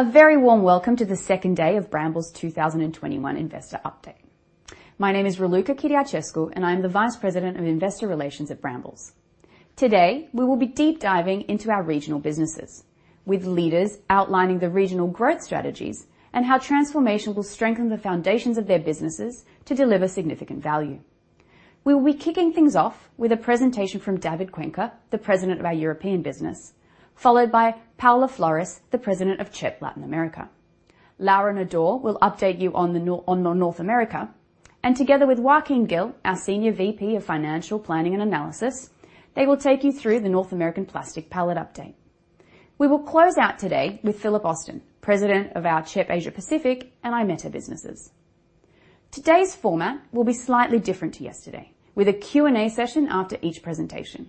A very warm welcome to the second day of Brambles' 2021 Investor Update. My name is Raluca Chiriacescu, and I'm the Vice President of Investor Relations at Brambles. Today, we will be deep diving into our regional businesses, with leaders outlining the regional growth strategies and how transformation will strengthen the foundations of their businesses to deliver significant value. We will be kicking things off with a presentation from David Cuenca, the President of our European business, followed by Paola Floris, the President of CHEP Latin America. Laura Nador will update you on North America, and together with Joaquin Gil, our Senior VP of Financial Planning and Analysis, they will take you through the North American plastic pallet update. We will close out today with Phillip Austin, President of our CHEP Asia Pacific and IMETA businesses. Today's format will be slightly different to yesterday, with a Q&A session after each presentation.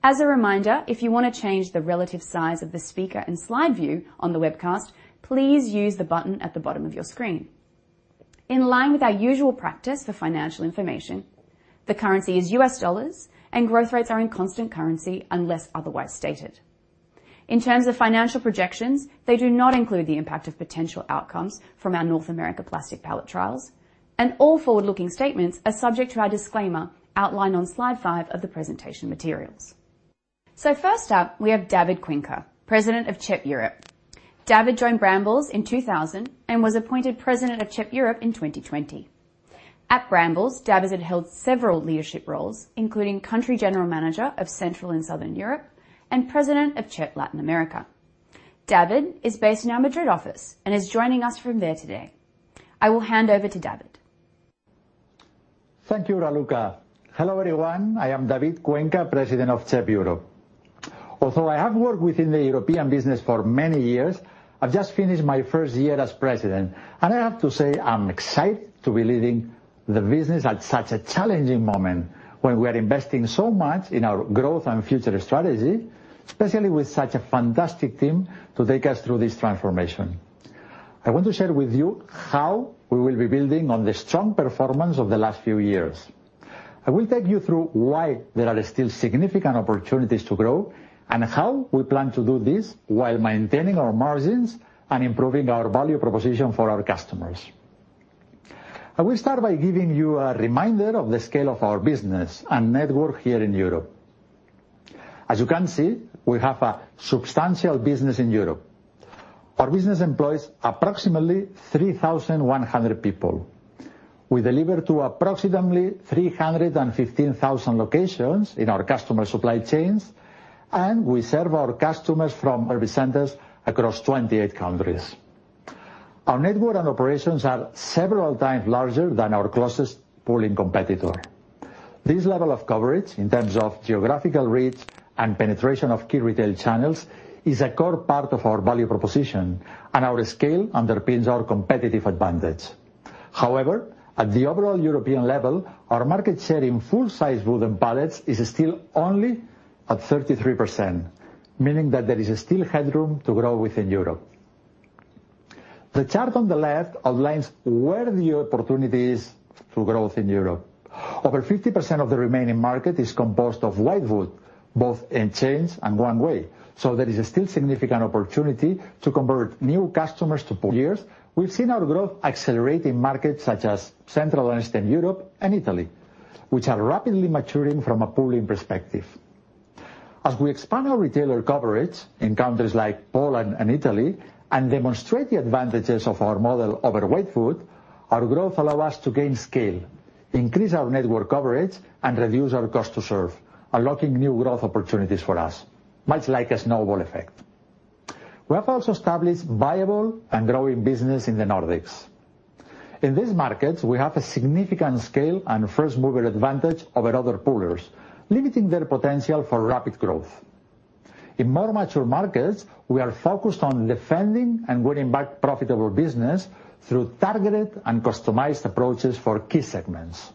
As a reminder, if you want to change the relative size of the speaker and slide view on the webcast, please use the button at the bottom of your screen. In line with our usual practice for financial information, the currency is U.S. dollars, and growth rates are in constant currency unless otherwise stated. In terms of financial projections, they do not include the impact of potential outcomes from our North America plastic pallet trials, and all forward-looking statements are subject to our disclaimer outlined on slide five of the presentation materials. First up, we have David Cuenca, President of CHEP Europe. David joined Brambles in 2000 and was appointed President of CHEP Europe in 2020. At Brambles, David has held several leadership roles, including Country General Manager of Central and Southern Europe and President of CHEP Latin America. David is based in our Madrid office and is joining us from there today. I will hand over to David. Thank you, Raluca. Hello, everyone. I am David Cuenca, President of CHEP Europe. Although I have worked within the European business for many years, I've just finished my first year as president, and I have to say I'm excited to be leading the business at such a challenging moment when we are investing so much in our growth and future strategy, especially with such a fantastic team to take us through this transformation. I want to share with you how we will be building on the strong performance of the last few years. I will take you through why there are still significant opportunities to grow and how we plan to do this while maintaining our margins and improving our value proposition for our customers. I will start by giving you a reminder of the scale of our business and network here in Europe. As you can see, we have a substantial business in Europe. Our business employs approximately 3,100 people. We deliver to approximately 315,000 locations in our customer supply chains, and we serve our customers from our centers across 28 countries. Our network and operations are several times larger than our closest pooling competitor. This level of coverage, in terms of geographical reach and penetration of key retail channels, is a core part of our value proposition, and our scale underpins our competitive advantage. However, at the overall European level, our market share in full-size wooden pallets is still only at 33%, meaning that there is still headroom to grow within Europe. The chart on the left outlines where the opportunity is for growth in Europe. Over 50% of the remaining market is composed of whitewood, both in chains and one way. There is still significant opportunity to convert new customers to poolers. We've seen our growth accelerate in markets such as Central and Eastern Europe and Italy, which are rapidly maturing from a pooling perspective. As we expand our retailer coverage in countries like Poland and Italy and demonstrate the advantages of our model over whitewood, our growth allow us to gain scale, increase our network coverage, and reduce our cost to serve, unlocking new growth opportunities for us, much like a snowball effect. We have also established viable and growing business in the Nordics. In these markets, we have a significant scale and first-mover advantage over other poolers, limiting their potential for rapid growth. In more mature markets, we are focused on defending and winning back profitable business through targeted and customized approaches for key segments.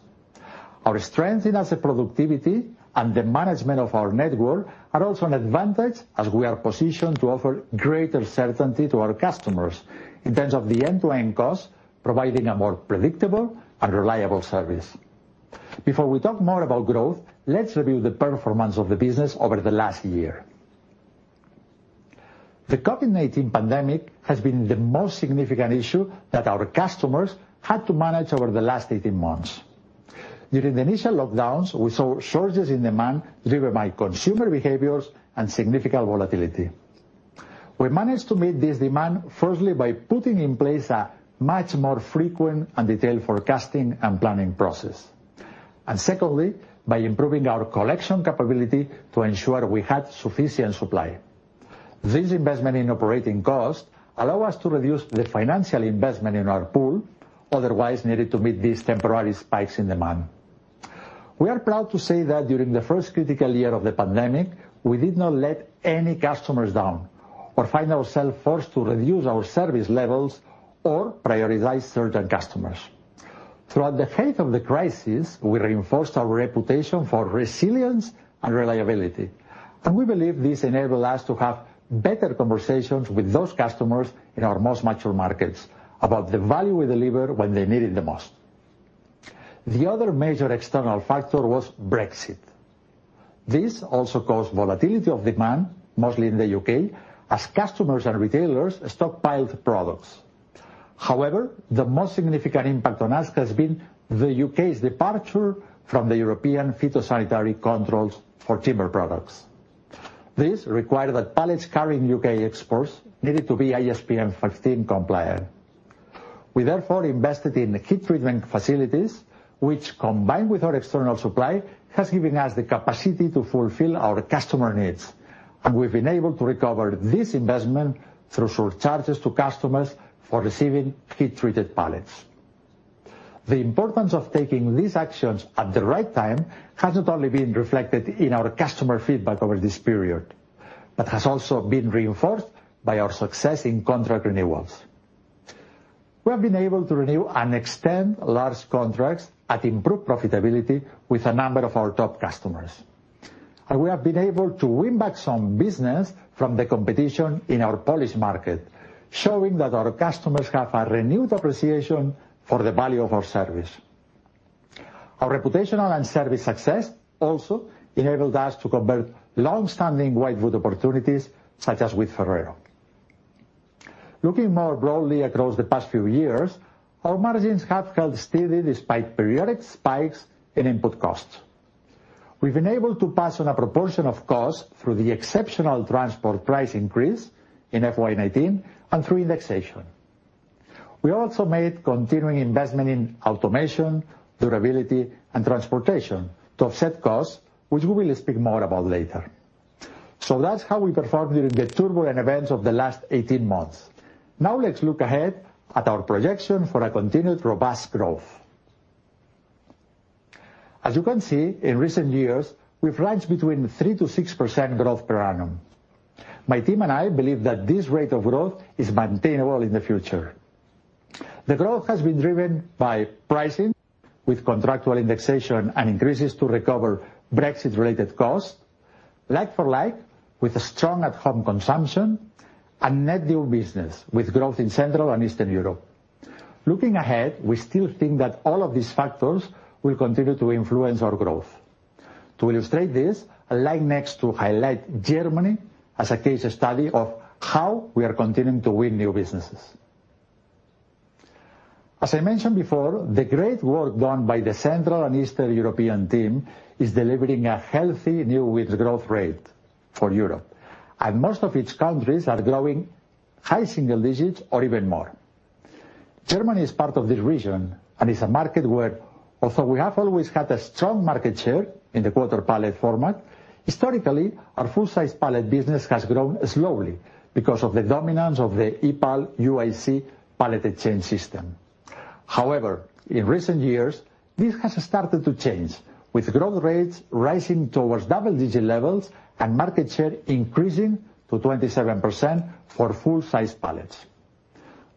Our strength in asset productivity and the management of our network are also an advantage as we are positioned to offer greater certainty to our customers in terms of the end-to-end cost, providing a more predictable and reliable service. Before we talk more about growth, let's review the performance of the business over the last year. The COVID-19 pandemic has been the most significant issue that our customers had to manage over the last 18 months. During the initial lockdowns, we saw surges in demand driven by consumer behaviors and significant volatility. We managed to meet this demand, firstly, by putting in place a much more frequent and detailed forecasting and planning process, and secondly, by improving our collection capability to ensure we had sufficient supply. This investment in operating cost allow us to reduce the financial investment in our pool, otherwise needed to meet these temporary spikes in demand. We are proud to say that during the first critical year of the pandemic, we did not let any customers down or find ourselves forced to reduce our service levels or prioritize certain customers. Throughout the height of the crisis, we reinforced our reputation for resilience and reliability, and we believe this enabled us to have better conversations with those customers in our most mature markets about the value we deliver when they need it the most. The other major external factor was Brexit. This also caused volatility of demand, mostly in the U.K., as customers and retailers stockpiled products. However, the most significant impact on us has been the U.K.'s departure from the European phytosanitary controls for timber products. This required that pallets carrying U.K. exports needed to be ISPM 15 compliant. We therefore invested in heat treatment facilities, which combined with our external supply, has given us the capacity to fulfill our customer needs. We've been able to recover this investment through surcharges to customers for receiving heat-treated pallets. The importance of taking these actions at the right time has not only been reflected in our customer feedback over this period, but has also been reinforced by our success in contract renewals. We have been able to renew and extend large contracts at improved profitability with a number of our top customers. We have been able to win back some business from the competition in our Polish market, showing that our customers have a renewed appreciation for the value of our service. Our reputational and service success also enabled us to convert long-standing whitewood opportunities, such as with Ferrero. Looking more broadly across the past few years, our margins have held steady despite periodic spikes in input costs. We've been able to pass on a proportion of costs through the exceptional transport price increase in FY 2019 and through indexation. We also made continuing investment in automation, durability, and transportation to offset costs, which we will speak more about later. That's how we performed during the turbulent events of the last 18 months. Let's look ahead at our projection for a continued robust growth. As you can see, in recent years, we've ranged between 3%-6% growth per annum. My team and I believe that this rate of growth is maintainable in the future. The growth has been driven by pricing with contractual indexation and increases to recover Brexit-related costs, like for like, with a strong at-home consumption and net new business with growth in Central and Eastern Europe. Looking ahead, we still think that all of these factors will continue to influence our growth. To illustrate this, I'd like next to highlight Germany as a case study of how we are continuing to win new businesses. As I mentioned before, the great work done by the Central and Eastern European team is delivering a healthy new wins growth rate for Europe, and most of its countries are growing high single-digits or even more. Germany is part of this region and is a market where, although we have always had a strong market share in the quarter-pallet format, historically, our full-size pallet business has grown slowly because of the dominance of the EPAL UIC pallet exchange system. In recent years, this has started to change, with growth rates rising towards double-digit levels and market share increasing to 27% for full-size pallets.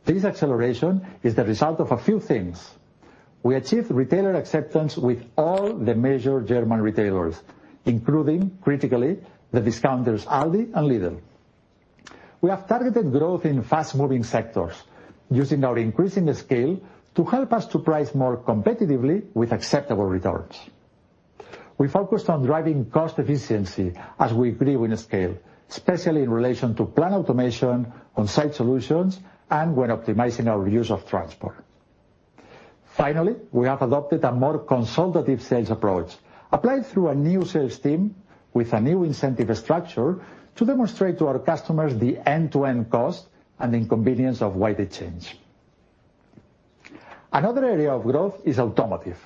This acceleration is the result of a few things. We achieved retailer acceptance with all the major German retailers, including, critically, the discounters Aldi and Lidl. We have targeted growth in fast-moving sectors using our increasing scale to help us to price more competitively with acceptable returns. We focused on driving cost efficiency as we grew in scale, especially in relation to plant automation, on-site solutions, and when optimizing our use of transport. Finally, we have adopted a more consultative sales approach, applied through a new sales team with a new incentive structure to demonstrate to our customers the end-to-end cost and inconvenience of wider change. Another area of growth is automotive.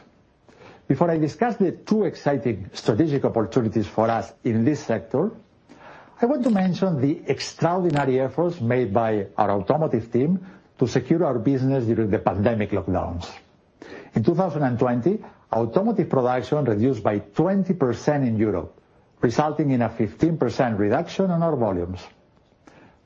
Before I discuss the two exciting strategic opportunities for us in this sector, I want to mention the extraordinary efforts made by our automotive team to secure our business during the pandemic lockdowns. In 2020, automotive production reduced by 20% in Europe, resulting in a 15% reduction in our volumes.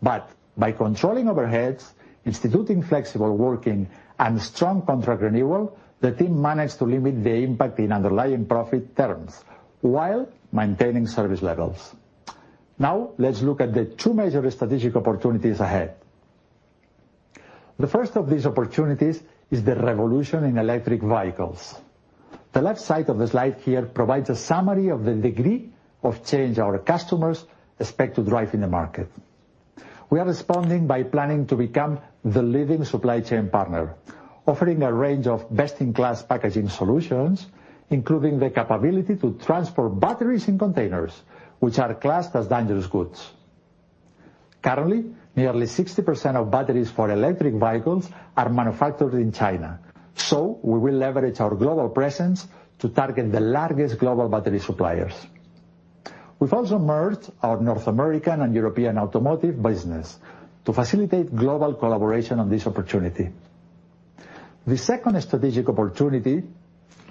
By controlling overheads, instituting flexible working, and strong contract renewal, the team managed to limit the impact in underlying profit terms while maintaining service levels. Let's look at the two major strategic opportunities ahead. The first of these opportunities is the revolution in electric vehicles. The left side of the slide here provides a summary of the degree of change our customers expect to drive in the market. We are responding by planning to become the leading supply chain partner, offering a range of best-in-class packaging solutions, including the capability to transport batteries in containers, which are classed as dangerous goods. Currently, nearly 60% of batteries for electric vehicles are manufactured in China. We will leverage our global presence to target the largest global battery suppliers. We've also merged our North American and European automotive business to facilitate global collaboration on this opportunity. The second strategic opportunity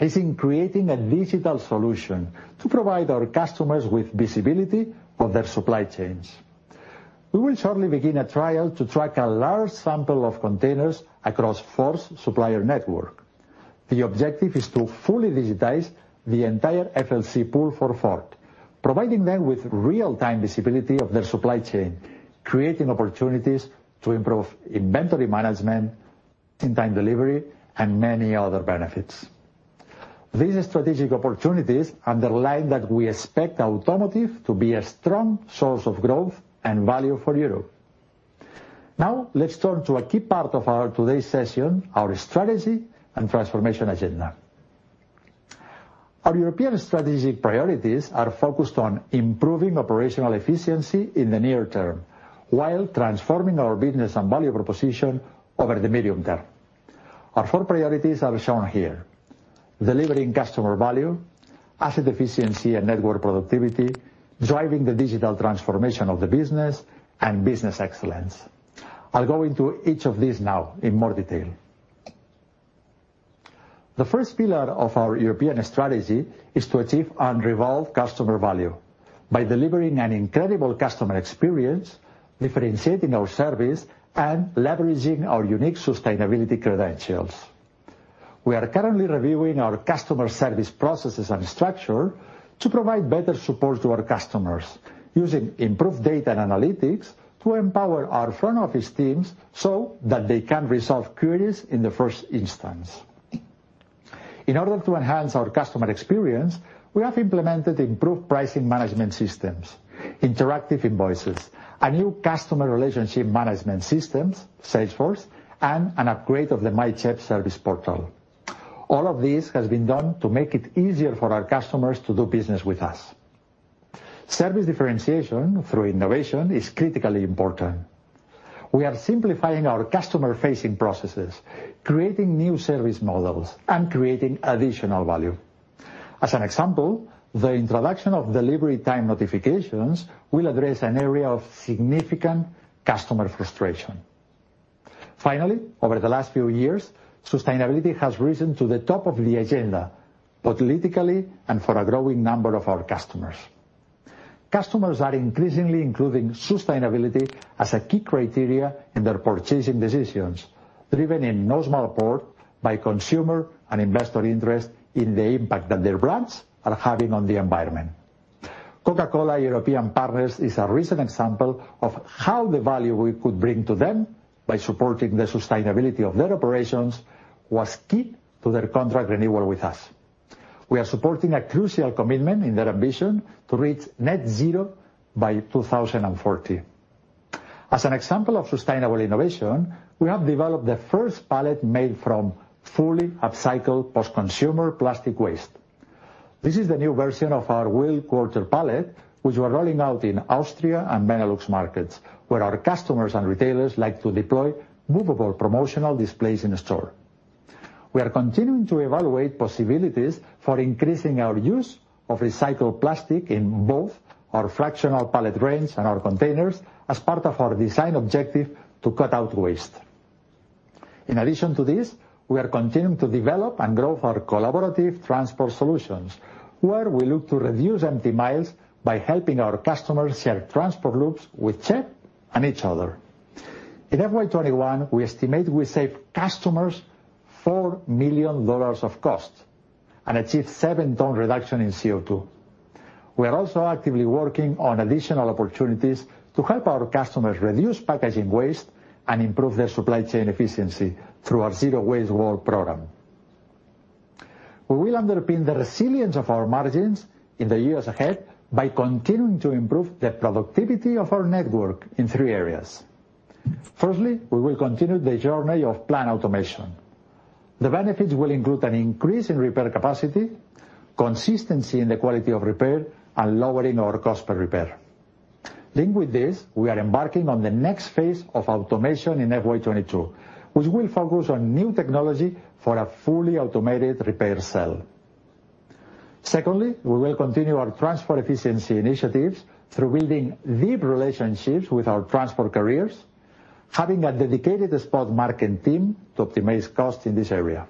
is in creating a digital solution to provide our customers with visibility of their supply chains. We will shortly begin a trial to track a large sample of containers across Ford's supplier network. The objective is to fully digitize the entire FLC pool for Ford. Providing them with real-time visibility of their supply chain, creating opportunities to improve inventory management, in-time delivery, and many other benefits. These strategic opportunities underline that we expect automotive to be a strong source of growth and value for Europe. Now, let's turn to a key part of our today's session, our strategy and transformation agenda. Our European strategic priorities are focused on improving operational efficiency in the near term while transforming our business and value proposition over the medium term. Our four priorities are shown here. Delivering customer value, asset efficiency and network productivity, driving the digital transformation of the business, and business excellence. I'll go into each of these now in more detail. The first pillar of our European strategy is to achieve unrivaled customer value by delivering an incredible customer experience, differentiating our service, and leveraging our unique sustainability credentials. We are currently reviewing our customer service processes and structure to provide better support to our customers, using improved data and analytics to empower our front office teams so that they can resolve queries in the first instance. In order to enhance our customer experience, we have implemented improved pricing management systems, interactive invoices, a new customer relationship management system, Salesforce, and an upgrade of the myCHEP service portal. All of this has been done to make it easier for our customers to do business with us. Service differentiation through innovation is critically important. We are simplifying our customer-facing processes, creating new service models, and creating additional value. As an example, the introduction of delivery time notifications will address an area of significant customer frustration. Finally, over the last few years, sustainability has risen to the top of the agenda, both politically and for a growing number of our customers. Customers are increasingly including sustainability as a key criteria in their purchasing decisions, driven in no small part by consumer and investor interest in the impact that their brands are having on the environment. Coca-Cola Europacific Partners is a recent example of how the value we could bring to them by supporting the sustainability of their operations was key to their contract renewal with us. We are supporting a crucial commitment in their ambition to reach net zero by 2040. As an example of sustainable innovation, we have developed the first pallet made from fully upcycled post-consumer plastic waste. This is the new version of our wheel quarter pallet, which we are rolling out in Austria and Benelux markets, where our customers and retailers like to deploy movable promotional displays in the store. We are continuing to evaluate possibilities for increasing our use of recycled plastic in both our fractional pallet range and our containers as part of our design objective to cut out waste. In addition to this, we are continuing to develop and grow our collaborative transport solutions, where we look to reduce empty miles by helping our customers share transport loops with CHEP and each other. In FY 2021, we estimate we saved customers $4 million of cost and achieved 7 ton reduction in CO2. We are also actively working on additional opportunities to help our customers reduce packaging waste and improve their supply chain efficiency through our Zero Waste World program. We will underpin the resilience of our margins in the years ahead by continuing to improve the productivity of our network in 3 areas. Firstly, we will continue the journey of plant automation. The benefits will include an increase in repair capacity, consistency in the quality of repair, and lowering our cost per repair. Linked with this, we are embarking on the next phase of automation in FY 2022, which will focus on new technology for a fully automated repair cell. Secondly, we will continue our transport efficiency initiatives through building deep relationships with our transport carriers, having a dedicated spot market team to optimize cost in this area.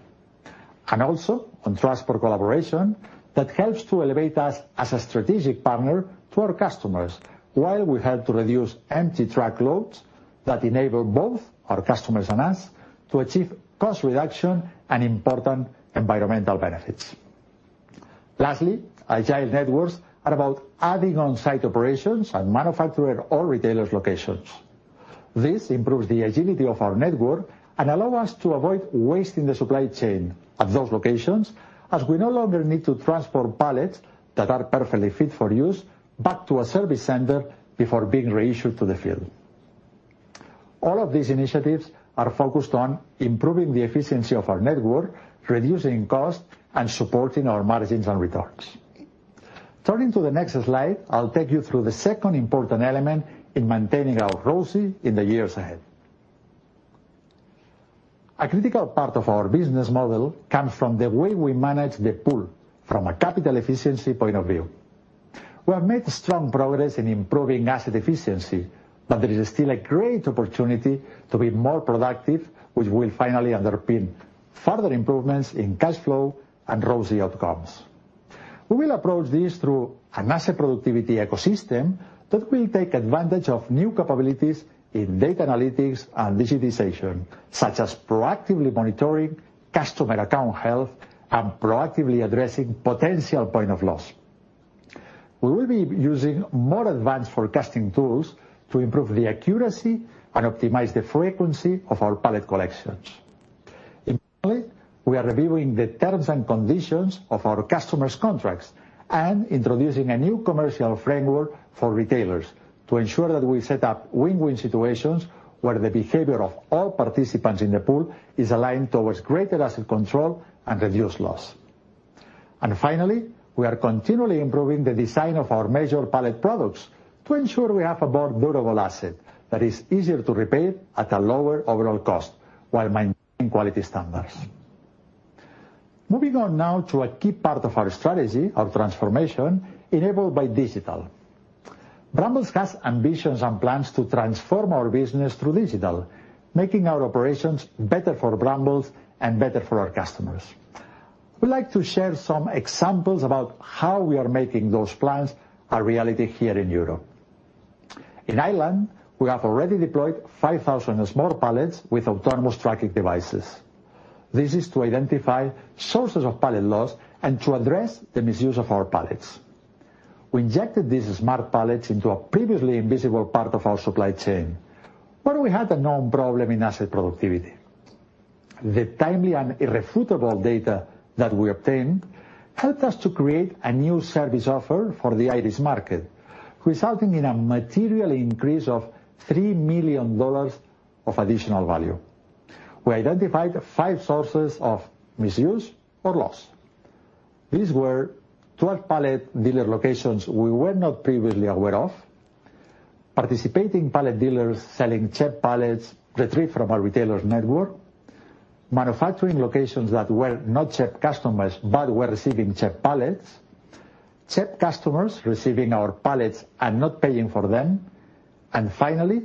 Also on transport collaboration that helps to elevate us as a strategic partner to our customers, while we help to reduce empty truckloads that enable both our customers and us to achieve cost reduction and important environmental benefits. Lastly, agile networks are about adding on-site operations at manufacturer or retailer locations. This improves the agility of our network and allow us to avoid waste in the supply chain at those locations, as we no longer need to transport pallets that are perfectly fit for use back to a service center before being reissued to the field. All of these initiatives are focused on improving the efficiency of our network, reducing cost, and supporting our margins and returns. Turning to the next slide, I'll take you through the second important element in maintaining our ROCE in the years ahead. A critical part of our business model comes from the way we manage the pool from a capital efficiency point of view. We have made strong progress in improving asset efficiency, but there is still a great opportunity to be more productive, which will finally underpin further improvements in cash flow and ROCE outcomes. We will approach this through an asset productivity ecosystem that will take advantage of new capabilities in data analytics and digitization, such as proactively monitoring customer account health and proactively addressing potential point of loss. We will be using more advanced forecasting tools to improve the accuracy and optimize the frequency of our pallet collections. In parallel, we are reviewing the terms and conditions of our customers' contracts and introducing a new commercial framework for retailers to ensure that we set up win-win situations where the behavior of all participants in the pool is aligned towards greater asset control and reduced loss. Finally, we are continually improving the design of our major pallet products to ensure we have a more durable asset that is easier to repair at a lower overall cost, while maintaining quality standards. Moving on now to a key part of our strategy, our transformation enabled by digital. Brambles has ambitions and plans to transform our business through digital, making our operations better for Brambles and better for our customers. We'd like to share some examples about how we are making those plans a reality here in Europe. In Ireland, we have already deployed 5,000 smart pallets with autonomous tracking devices. This is to identify sources of pallet loss and to address the misuse of our pallets. We injected these smart pallets into a previously invisible part of our supply chain, where we had a known problem in asset productivity. The timely and irrefutable data that we obtained helped us to create a new service offer for the Irish market, resulting in a material increase of $3 million of additional value. We identified five sources of misuse or loss. These were 12 pallet dealer locations we were not previously aware of, participating pallet dealers selling CHEP pallets retrieved from our retailers network, manufacturing locations that were not CHEP customers but were receiving CHEP pallets, CHEP customers receiving our pallets and not paying for them, and finally,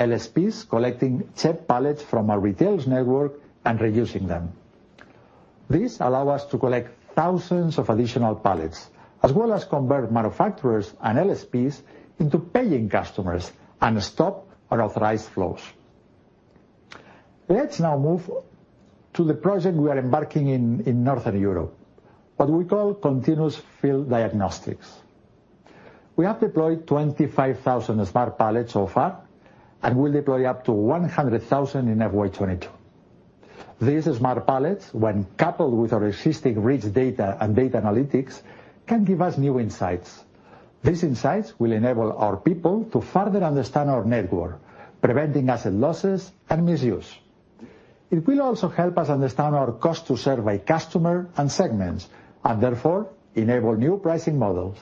LSPs collecting CHEP pallets from our retailers network and reusing them. This allow us to collect thousands of additional pallets, as well as convert manufacturers and LSPs into paying customers and stop unauthorized flows. Let's now move to the project we are embarking in Northern Europe, what we call continuous field diagnostics. We have deployed 25,000 smart pallets so far and will deploy up to 100,000 in FY 2022. These smart pallets, when coupled with our existing rich data and data analytics, can give us new insights. These insights will enable our people to further understand our network, preventing asset losses and misuse. It will also help us understand our cost to serve by customer and segments, and therefore enable new pricing models.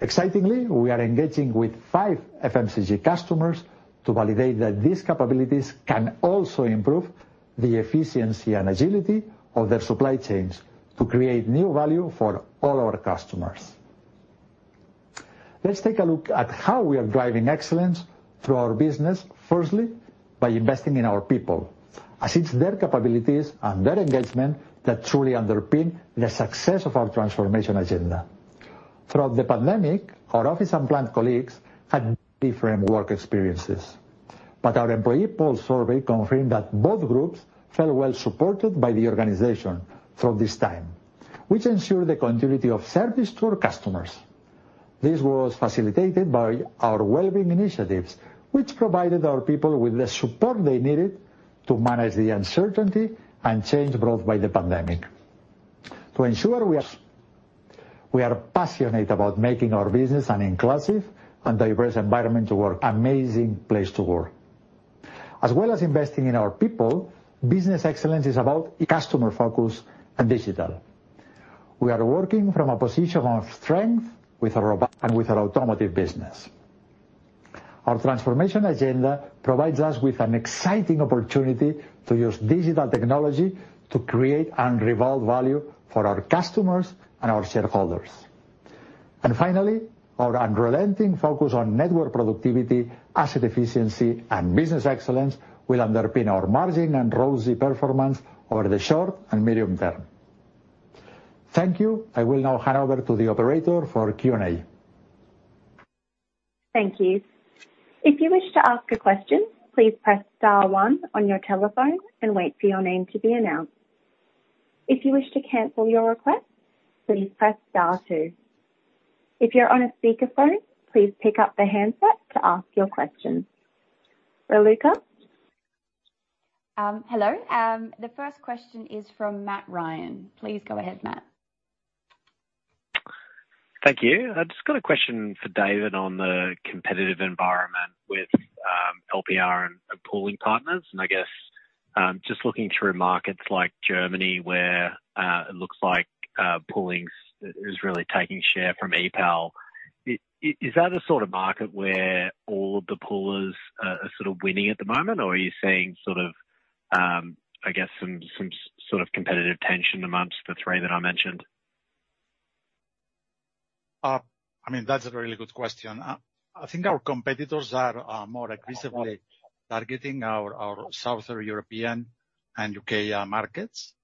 Excitingly, we are engaging with five FMCG customers to validate that these capabilities can also improve the efficiency and agility of their supply chains to create new value for all our customers. Let's take a look at how we are driving excellence through our business. Firstly, by investing in our people, as it's their capabilities and their engagement that truly underpin the success of our transformation agenda. Throughout the pandemic, our office and plant colleagues had different work experiences, but our employee pulse survey confirmed that both groups felt well supported by the organization through this time, which ensured the continuity of service to our customers. This was facilitated by our wellbeing initiatives, which provided our people with the support they needed to manage the uncertainty and change brought by the pandemic. To ensure we are passionate about making our business an inclusive and diverse environment to work, amazing place to work. As well as investing in our people, business excellence is about customer focus and digital. We are working from a position of strength with our automotive business. Our transformation agenda provides us with an exciting opportunity to use digital technology to create and evolve value for our customers and our shareholders. Finally, our unrelenting focus on network productivity, asset efficiency, and business excellence will underpin our margin and ROCE performance over the short and medium term. Thank you. I will now hand over to the operator for Q&A. Thank you. If you wish to ask a question, please press star one on your telephone and wait for your name to be announced. If you wish to cancel your request, please press star two. If you're on a speakerphone, please pick up the handset to ask your question. Raluca? Hello. The first question is from Matt Ryan. Please go ahead, Matt. Thank you. I've just got a question for David on the competitive environment with LPR and pooling partners. I guess, just looking through markets like Germany where it looks like pooling is really taking share from EPAL. Is that a sort of market where all the poolers are sort of winning at the moment? Or are you seeing sort of, I guess, some sort of competitive tension amongst the three that I mentioned? That's a really good question. I think our competitors are more aggressively targeting our Southern European and U.K. markets.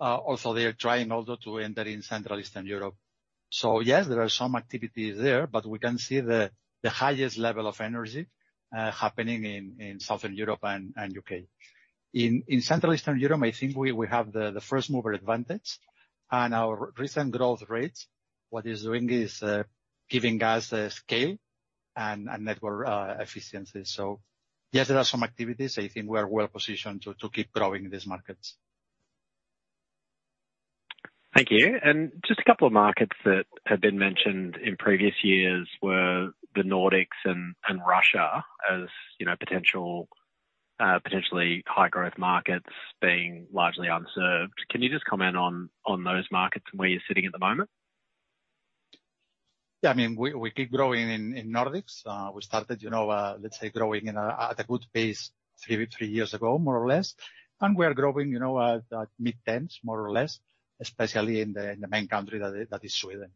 They're trying also to enter in Central Eastern Europe. Yes, there are some activities there, but we can see the highest level of energy happening in Southern Europe and U.K. In Central Eastern Europe, I think we have the first-mover advantage, and our recent growth rates, what is doing is giving us scale and network efficiency. Yes, there are some activities. I think we are well-positioned to keep growing these markets. Thank you. Just a couple of markets that have been mentioned in previous years were the Nordics and Russia as potentially high growth markets being largely unserved. Can you just comment on those markets and where you're sitting at the moment? Yeah. We keep growing in Nordics. We started, let's say, growing at a good pace three years ago, more or less. We are growing at mid-10s, more or less, especially in the main country that is Sweden.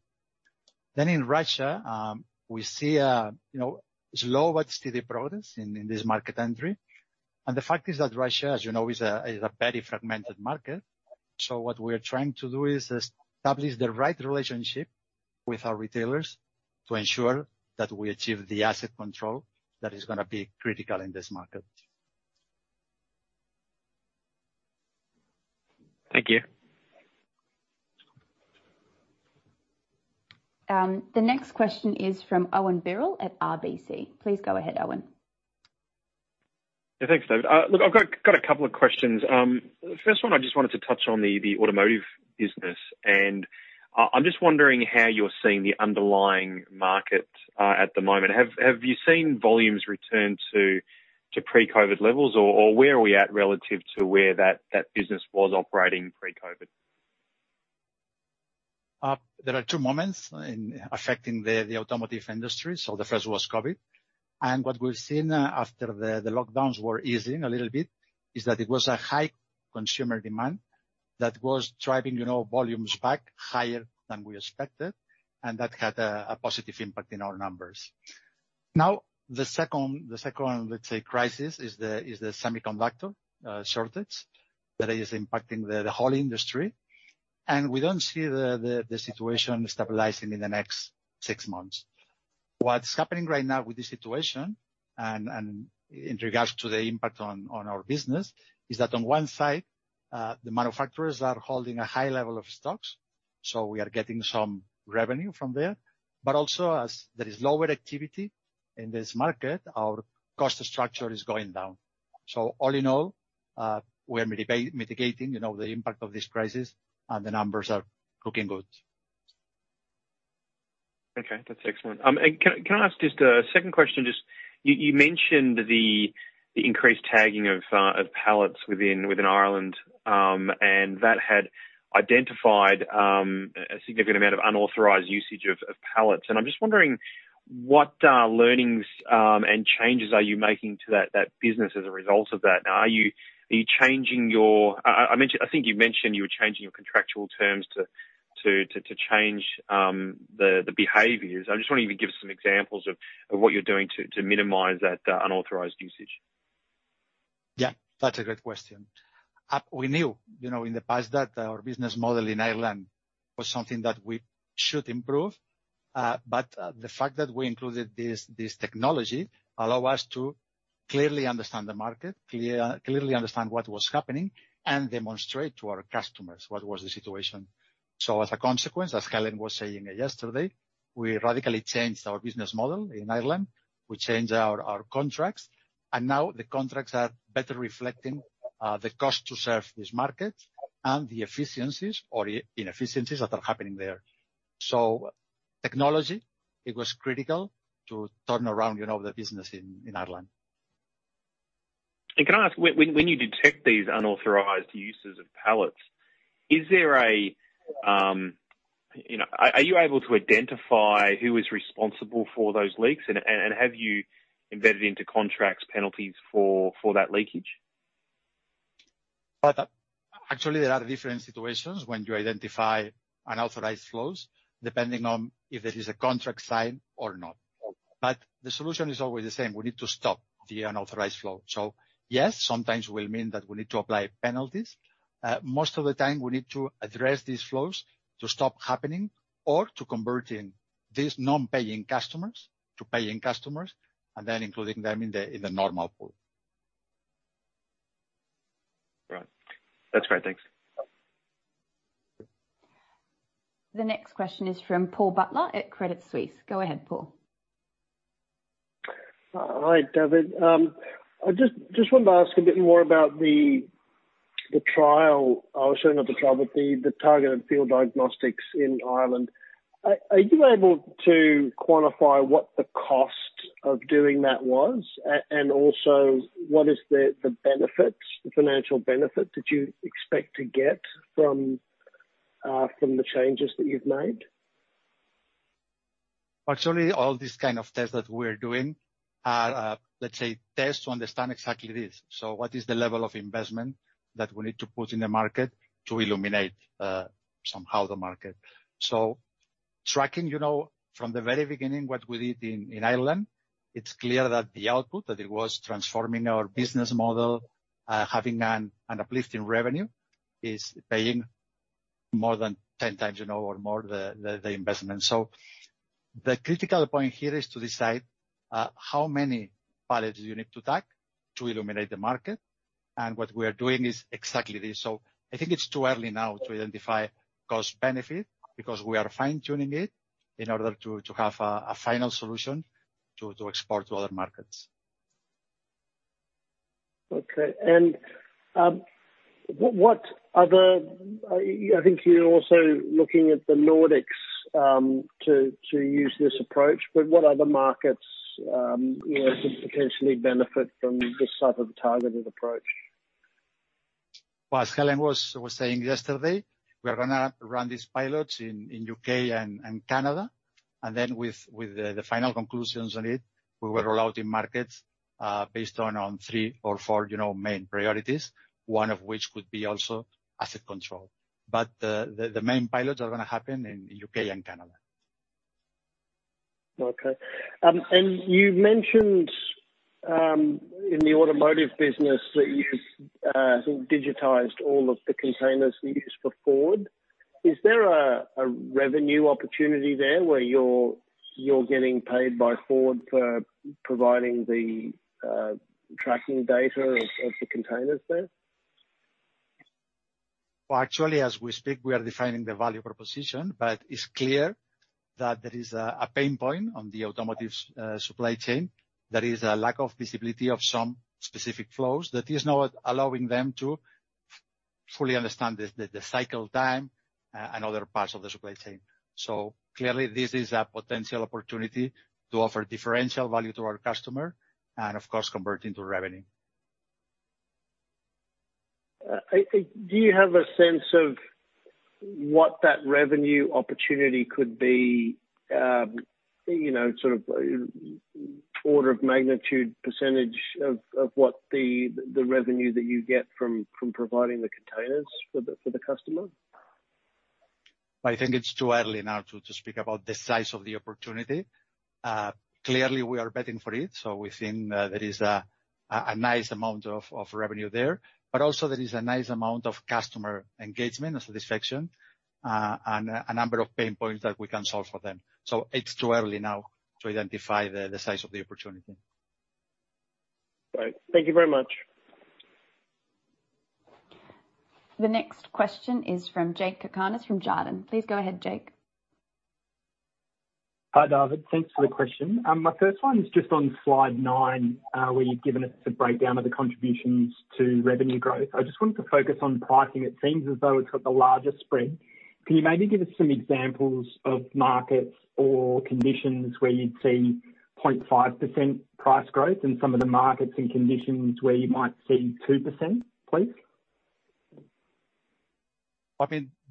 In Russia, we see slow but steady progress in this market entry. The fact is that Russia, as you know, is a very fragmented market. What we are trying to do is establish the right relationship with our retailers to ensure that we achieve the asset control that is going to be critical in this market. Thank you. The next question is from Owen Birrell at RBC. Please go ahead, Owen. Yeah. Thanks, David. Look, I've got a couple of questions. First one, I just wanted to touch on the automotive business, and I'm just wondering how you're seeing the underlying market at the moment. Have you seen volumes return to pre-COVID levels? Where are we at relative to where that business was operating pre-COVID? There are two moments in affecting the automotive industry. The first was COVID. What we've seen after the lockdowns were easing a little bit is that it was a high consumer demand that was driving volumes back higher than we expected, and that had a positive impact in our numbers. Now the second, let's say, crisis is the semiconductor shortage that is impacting the whole industry. We don't see the situation stabilizing in the next six months. What's happening right now with this situation and in regards to the impact on our business is that on one side, the manufacturers are holding a high level of stocks, so we are getting some revenue from there, but also as there is lower activity in this market, our cost structure is going down. All in all, we are mitigating the impact of this crisis, and the numbers are looking good. Okay. That's excellent. Can I ask just a second question? You mentioned the increased tagging of pallets within Ireland, and that had identified a significant amount of unauthorized usage of pallets, and I'm just wondering what learnings, and changes are you making to that business as a result of that now? I think you mentioned you were changing your contractual terms to change the behaviors. I just want you to give us some examples of what you're doing to minimize that unauthorized usage. Yeah. That's a great question. We knew in the past that our business model in Ireland was something that we should improve. The fact that we included this technology allow us to clearly understand the market, clearly understand what was happening, and demonstrate to our customers what was the situation. As a consequence, as Helen was saying yesterday, we radically changed our business model in Ireland. We changed our contracts, now the contracts are better reflecting the cost to serve this market and the efficiencies or inefficiencies that are happening there. Technology, it was critical to turn around the business in Ireland. Can I ask, when you detect these unauthorized uses of pallets, are you able to identify who is responsible for those leaks? Have you embedded into contracts penalties for that leakage? Actually, there are different situations when you identify unauthorized flows, depending on if there is a contract signed or not. The solution is always the same. We need to stop the unauthorized flow. Yes, sometimes will mean that we need to apply penalties. Most of the time, we need to address these flows to stop happening or to converting these non-paying customers to paying customers and then including them in the normal pool. Right. That's great. Thanks. The next question is from Paul Butler at Credit Suisse. Go ahead, Paul. Hi, David. I just wanted to ask a bit more about the trial, or showing of the trial with the targeted field diagnostics in Ireland. Are you able to quantify what the cost of doing that was? Also what is the benefits, the financial benefit that you expect to get from the changes that you've made? Actually, all these kind of tests that we're doing are, let's say, tests to understand exactly this. What is the level of investment that we need to put in the market to illuminate somehow the market. Tracking from the very beginning what we did in Ireland, it's clear that the output that it was transforming our business model, having an uplift in revenue, is paying more than 10x or more the investment. The critical point here is to decide how many pallets you need to tag to illuminate the market. What we are doing is exactly this. I think it's too early now to identify cost benefit because we are fine-tuning it in order to have a final solution to export to other markets. Okay. I think you're also looking at the Nordics to use this approach. What other markets could potentially benefit from this type of targeted approach? Well, as Helen was saying yesterday, we are going to run these pilots in U.K. and Canada. With the final conclusions on it, we will roll out in markets based on three or four main priorities, one of which could be also asset control. The main pilots are going to happen in U.K. and Canada. Okay. You mentioned in the automotive business that you've, I think, digitized all of the containers you use for Ford. Is there a revenue opportunity there where you're getting paid by Ford for providing the tracking data of the containers there? Well, actually, as we speak, we are defining the value proposition. It's clear that there is a pain point on the automotive supply chain. There is a lack of visibility of some specific flows that is not allowing them to fully understand the cycle time and other parts of the supply chain. Clearly, this is a potential opportunity to offer differential value to our customer and of course, convert into revenue. Do you have a sense of what that revenue opportunity could be, sort of order of magnitude percentage of what the revenue that you get from providing the containers for the customer? I think it's too early now to speak about the size of the opportunity. Clearly, we are betting for it. We think there is a nice amount of revenue there. Also, there is a nice amount of customer engagement and satisfaction, and a number of pain points that we can solve for them. It's too early now to identify the size of the opportunity. Right. Thank you very much. The next question is from Jakob Cakarnis from Jarden. Please go ahead, Jake. Hi, David. Thanks for the question. My first one is just on slide nine, where you've given us a breakdown of the contributions to revenue growth. I just wanted to focus on pricing. It seems as though it's got the largest spread. Can you maybe give us some examples of markets or conditions where you'd see 0.5% price growth and some of the markets and conditions where you might see 2%, please?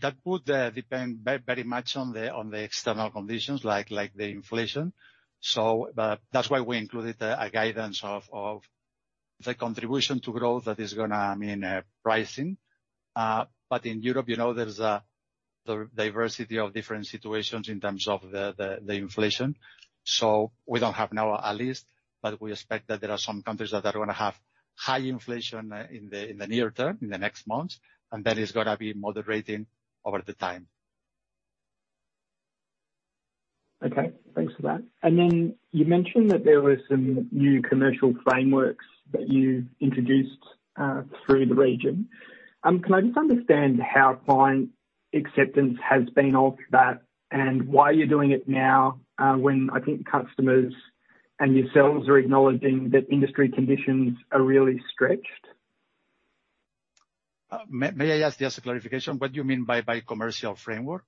That would depend very much on the external conditions like the inflation. That's why we included a guidance of the contribution to growth that is going to mean pricing. In Europe, there's a diversity of different situations in terms of the inflation. We don't have now a list, but we expect that there are some countries that are going to have high inflation in the near term, in the next months, and that is going to be moderating over the time. Okay. Thanks for that. You mentioned that there were some new commercial frameworks that you've introduced through the region. Can I just understand how client acceptance has been of that and why you're doing it now, when I think customers and yourselves are acknowledging that industry conditions are really stretched? May I ask just a clarification, what do you mean by commercial framework?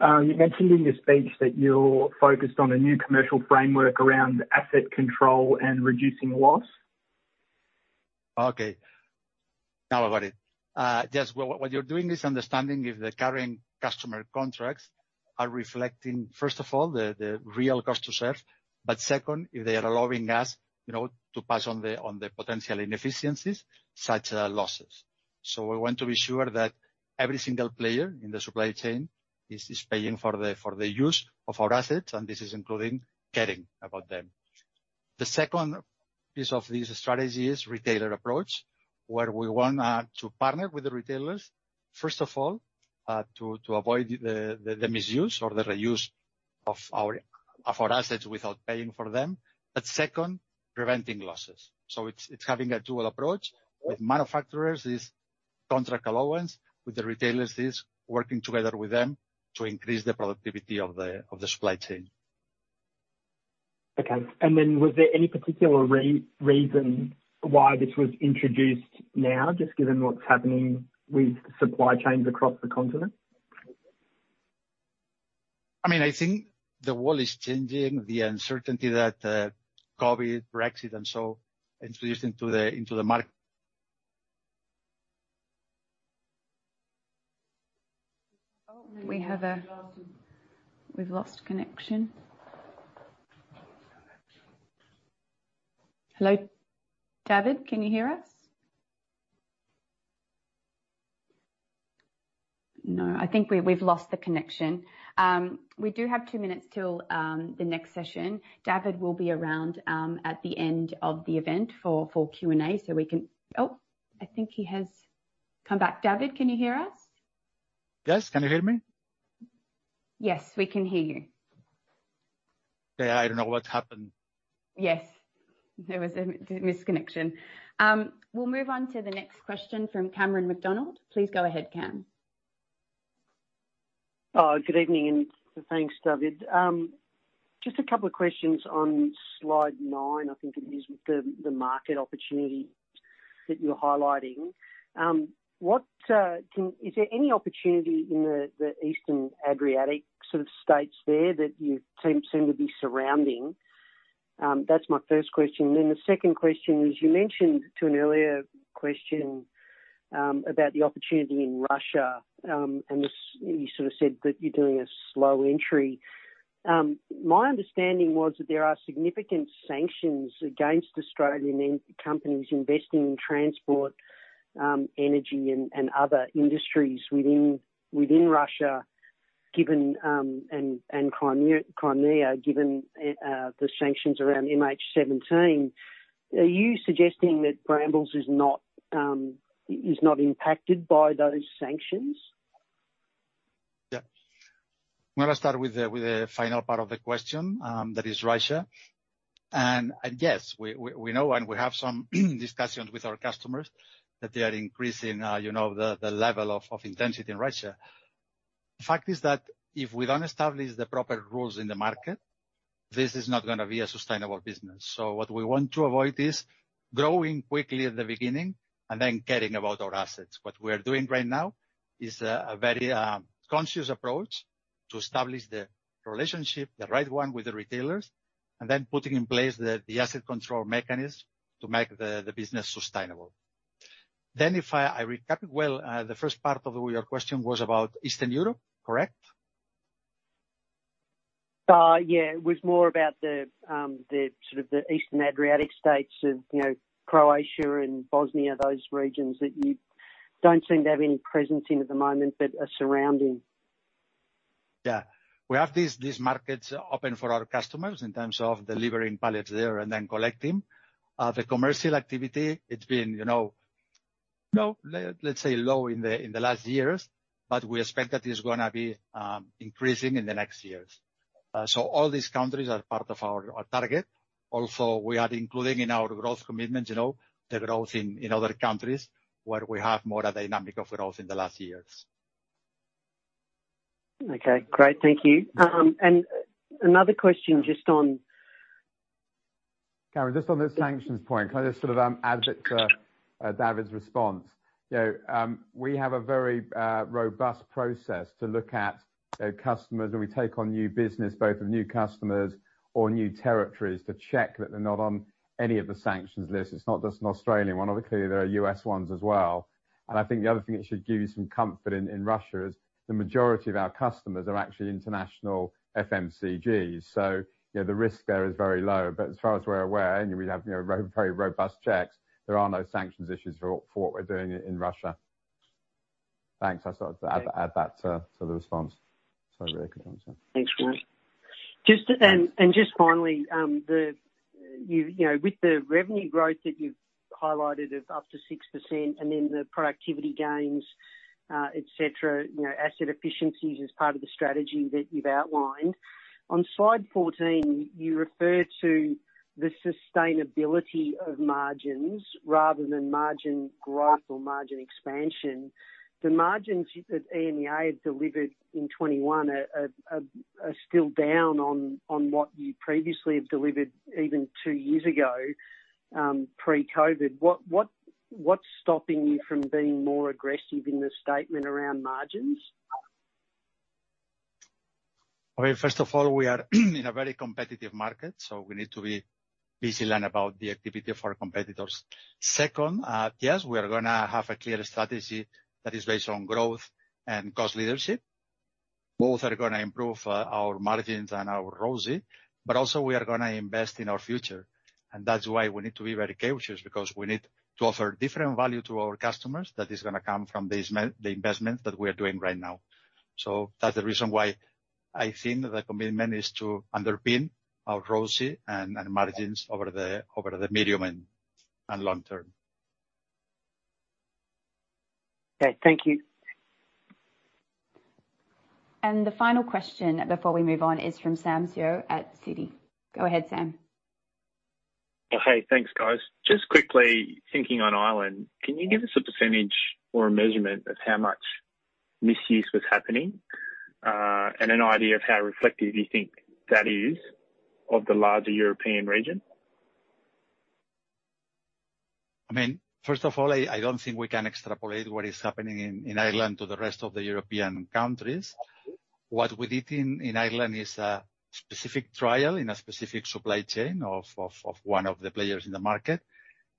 You mentioned in your speech that you are focused on a new commercial framework around asset control and reducing loss. Okay. Now I got it. Yes. What you're doing is understanding if the current customer contracts are reflecting, first of all, the real cost to serve, but second, if they are allowing us to pass on the potential inefficiencies, such as losses. We want to be sure that every single player in the supply chain is paying for the use of our assets, and this is including caring about them. The second piece of this strategy is retailer approach, where we want to partner with the retailers, first of all, to avoid the misuse or the reuse of our assets without paying for them. Second, preventing losses. It's having a dual approach with manufacturers is contract allowance, with the retailers is working together with them to increase the productivity of the supply chain. Okay. Was there any particular reason why this was introduced now, just given what's happening with supply chains across the continent? I think the world is changing, the uncertainty that COVID, Brexit, and so introduced into the market. We've lost connection. Hello, David, can you hear us? No, I think we've lost the connection. We do have 2 minutes till the next session. David will be around at the end of the event for Q&A. Oh, I think he has come back. David, can you hear us? Yes. Can you hear me? Yes, we can hear you. Yeah, I don't know what happened. Yes. There was a misconnection. We'll move on to the next question from Cameron McDonald. Please go ahead, Cam. Good evening, thanks, David. Just a couple of questions on Slide nine, I think it is, the market opportunity that you're highlighting. Is there any opportunity in the Eastern Adriatic states there that you seem to be surrounding? That's my first question. The second question is, you mentioned to an earlier question about the opportunity in Russia, and you said that you're doing a slow entry. My understanding was that there are significant sanctions against Australian companies investing in transport, energy, and other industries within Russia and Crimea, given the sanctions around MH17. Are you suggesting that Brambles is not impacted by those sanctions? Yeah. I'm going to start with the final part of the question, that is Russia. Yes, we know and we have some discussions with our customers that they are increasing the level of intensity in Russia. The fact is that if we don't establish the proper rules in the market, this is not going to be a sustainable business. What we want to avoid is growing quickly at the beginning and then caring about our assets. What we are doing right now is a very conscious approach to establish the relationship, the right one with the retailers, and then putting in place the asset control mechanism to make the business sustainable. If I recap it well, the first part of your question was about Eastern Europe, correct? Yeah. It was more about the Eastern Adriatic states of Croatia and Bosnia, those regions that you don't seem to have any presence in at the moment but are surrounding. Yeah. We have these markets open for our customers in terms of delivering pallets there and then collecting. The commercial activity, it's been, let's say, low in the last years, but we expect that it's going to be increasing in the next years. All these countries are part of our target. Also, we are including in our growth commitments, the growth in other countries where we have more dynamic of growth in the last years. Okay, great. Thank you. Another question just on. Cameron, just on the sanctions point, can I just add to David's response? We have a very robust process to look at customers when we take on new business, both of new customers or new territories, to check that they're not on any of the sanctions lists. It's not just an Australian one. Obviously, there are U.S. ones as well. I think the other thing that should give you some comfort in Russia is the majority of our customers are actually international FMCGs. The risk there is very low. As far as we're aware, and we have very robust checks, there are no sanctions issues for what we're doing in Russia. Thanks. I just thought I'd add that to the response. Sorry, Rick. Thanks, Graham. Just finally, with the revenue growth that you've highlighted of up to 6% and then the productivity gains, et cetera, asset efficiencies as part of the strategy that you've outlined. On Slide 14, you referred to the sustainability of margins rather than margin growth or margin expansion. The margins that EMEA have delivered in 2021 are still down on what you previously have delivered even two years ago, pre-COVID-19. What's stopping you from being more aggressive in the statement around margins? Okay. First of all, we are in a very competitive market. We need to be vigilant about the activity of our competitors. Second, yes, we are going to have a clear strategy that is based on growth and cost leadership. Both are going to improve our margins and our ROCE. Also, we are going to invest in our future. That's why we need to be very cautious because we need to offer different value to our customers that is going to come from the investment that we are doing right now. That's the reason why I think the commitment is to underpin our ROCE and margins over the medium and long term. Okay. Thank you. The final question before we move on is from Sam Seow at Citi. Go ahead, Sam. Hey, thanks, guys. Just quickly thinking on Ireland, can you give us a percentage or a measurement of how much misuse was happening? An idea of how reflective you think that is of the larger European region? I don't think we can extrapolate what is happening in Ireland to the rest of the European countries. What we did in Ireland is a specific trial in a specific supply chain of one of the players in the market,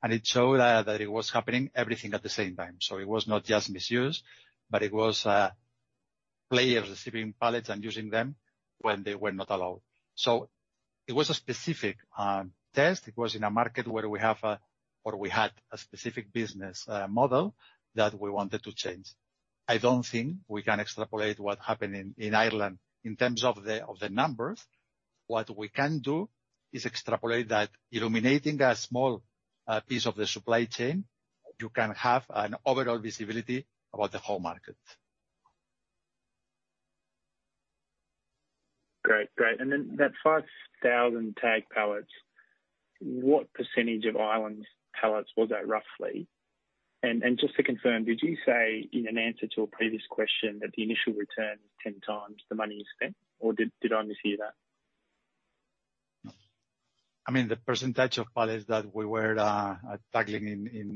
and it showed that it was happening everything at the same time. It was not just misuse, but it was players receiving pallets and using them when they were not allowed. It was a specific test. It was in a market where we have or we had a specific business model that we wanted to change. I don't think we can extrapolate what happened in Ireland in terms of the numbers. What we can do is extrapolate that illuminating a small piece of the supply chain, you can have an overall visibility about the whole market. Great. That 5,000 tagged pallets, what percentage of Ireland's pallets was that, roughly? Just to confirm, did you say in an answer to a previous question that the initial return is 10 times the money you spent, or did I mishear that? The percentage of pallets that we were tackling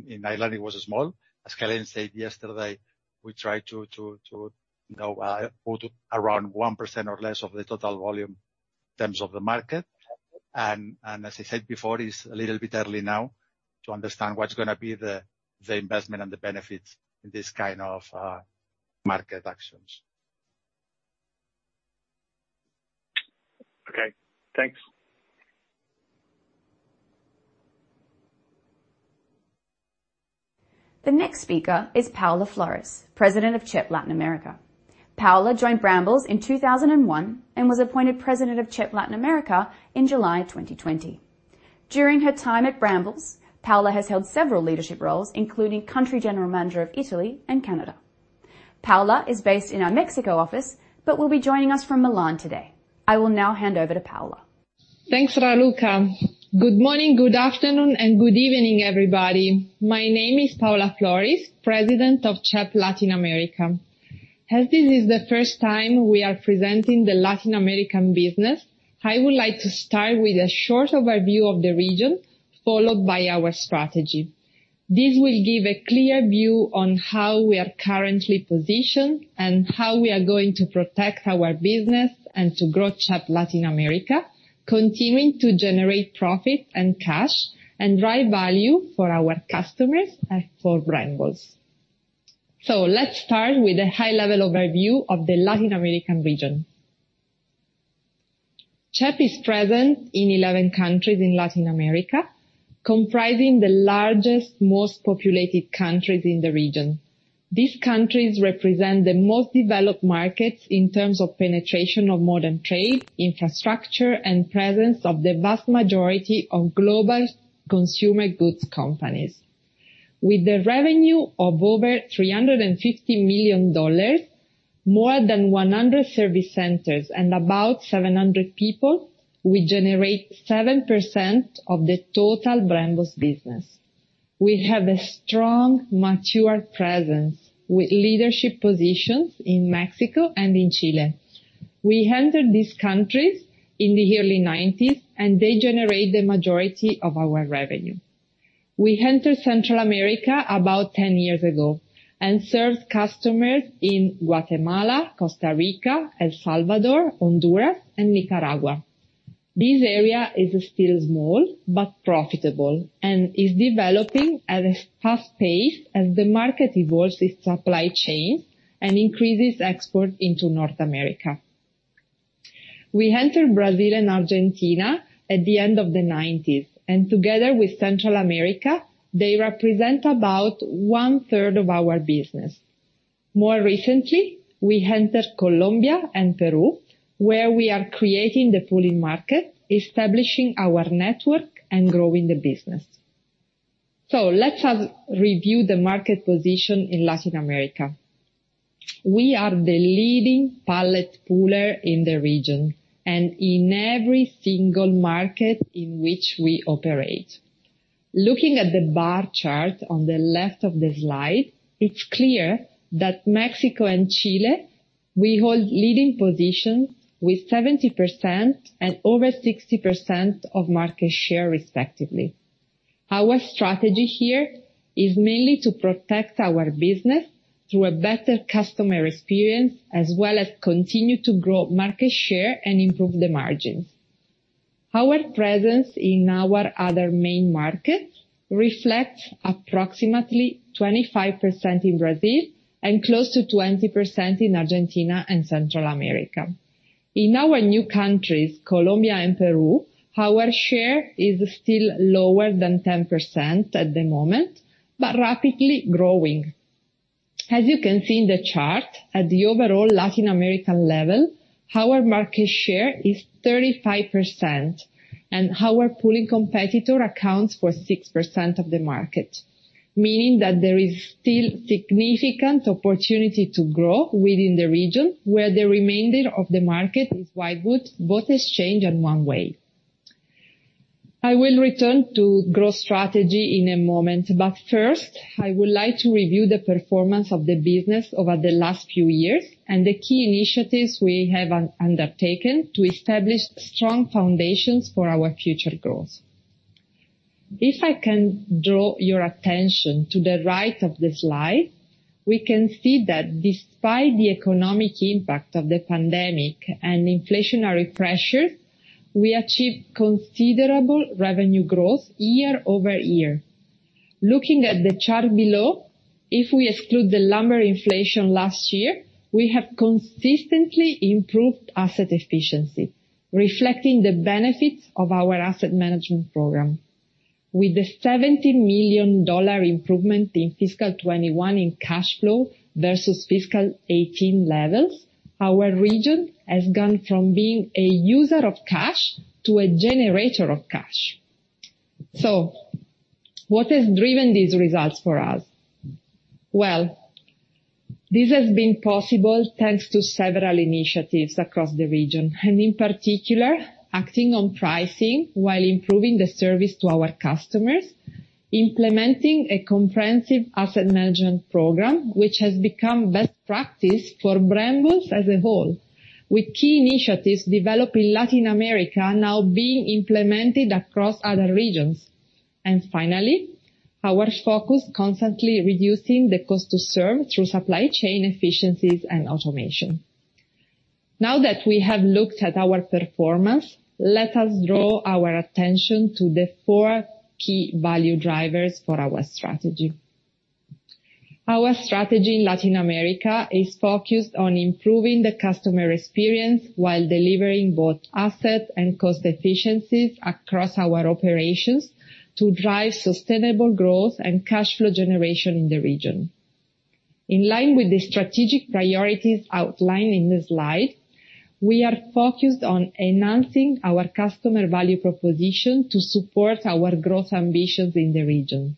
in Ireland, it was small. As Helen said yesterday, we try to put around 1% or less of the total volume in terms of the market. As I said before, it's a little bit early now to understand what's going to be the investment and the benefits in this kind of market actions. Okay, thanks. The next speaker is Paola Floris, President of CHEP Latin America. Paola joined Brambles in 2001 and was appointed President of CHEP Latin America in July 2020. During her time at Brambles, Paola has held several leadership roles, including country general manager of Italy and Canada. Paola is based in our Mexico office but will be joining us from Milan today. I will now hand over to Paola. Thanks, Raluca. Good morning, good afternoon, and good evening, everybody. My name is Paola Floris, President of CHEP Latin America. As this is the first time we are presenting the Latin American business, I would like to start with a short overview of the region, followed by our strategy. This will give a clear view on how we are currently positioned and how we are going to protect our business and to grow CHEP Latin America, continuing to generate profits and cash, and drive value for our customers and for Brambles. Let's start with a high-level overview of the Latin American region. CHEP is present in 11 countries in Latin America, comprising the largest, most populated countries in the region. These countries represent the most developed markets in terms of penetration of modern trade, infrastructure, and presence of the vast majority of global consumer goods companies. With the revenue of over $350 million, more than 100 service centers, and about 700 people, we generate 7% of the total Brambles business. We have a strong, mature presence with leadership positions in Mexico and in Chile. We entered these countries in the early 1990s, and they generate the majority of our revenue. We entered Central America about 10 years ago and served customers in Guatemala, Costa Rica, El Salvador, Honduras, and Nicaragua. This area is still small but profitable and is developing at a fast pace as the market evolves its supply chain and increases export into North America. We entered Brazil and Argentina at the end of the 1990s, and together with Central America, they represent about one-third of our business. More recently, we entered Colombia and Peru, where we are creating the pooling market, establishing our network, and growing the business. Let us review the market position in Latin America. We are the leading pallet pooler in the region and in every single market in which we operate. Looking at the bar chart on the left of the slide, it's clear that Mexico and Chile, we hold leading positions with 70% and over 60% of market share respectively. Our strategy here is mainly to protect our business through a better customer experience as well as continue to grow market share and improve the margins. Our presence in our other main markets reflects approximately 25% in Brazil and close to 20% in Argentina and Central America. In our new countries, Colombia and Peru, our share is still lower than 10% at the moment but rapidly growing. As you can see in the chart, at the overall Latin American level, our market share is 35%, and our pooling competitor accounts for 6% of the market, meaning that there is still significant opportunity to grow within the region where the remainder of the market is whitewood, both exchange and one-way. I will return to growth strategy in a moment, but first, I would like to review the performance of the business over the last few years and the key initiatives we have undertaken to establish strong foundations for our future growth. If I can draw your attention to the right of the slide, we can see that despite the economic impact of the pandemic and inflationary pressures, we achieved considerable revenue growth year-over-year. Looking at the chart below, if we exclude the lumber inflation last year, we have consistently improved asset efficiency, reflecting the benefits of our asset management program. With the $70 million improvement in fiscal 2021 in cash flow versus fiscal 2018 levels, our region has gone from being a user of cash to a generator of cash. What has driven these results for us? This has been possible thanks to several initiatives across the region, and in particular, acting on pricing while improving the service to our customers, implementing a comprehensive asset management program, which has become best practice for Brambles as a whole, with key initiatives developed in Latin America now being implemented across other regions. Finally, our focus constantly reducing the cost to serve through supply chain efficiencies and automation. We have looked at our performance, let us draw our attention to the four key value drivers for our strategy. Our strategy in Latin America is focused on improving the customer experience while delivering both asset and cost efficiencies across our operations to drive sustainable growth and cash flow generation in the region. In line with the strategic priorities outlined in this slide, we are focused on enhancing our customer value proposition to support our growth ambitions in the region.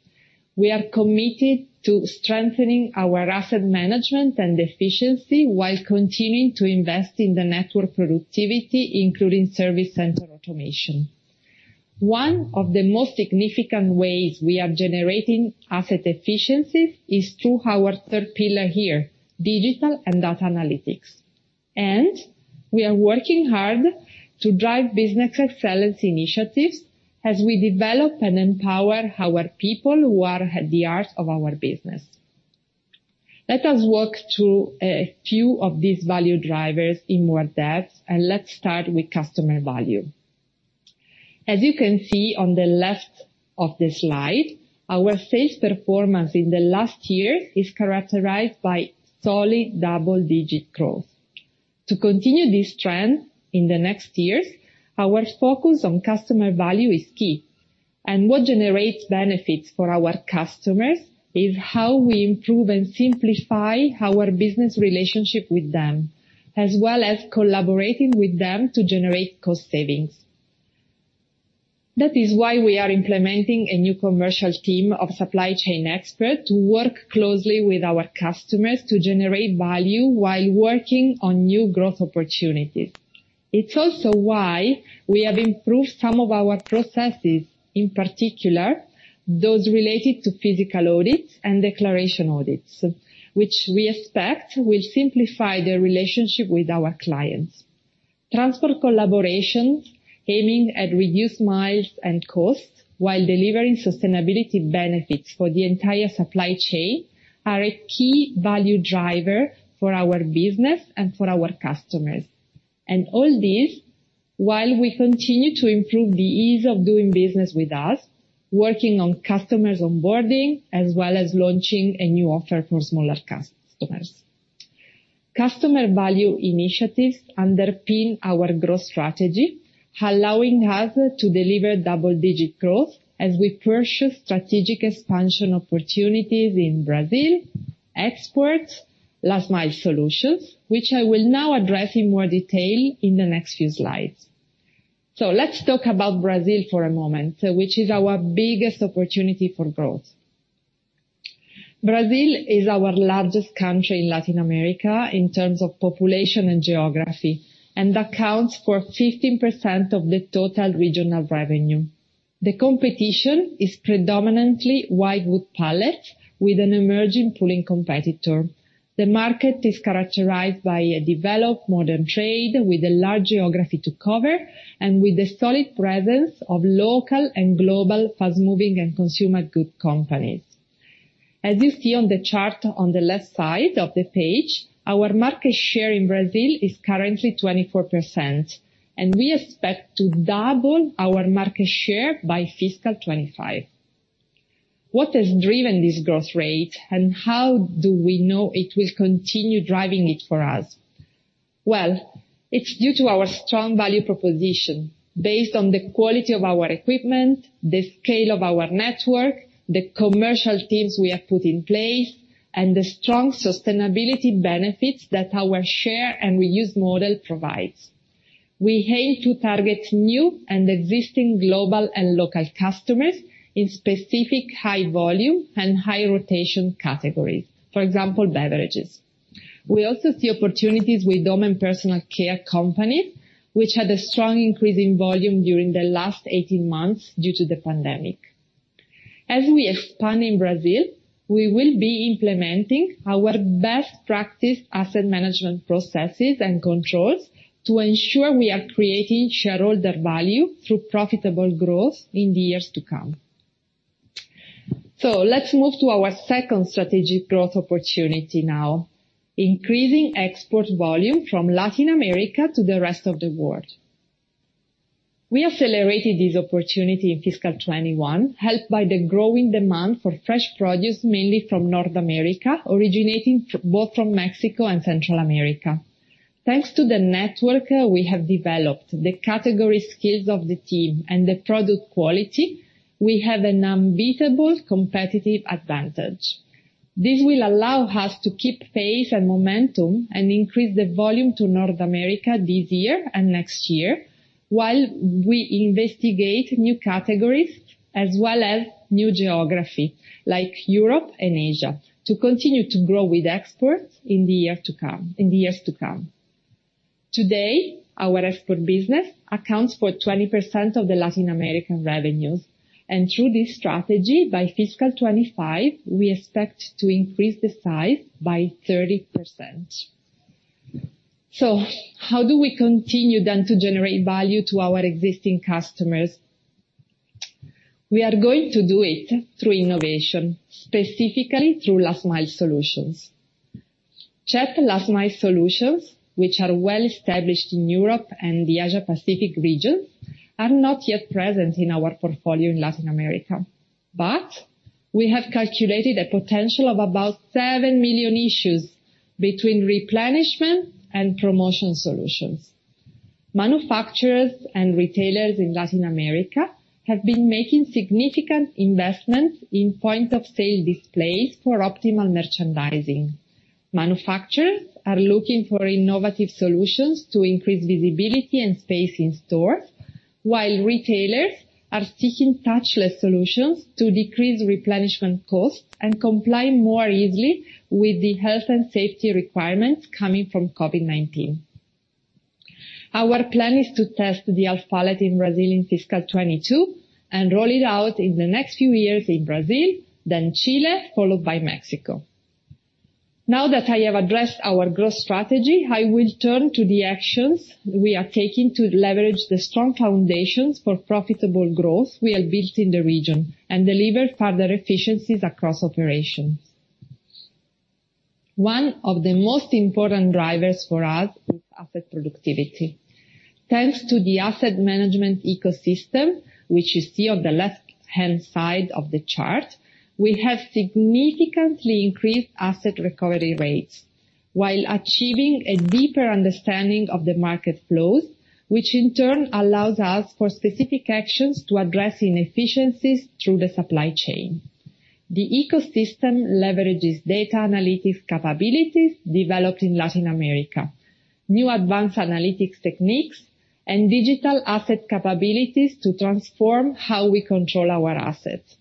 We are committed to strengthening our asset management and efficiency while continuing to invest in the network productivity, including service center automation. One of the most significant ways we are generating asset efficiencies is through our third pillar here, digital and data analytics. We are working hard to drive business excellence initiatives as we develop and empower our people who are at the heart of our business. Let us walk through a few of these value drivers in more depth, and let's start with customer value. As you can see on the left of the slide, our sales performance in the last year is characterized by solid double-digit growth. To continue this trend in the next years, our focus on customer value is key, and what generates benefits for our customers is how we improve and simplify our business relationship with them, as well as collaborating with them to generate cost savings. That is why we are implementing a new commercial team of supply chain experts to work closely with our customers to generate value while working on new growth opportunities. It's also why we have improved some of our processes, in particular, those related to physical audits and declaration audits, which we expect will simplify the relationship with our clients. Transport collaborations aiming at reduced miles and costs while delivering sustainability benefits for the entire supply chain are a key value driver for our business and for our customers. All this while we continue to improve the ease of doing business with us, working on customers onboarding, as well as launching a new offer for smaller customers. Customer value initiatives underpin our growth strategy, allowing us to deliver double-digit growth as we pursue strategic expansion opportunities in Brazil, exports, last mile solutions, which I will now address in more detail in the next few slides. Let's talk about Brazil for a moment, which is our biggest opportunity for growth. Brazil is our largest country in Latin America in terms of population and geography, and accounts for 15% of the total regional revenue. The competition is predominantly whitewood pallet with an emerging pooling competitor. The market is characterized by a developed modern trade with a large geography to cover, and with a solid presence of local and global fast-moving and consumer goods companies. As you see on the chart on the left side of the page, our market share in Brazil is currently 24%. We expect to double our market share by fiscal 2025. What has driven this growth rate? How do we know it will continue driving it for us? Well, it's due to our strong value proposition based on the quality of our equipment, the scale of our network, the commercial teams we have put in place, and the strong sustainability benefits that our share and reuse model provides. We aim to target new and existing global and local customers in specific high volume and high rotation categories, for example, beverages. We also see opportunities with home and personal care companies, which had a strong increase in volume during the last 18 months due to the pandemic. As we expand in Brazil, we will be implementing our best practice asset management processes and controls to ensure we are creating shareholder value through profitable growth in the years to come. Let's move to our second strategic growth opportunity now, increasing export volume from Latin America to the rest of the world. We accelerated this opportunity in fiscal 2021, helped by the growing demand for fresh produce, mainly from North America, originating both from Mexico and Central America. Thanks to the network we have developed, the category skills of the team, and the product quality, we have an unbeatable competitive advantage. This will allow us to keep pace and momentum and increase the volume to North America this year and next year, while we investigate new categories as well as new geography, like Europe and Asia, to continue to grow with exports in the years to come. Through this strategy, by fiscal 2025, we expect to increase the size by 30%. How do we continue, then, to generate value to our existing customers? We are going to do it through innovation, specifically through last mile solutions. CHEP last mile solutions, which are well established in Europe and the Asia-Pacific region, are not yet present in our portfolio in Latin America. We have calculated a potential of about 7 million issues between replenishment and promotion solutions. Manufacturers and retailers in Latin America have been making significant investments in point-of-sale displays for optimal merchandising. Manufacturers are looking for innovative solutions to increase visibility and space in stores, while retailers are seeking touchless solutions to decrease replenishment costs and comply more easily with the health and safety requirements coming from COVID-19. Our plan is to test the half pallet in Brazil in fiscal 2022, and roll it out in the next few years in Brazil, then Chile, followed by Mexico. Now that I have addressed our growth strategy, I will turn to the actions we are taking to leverage the strong foundations for profitable growth we have built in the region, and deliver further efficiencies across operations. One of the most important drivers for us is asset productivity. Thanks to the asset management ecosystem, which you see on the left-hand side of the chart, we have significantly increased asset recovery rates while achieving a deeper understanding of the market flows, which in turn allows us for specific actions to address inefficiencies through the supply chain. The ecosystem leverages data analytics capabilities developed in Latin America, new advanced analytics techniques, and digital asset capabilities to transform how we control our assets.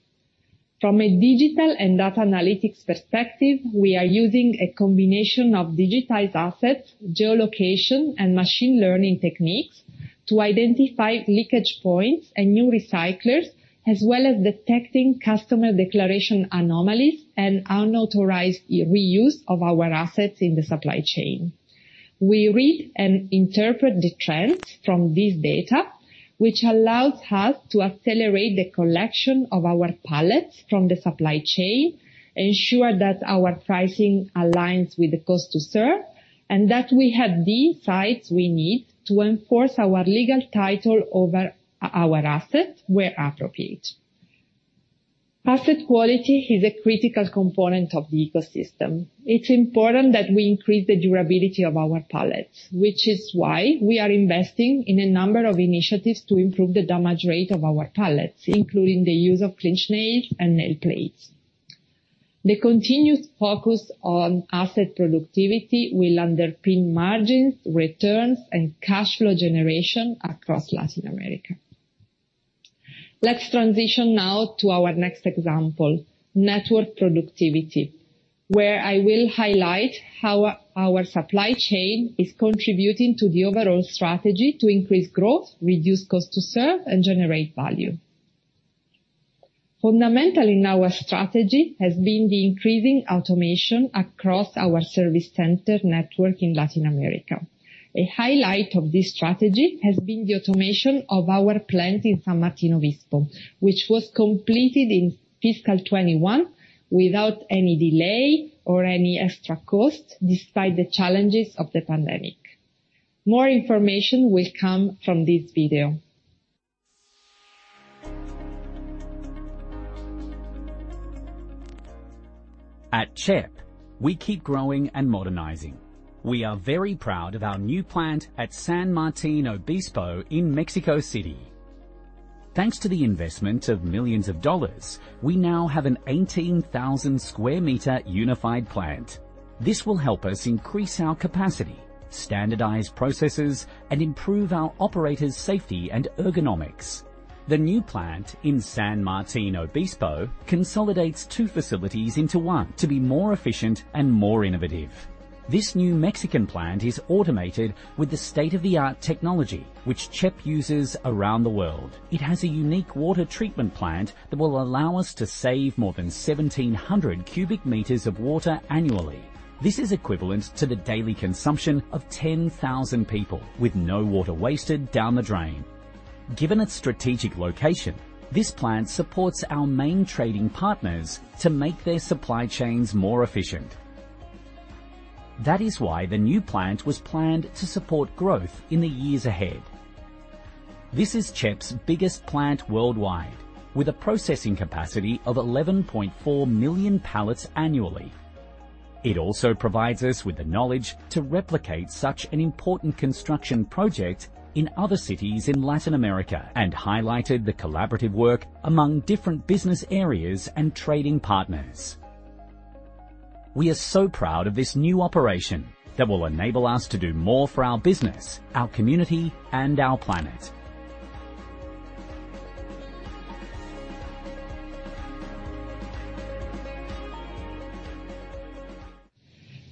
From a digital and data analytics perspective, we are using a combination of digitized assets, geolocation, and machine learning techniques to identify leakage points and new recyclers, as well as detecting customer declaration anomalies and unauthorized reuse of our assets in the supply chain. We read and interpret the trends from this data, which allows us to accelerate the collection of our pallets from the supply chain, ensure that our pricing aligns with the cost to serve, and that we have the insights we need to enforce our legal title over our asset where appropriate. Asset quality is a critical component of the ecosystem. It's important that we increase the durability of our pallets, which is why we are investing in a number of initiatives to improve the damage rate of our pallets, including the use of clinch nails and nail plates. The continuous focus on asset productivity will underpin margins, returns, and cash flow generation across Latin America. Let's transition now to our next example, network productivity, where I will highlight how our supply chain is contributing to the overall strategy to increase growth, reduce cost to serve, and generate value. Fundamental in our strategy has been the increasing automation across our service center network in Latin America. A highlight of this strategy has been the automation of our plant in San Martin Obispo, which was completed in fiscal 2021 without any delay or any extra cost, despite the challenges of the pandemic. More information will come from this video. At CHEP, we keep growing and modernizing. We are very proud of our new plant at San Martin Obispo in Mexico City. Thanks to the investment of millions of dollars, we now have an 18,000 sq m unified plant. This will help us increase our capacity, standardize processes, and improve our operators' safety and ergonomics. The new plant in San Martin Obispo consolidates two facilities into one to be more efficient and more innovative. This new Mexican plant is automated with the state-of-the-art technology, which CHEP uses around the world. It has a unique water treatment plant that will allow us to save more than 1,700 cubic m of water annually. This is equivalent to the daily consumption of 10,000 people, with no water wasted down the drain. Given its strategic location, this plant supports our main trading partners to make their supply chains more efficient. That is why the new plant was planned to support growth in the years ahead. This is CHEP's biggest plant worldwide, with a processing capacity of 11.4 million pallets annually. It also provides us with the knowledge to replicate such an important construction project in other cities in Latin America and highlighted the collaborative work among different business areas and trading partners. We are so proud of this new operation that will enable us to do more for our business, our community, and our planet.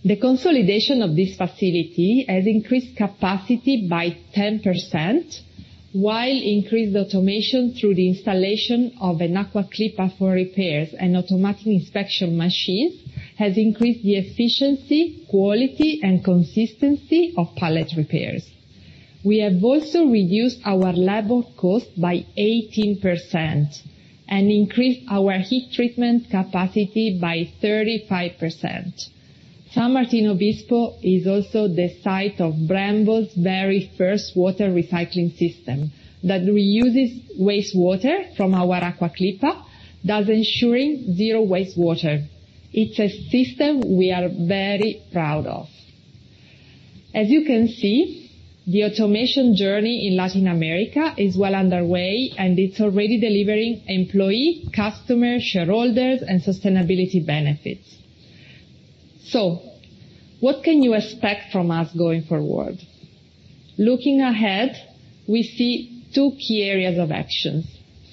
The consolidation of this facility has increased capacity by 10%, while increased automation through the installation of an Aqua-Clipper for repairs and automatic inspection machines has increased the efficiency, quality, and consistency of pallet repairs. We have also reduced our labor cost by 18% and increased our heat treatment capacity by 35%. San Martin Obispo is also the site of Brambles' very first water recycling system that reuses wastewater from our Aqua-Clipper, thus ensuring zero wastewater. It's a system we are very proud of. As you can see, the automation journey in Latin America is well underway, and it's already delivering employee, customer, shareholders, and sustainability benefits. What can you expect from us going forward? Looking ahead, we see two key areas of actions.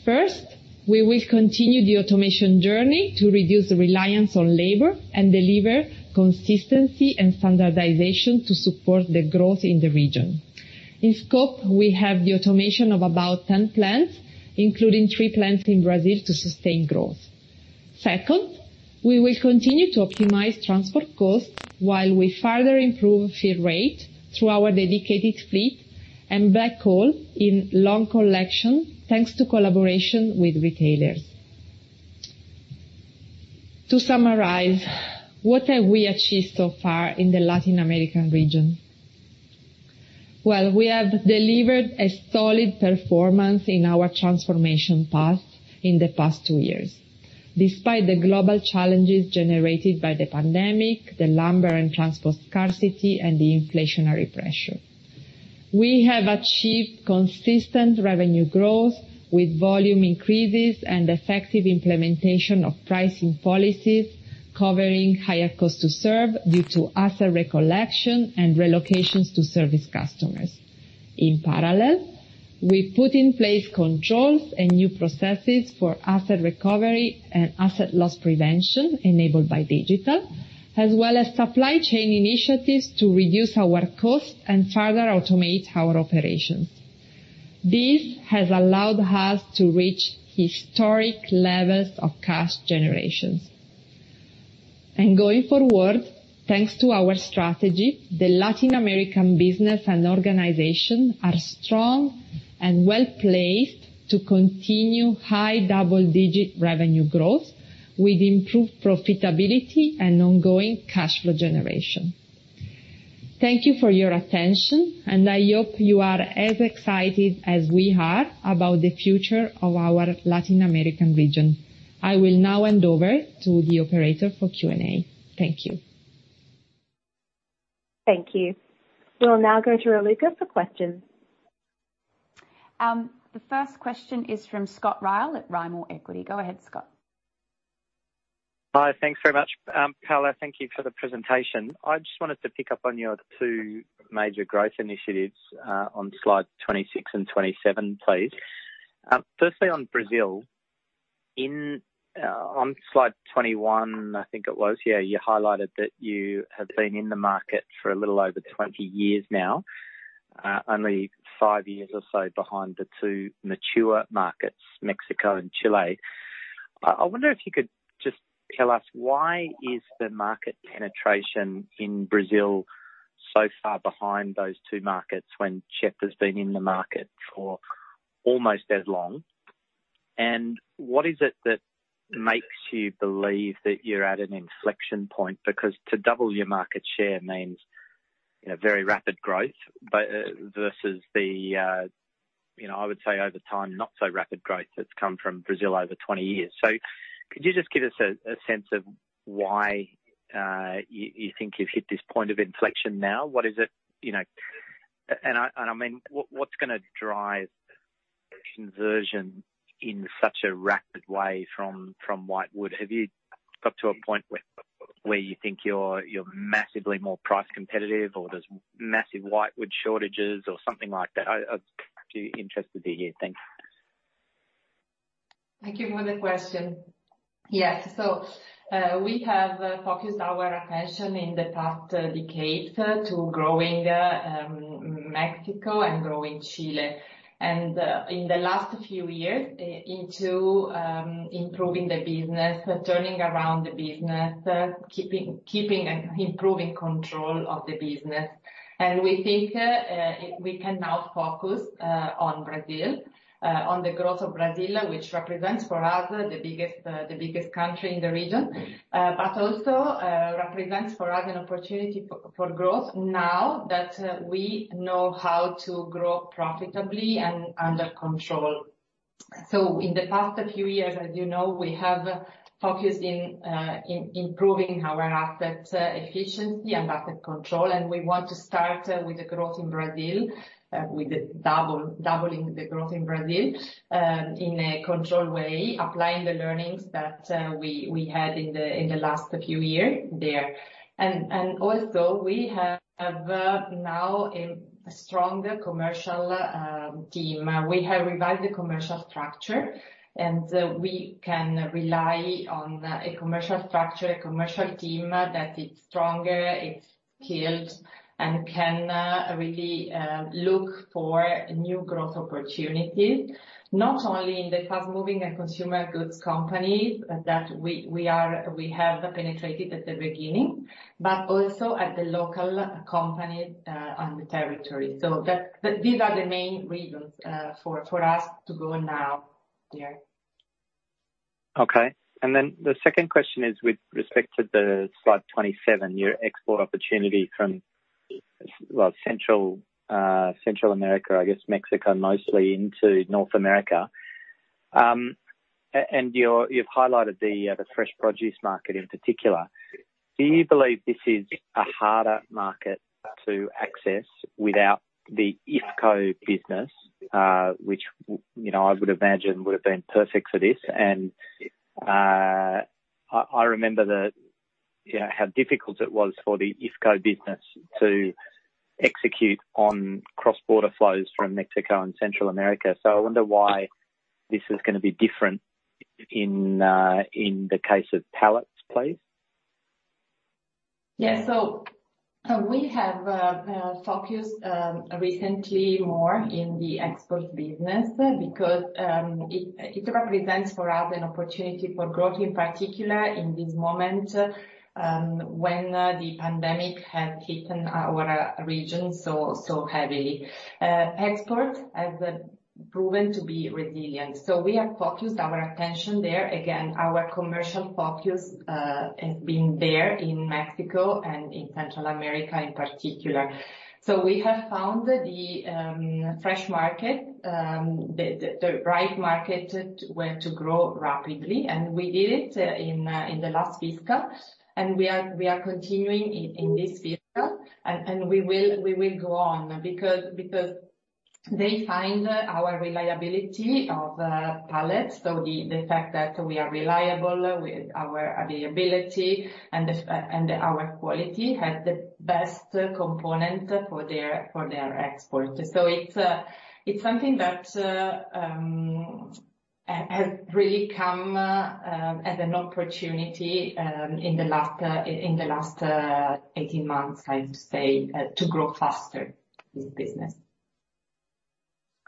First, we will continue the automation journey to reduce the reliance on labor and deliver consistency and standardization to support the growth in the region. In scope, we have the automation of about 10 plants, including three plants in Brazil, to sustain growth. Second, we will continue to optimize transport costs while we further improve fill rate through our dedicated fleet and backhaul in long collection, thanks to collaboration with retailers. To summarize, what have we achieved so far in the Latin American region? Well, we have delivered a solid performance in our transformation path in the past two years, despite the global challenges generated by the pandemic, the lumber and transport scarcity, and the inflationary pressure. We have achieved consistent revenue growth with volume increases and effective implementation of pricing policies covering higher cost to serve due to asset recollection and relocations to service customers. In parallel, we put in place controls and new processes for asset recovery and asset loss prevention enabled by digital, as well as supply chain initiatives to reduce our costs and further automate our operations. This has allowed us to reach historic levels of cash generations. Going forward, thanks to our strategy, the Latin American business and organization are strong and well-placed to continue high double-digit revenue growth with improved profitability and ongoing cash flow generation. Thank you for your attention, and I hope you are as excited as we are about the future of our Latin American region. I will now hand over to the operator for Q&A. Thank you. Thank you. We'll now go to Raluca for questions. The first question is from Scott Ryall at Rimor Equity. Go ahead, Scott. Hi. Thanks very much. Paola, thank you for the presentation. I just wanted to pick up on your two major growth initiatives, on slide 26 and 27, please. Firstly, on Brazil, on slide 21, I think it was, yeah, you highlighted that you have been in the market for a little over 20 years now. Only five years or so behind the two mature markets, Mexico and Chile. I wonder if you could just tell us why is the market penetration in Brazil so far behind those two markets when CHEP has been in the market for almost as long? What is it that makes you believe that you're at an inflection point? To double your market share means very rapid growth versus the, I would say over time, not so rapid growth that's come from Brazil over 20 years. Could you just give us a sense of why you think you've hit this point of inflection now? I mean, what's going to drive conversion in such a rapid way from whitewood? Have you got to a point where you think you're massively more price competitive, or there's massive whitewood shortages or something like that? I'd be interested to hear. Thank you. Thank you for the question. Yes. We have focused our attention in the past decade to growing Mexico and growing Chile. In the last few years into improving the business, turning around the business, keeping and improving control of the business. We think we can now focus on Brazil, on the growth of Brazil, which represents for us the biggest country in the region. Also represents for us an opportunity for growth now that we know how to grow profitably and under control. In the past few years, as you know, we have focused in improving our asset efficiency and asset control, and we want to start with the growth in Brazil, with doubling the growth in Brazil in a controlled way, applying the learnings that we had in the last few year there. Also, we have now a stronger commercial team. We have revived the commercial structure, and we can rely on a commercial structure, a commercial team that is stronger, it's skilled, and can really look for new growth opportunities, not only in the Fast-Moving Consumer Goods companies that we have penetrated at the beginning, but also at the local company on the territory. These are the main reasons for us to go now there. Okay. Then the second question is with respect to the slide 27, your export opportunity from Central America, I guess Mexico mostly, into North America. You've highlighted the fresh produce market in particular. Do you believe this is a harder market to access without the IFCO business, which I would imagine would have been perfect for this? I remember how difficult it was for the IFCO business to execute on cross-border flows from Mexico and Central America. I wonder why this is going to be different in the case of pallets, please. We have focused recently more in the export business because it represents for us an opportunity for growth, in particular in this moment, when the pandemic has hit our region so heavily. Export has proven to be resilient. We have focused our attention there. Again, our commercial focus has been there in Mexico and in Central America in particular. We have found the fresh market, the right market where to grow rapidly, and we did it in the last fiscal, and we are continuing in this fiscal, and we will go on because they find our reliability of pallets. The fact that we are reliable with our availability and our quality has the best component for their export. It's something that has really come as an opportunity in the last 18 months, I would say, to grow faster this business.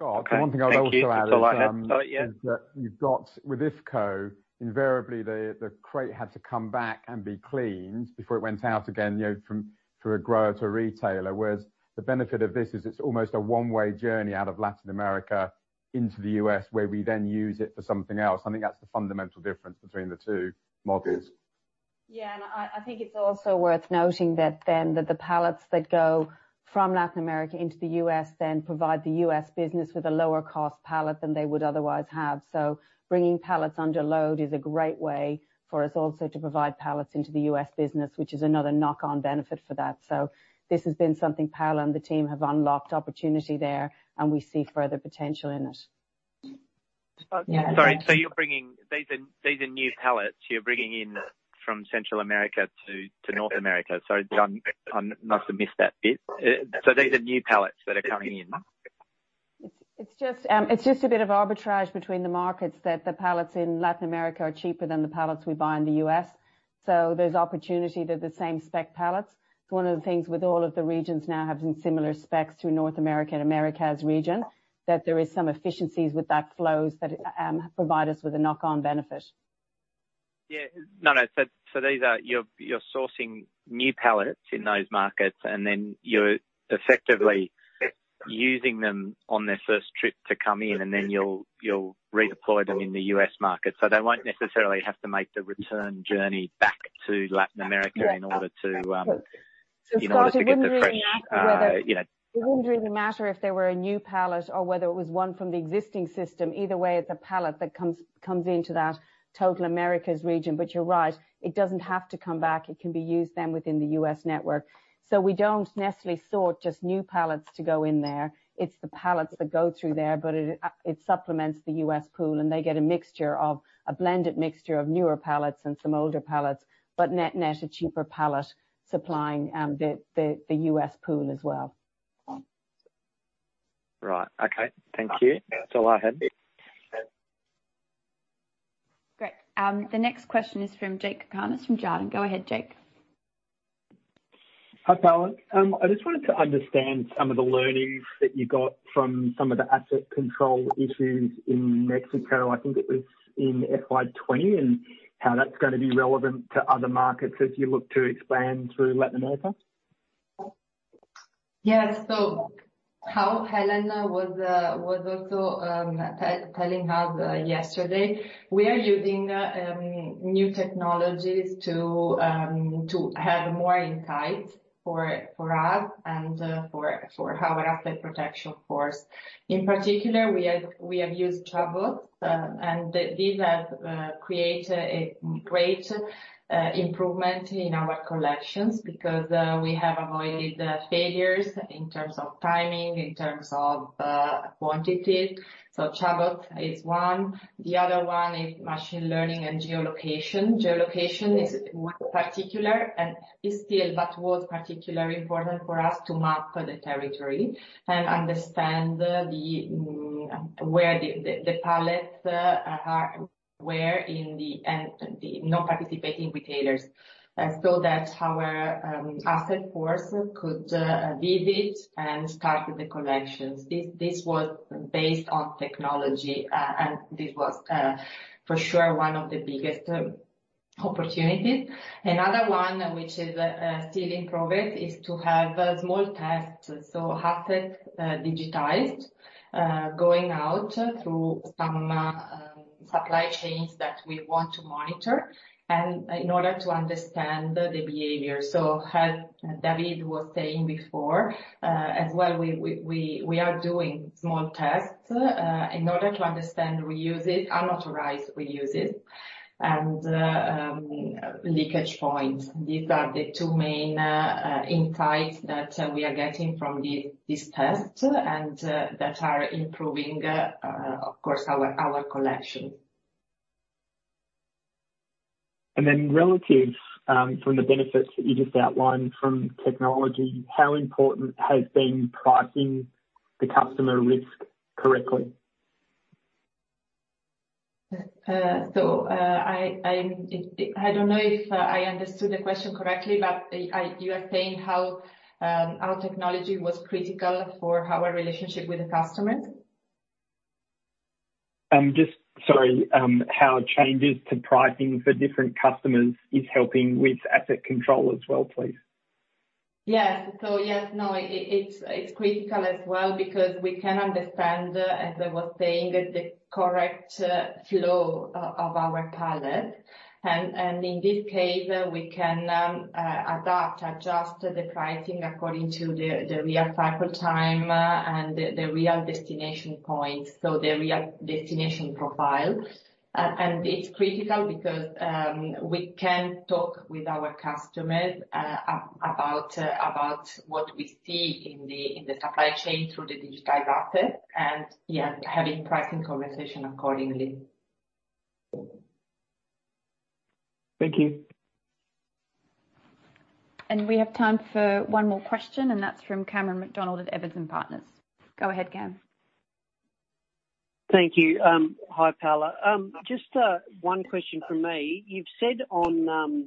Okay. Thank you. That's all I had for you. Scott, the one thing I'd also add is that you've got with IFCO, invariably the crate had to come back and be cleaned before it went out again from a grower to a retailer. The benefit of this is it's almost a one-way journey out of Latin America into the U.S., where we then use it for something else. I think that's the fundamental difference between the two models. I think it's also worth noting that the pallets that go from Latin America into the U.S. then provide the U.S. business with a lower cost pallet than they would otherwise have. Bringing pallets under load is a great way for us also to provide pallets into the U.S. business, which is another knock-on benefit for that. This has been something Paola and the team have unlocked opportunity there, and we see further potential in it. Sorry. These are new pallets you're bringing in from Central America to North America. Sorry, not to miss that bit. These are new pallets that are coming in. It's just a bit of arbitrage between the markets that the pallets in Latin America are cheaper than the pallets we buy in the U.S. There's opportunity. They're the same spec pallets. It's one of the things with all of the regions now having similar specs to North America and Americas region, that there is some efficiencies with that flows that provide us with a knock-on benefit. Yeah. No, no. You're sourcing new pallets in those markets, and then you're effectively using them on their first trip to come in, and then you'll redeploy them in the U.S. market. They won't necessarily have to make the return journey back to Latin America in order to. Scott it wouldn't really matter. In order to get the. It wouldn't really matter if they were a new pallet or whether it was one from the existing system. Either way, it's a pallet that comes into that total Americas region. You're right, it doesn't have to come back. It can be used then within the U.S. network. We don't necessarily sort just new pallets to go in there. It's the pallets that go through there, but it supplements the U.S. pool, and they get a blended mixture of newer pallets and some older pallets, but net a cheaper pallet supplying the U.S. pool as well. Right. Okay. Thank you. That's all I had. Great. The next question is from Jakob Cakarnis from Jarden. Go ahead, Jake. Hi, Paola. I just wanted to understand some of the learnings that you got from some of the asset control issues in Mexico, I think it was in FY 2020, and how that's going to be relevant to other markets as you look to expand through Latin America. Yes. How Helen was also telling you yesterday, we are using new technologies to have more insights for us and for our asset protection force. In particular, we have used chatbots, and these have created a great improvement in our collections because we have avoided failures in terms of timing, in terms of quantity. Chatbot is one. The other one is machine learning and geolocation. Geolocation is particular and is still, but was particularly important for us to map the territory and understand where the pallets were in the non-participating retailers, so that our asset force could visit and start the collections. This was based on technology, and this was, for sure, one of the biggest opportunities. Another one, which is still in progress, is to have small tests. Assets digitized, going out through some supply chains that we want to monitor in order to understand the behavior. As David was saying before, as well, we are doing small tests in order to understand reuses, unauthorized reuses, and leakage points. These are the two main insights that we are getting from these tests and that are improving, of course, our collections. Relative from the benefits that you just outlined from technology, how important has been pricing the customer risk correctly? I don't know if I understood the question correctly, but you are saying how our technology was critical for our relationship with the customers? Just, sorry, how changes to pricing for different customers is helping with asset control as well, please? Yes. Yes, no, it's critical as well because we can understand, as I was saying, the correct flow of our pallet. In this case, we can adapt, adjust the pricing according to the real cycle time and the real destination points, so the real destination profile. It's critical because we can talk with our customers about what we see in the supply chain through the digitized asset. Yeah, having pricing conversation accordingly. Thank you. We have time for one more question, that's from Cameron McDonald at Evans and Partners. Go ahead, Cam. Thank you. Hi, Paola. Just one question from me. You've said on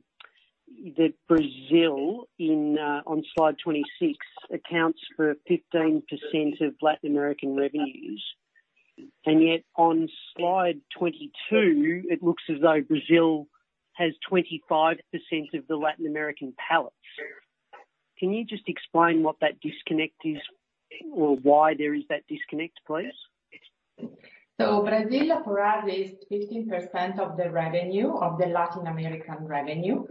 that Brazil, on slide 26, accounts for 15% of Latin American revenues. Yet on slide 22, it looks as though Brazil has 25% of the Latin American pallets. Can you just explain what that disconnect is or why there is that disconnect, please? Brazil, for us, is 15% of the revenue, of the Latin American revenue.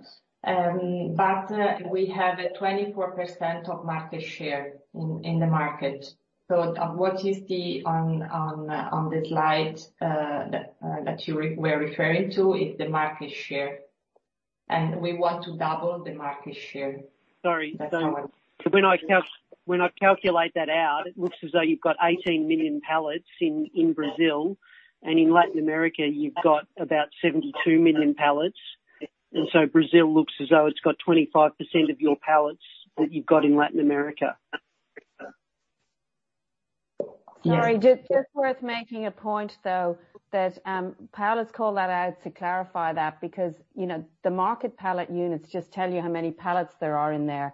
We have a 24% of market share in the market. What you see on the slide that you were referring to is the market share. We want to double the market share. Sorry. That's all. When I calculate that out, it looks as though you've got 18 million pallets in Brazil, and in Latin America, you've got about 72 million pallets. Brazil looks as though it's got 25% of your pallets that you've got in Latin America. Yeah. Sorry, just worth making a point, though, that Paola's called that out to clarify that because the market pallet units just tell you how many pallets there are in there.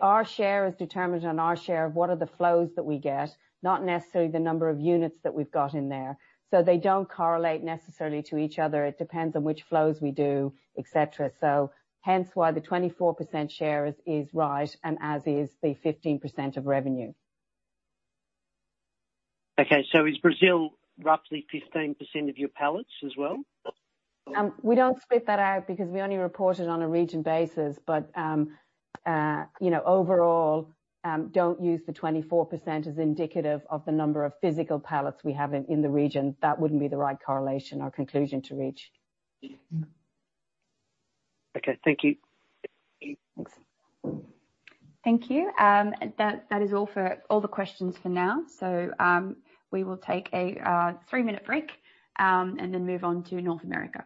Our share is determined on our share of what are the flows that we get, not necessarily the number of units that we've got in there. They don't correlate necessarily to each other. It depends on which flows we do, et cetera. Hence why the 24% share is right, and as is the 15% of revenue. Okay. Is Brazil roughly 15% of your pallets as well? We don't split that out because we only report it on a region basis. Overall, don't use the 24% as indicative of the number of physical pallets we have in the region. That wouldn't be the right correlation or conclusion to reach. Okay. Thank you. Thanks. Thank you. That is all the questions for now. We will take a three-minute break and then move on to North America.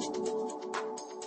The next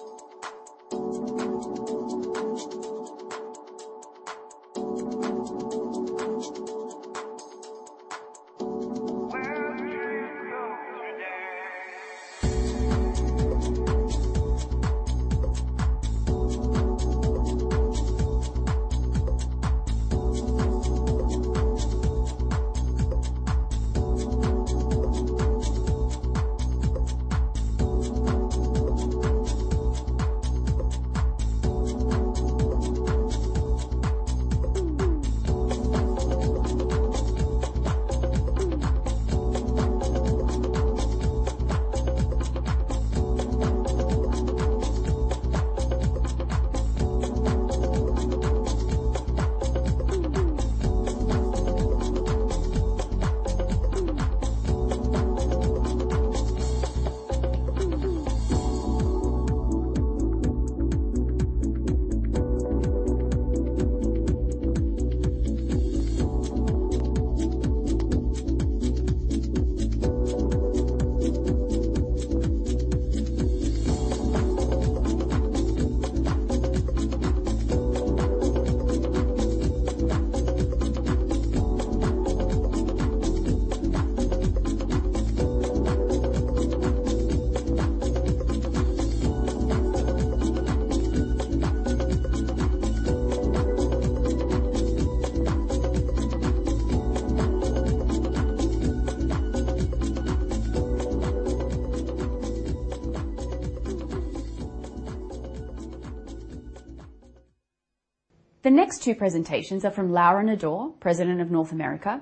two presentations are from Laura Nador, President of North America,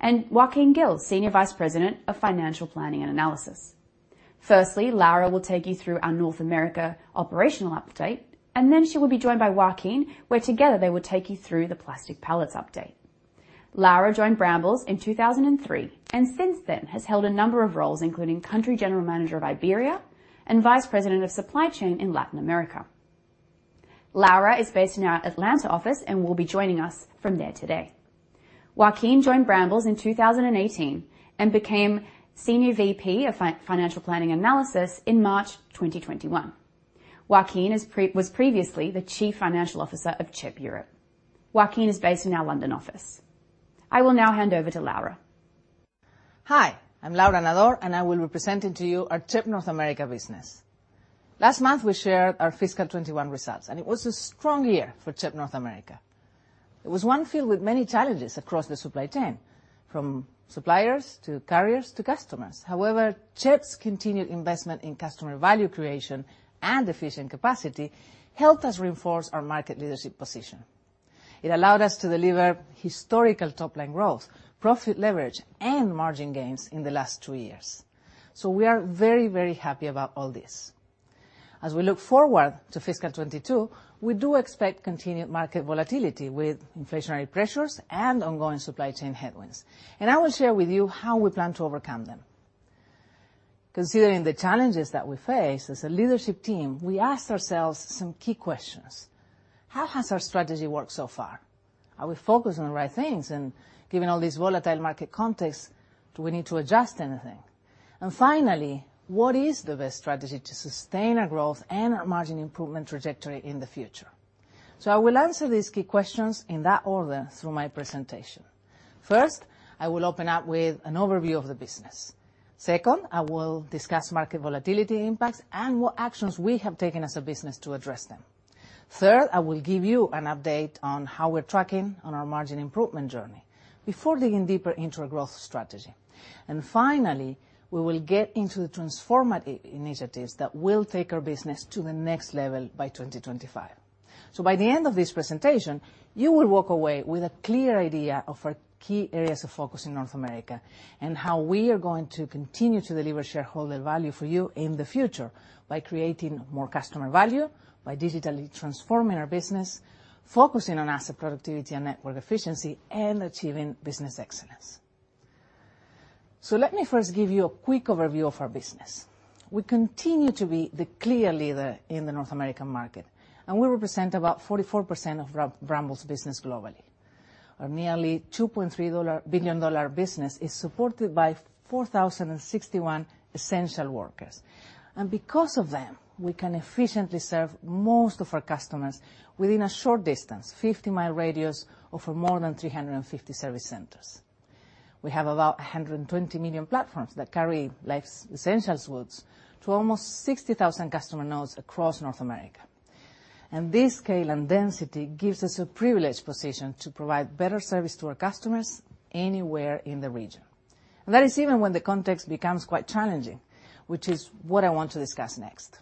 and Joaquin Gil, Senior VP of Financial Planning Analysis. Laura will take you through our North America operational update, and then she will be joined by Joaquin, where together they will take you through the plastic pallets update. Laura joined Brambles in 2003, and since then has held a number of roles, including Country General Manager of Iberia and Vice President of Supply Chain in Latin America. Laura is based in our Atlanta office and will be joining us from there today. Joaquin joined Brambles in 2018 and became Senior VP of Financial Planning Analysis in March 2021. Joaquin was previously the Chief Financial Officer of CHEP Europe. Joaquin is based in our London office. I will now hand over to Laura. Hi, I'm Laura Nador, and I will be presenting to you our CHEP North America business. Last month, we shared our fiscal 2021 results, and it was a strong year for CHEP North America. It was one filled with many challenges across the supply chain, from suppliers to carriers to customers. However, CHEP's continued investment in customer value creation and efficient capacity helped us reinforce our market leadership position. It allowed us to deliver historical top-line growth, profit leverage, and margin gains in the last two years. We are very, very happy about all this. As we look forward to fiscal 2022, we do expect continued market volatility with inflationary pressures and ongoing supply chain headwinds. I will share with you how we plan to overcome them. Considering the challenges that we face, as a leadership team, we asked ourselves some key questions. How has our strategy worked so far? Are we focused on the right things? Given all this volatile market context, do we need to adjust anything? Finally, what is the best strategy to sustain our growth and our margin improvement trajectory in the future? I will answer these key questions in that order through my presentation. First, I will open up with an overview of the business. Second, I will discuss market volatility impacts and what actions we have taken as a business to address them. Third, I will give you an update on how we're tracking on our margin improvement journey before digging deeper into our growth strategy. Finally, we will get into the transformative initiatives that will take our business to the next level by 2025. By the end of this presentation, you will walk away with a clear idea of our key areas of focus in North America and how we are going to continue to deliver shareholder value for you in the future by creating more customer value, by digitally transforming our business, focusing on asset productivity and network efficiency, and achieving business excellence. Let me first give you a quick overview of our business. We continue to be the clear leader in the North American market, and we represent about 44% of Brambles business globally. Our nearly $2.3 billion business is supported by 4,061 essential workers. Because of them, we can efficiently serve most of our customers within a short distance, 50-mile radius of our more than 350 service centers. We have about 120 million platforms that carry life's essentials goods to almost 60,000 customer nodes across North America. This scale and density gives us a privileged position to provide better service to our customers anywhere in the region. That is even when the context becomes quite challenging, which is what I want to discuss next.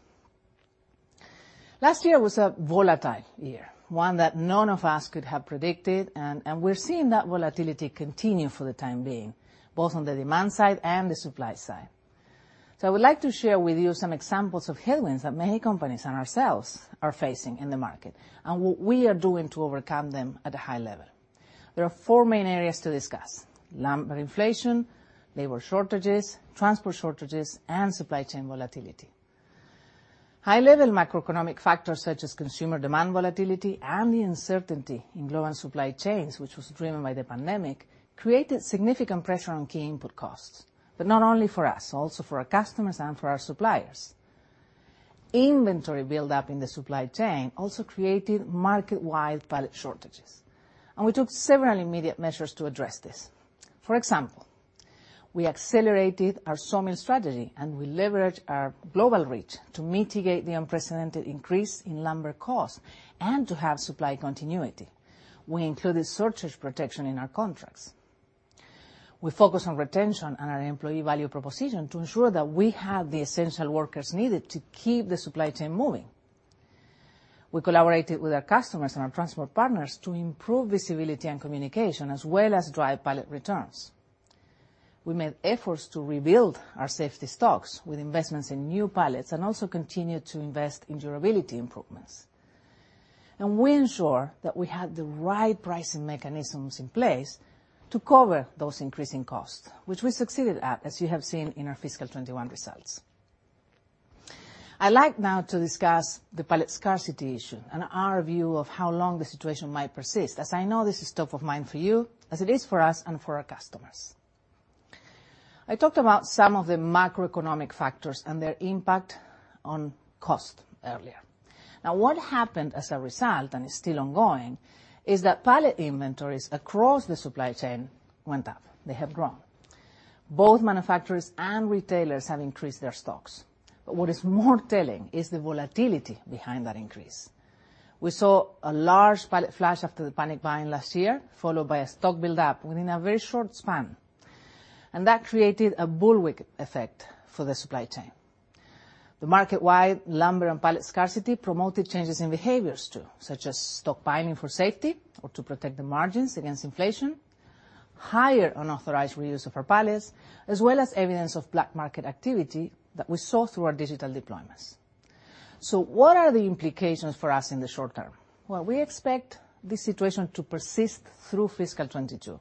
Last year was a volatile year, one that none of us could have predicted, and we're seeing that volatility continue for the time being, both on the demand side and the supply side. I would like to share with you some examples of headwinds that many companies and ourselves are facing in the market, and what we are doing to overcome them at a high level. There are four main areas to discuss: lumber inflation, labor shortages, transport shortages, and supply chain volatility. High-level macroeconomic factors such as consumer demand volatility and the uncertainty in global supply chains, which was driven by the pandemic, created significant pressure on key input costs, not only for us, but also for our customers and for our suppliers. Inventory buildup in the supply chain also created market-wide pallet shortages, and we took several immediate measures to address this. For example, we accelerated our sawmill strategy, and we leveraged our global reach to mitigate the unprecedented increase in lumber costs and to have supply continuity. We included shortage protection in our contracts. We focused on retention and our employee value proposition to ensure that we had the essential workers needed to keep the supply chain moving. We collaborated with our customers and our transport partners to improve visibility and communication, as well as drive pallet returns. We made efforts to rebuild our safety stocks with investments in new pallets and also continued to invest in durability improvements. We ensure that we had the right pricing mechanisms in place to cover those increasing costs, which we succeeded at, as you have seen in our fiscal 2021 results. I'd like now to discuss the pallet scarcity issue and our view of how long the situation might persist, as I know this is top of mind for you, as it is for us and for our customers. I talked about some of the macroeconomic factors and their impact on cost earlier. Now, what happened as a result, and is still ongoing, is that pallet inventories across the supply chain went up. They have grown. Both manufacturers and retailers have increased their stocks. What is more telling is the volatility behind that increase. We saw a large pallet flush after the panic buying last year, followed by a stock buildup within a very short span, and that created a bullwhip effect for the supply chain. The market-wide lumber and pallet scarcity promoted changes in behaviors, too, such as stockpiling for safety or to protect the margins against inflation, higher unauthorized reuse of our pallets, as well as evidence of black market activity that we saw through our digital deployments. What are the implications for us in the short term? We expect this situation to persist through fiscal 2022,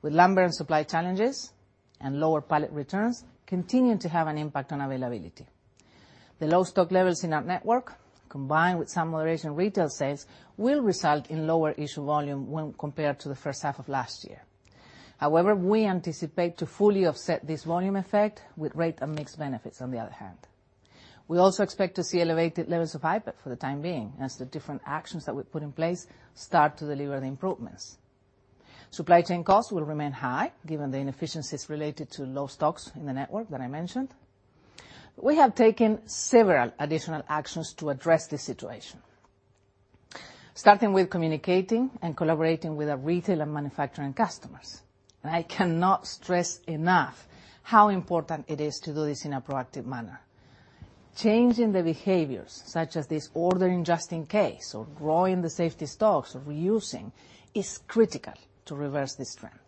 with lumber and supply challenges and lower pallet returns continuing to have an impact on availability. The low stock levels in our network, combined with some moderation in retail sales, will result in lower issue volume when compared to the first half of last year. We anticipate to fully offset this volume effect with rate and mix benefits, on the other hand. We also expect to see elevated levels of IPEP for the time being, as the different actions that we put in place start to deliver the improvements. Supply chain costs will remain high given the inefficiencies related to low stocks in the network that I mentioned. We have taken several additional actions to address this situation, starting with communicating and collaborating with our retail and manufacturing customers. I cannot stress enough how important it is to do this in a proactive manner. Changing the behaviors such as this ordering just in case or growing the safety stocks or reusing, is critical to reverse this trend,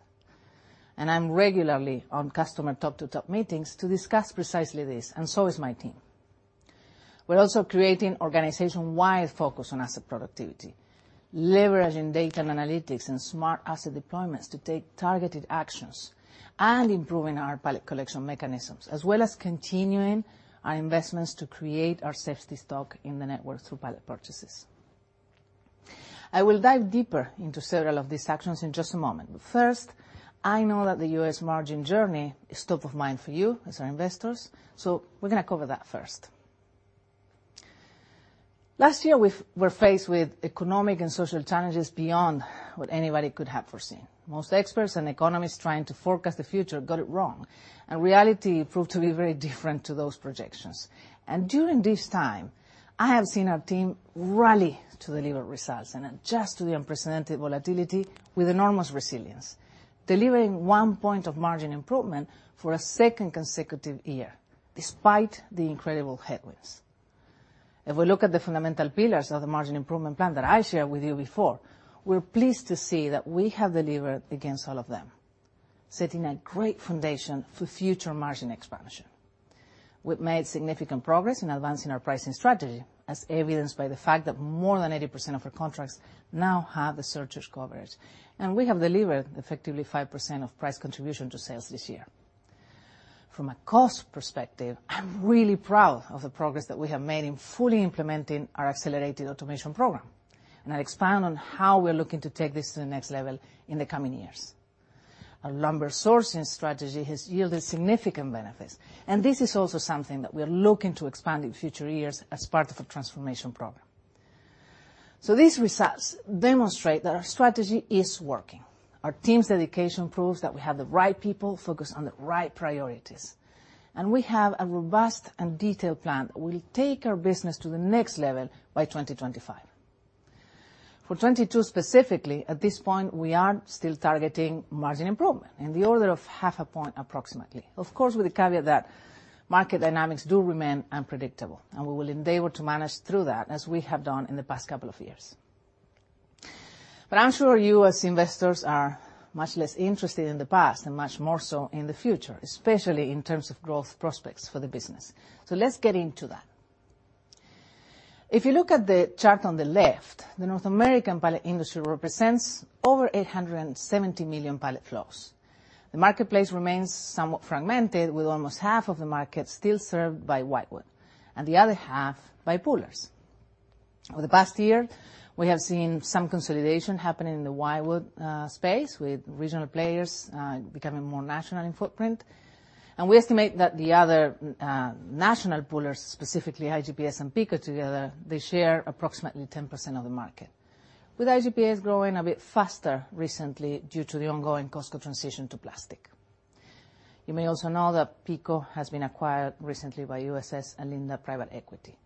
and I'm regularly on customer top-to-top meetings to discuss precisely this, and so is my team. We're also creating organization-wide focus on asset productivity, leveraging data and analytics and smart asset deployments to take targeted actions, improving our pallet collection mechanisms, as well as continuing our investments to create our safety stock in the network through pallet purchases. I will dive deeper into several of these actions in just a moment. First, I know that the U.S. margin journey is top of mind for you as our investors, we're going to cover that first. Last year, we were faced with economic and social challenges beyond what anybody could have foreseen. Most experts and economists trying to forecast the future got it wrong, reality proved to be very different to those projections. During this time, I have seen our team rally to deliver results and adjust to the unprecedented volatility with enormous resilience, delivering 1 point of margin improvement for a second consecutive year despite the incredible headwinds. If we look at the fundamental pillars of the margin improvement plan that I shared with you before, we're pleased to see that we have delivered against all of them, setting a great foundation for future margin expansion. We've made significant progress in advancing our pricing strategy, as evidenced by the fact that more than 80% of our contracts now have the shortage coverage, and we have delivered effectively 5% of price contribution to sales this year. From a cost perspective, I'm really proud of the progress that we have made in fully implementing our accelerated automation program, and I'll expand on how we're looking to take this to the next level in the coming years. Our lumber sourcing strategy has yielded significant benefits, and this is also something that we are looking to expand in future years as part of the transformation program. These results demonstrate that our strategy is working. Our team's dedication proves that we have the right people focused on the right priorities, and we have a robust and detailed plan that will take our business to the next level by 2025. For 2022, specifically, at this point, we are still targeting margin improvement in the order of half a point approximately. Of course, with the caveat that market dynamics do remain unpredictable, and we will endeavor to manage through that as we have done in the past couple of years. I'm sure you, as investors, are much less interested in the past and much more so in the future, especially in terms of growth prospects for the business. Let's get into that. If you look at the chart on the left, the North American pallet industry represents over 870 million pallet flows. The marketplace remains somewhat fragmented, with almost half of the market still served by green wood and the other half by poolers. Over the past year, we have seen some consolidation happening in the green wood space, with regional players becoming more national in footprint. We estimate that the other national poolers, specifically iGPS and PECO together, they share approximately 10% of the market, with iGPS growing a bit faster recently due to the ongoing Costco transition to plastic. You may also know that PECO has been acquired recently by USS and Alinda Capital Partners.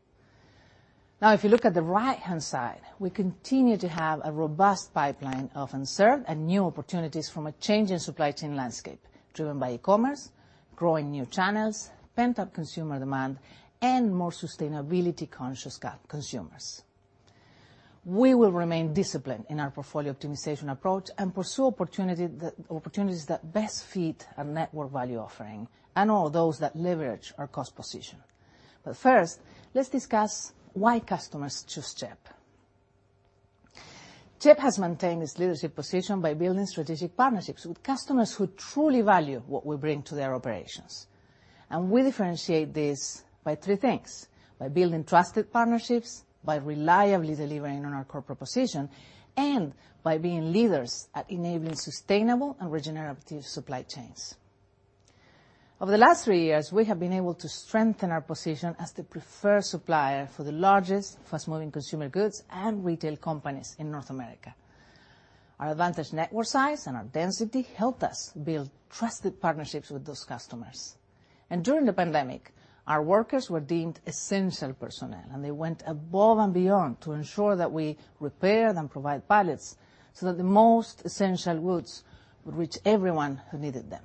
If you look at the right-hand side, we continue to have a robust pipeline of unserved and new opportunities from a change in supply chain landscape driven by e-commerce, growing new channels, pent-up consumer demand, and more sustainability-conscious consumers. We will remain disciplined in our portfolio optimization approach and pursue opportunities that best fit our network value offering and all those that leverage our cost position. First, let's discuss why customers choose CHEP. CHEP has maintained its leadership position by building strategic partnerships with customers who truly value what we bring to their operations. We differentiate this by three things: by building trusted partnerships, by reliably delivering on our core proposition, and by being leaders at enabling sustainable and regenerative supply chains. Over the last three years, we have been able to strengthen our position as the preferred supplier for the largest, fast-moving consumer goods and retail companies in North America. Our advantage, network size, and our density helped us build trusted partnerships with those customers. During the pandemic, our workers were deemed essential personnel, and they went above and beyond to ensure that we repaired and provided pallets so that the most essential goods would reach everyone who needed them.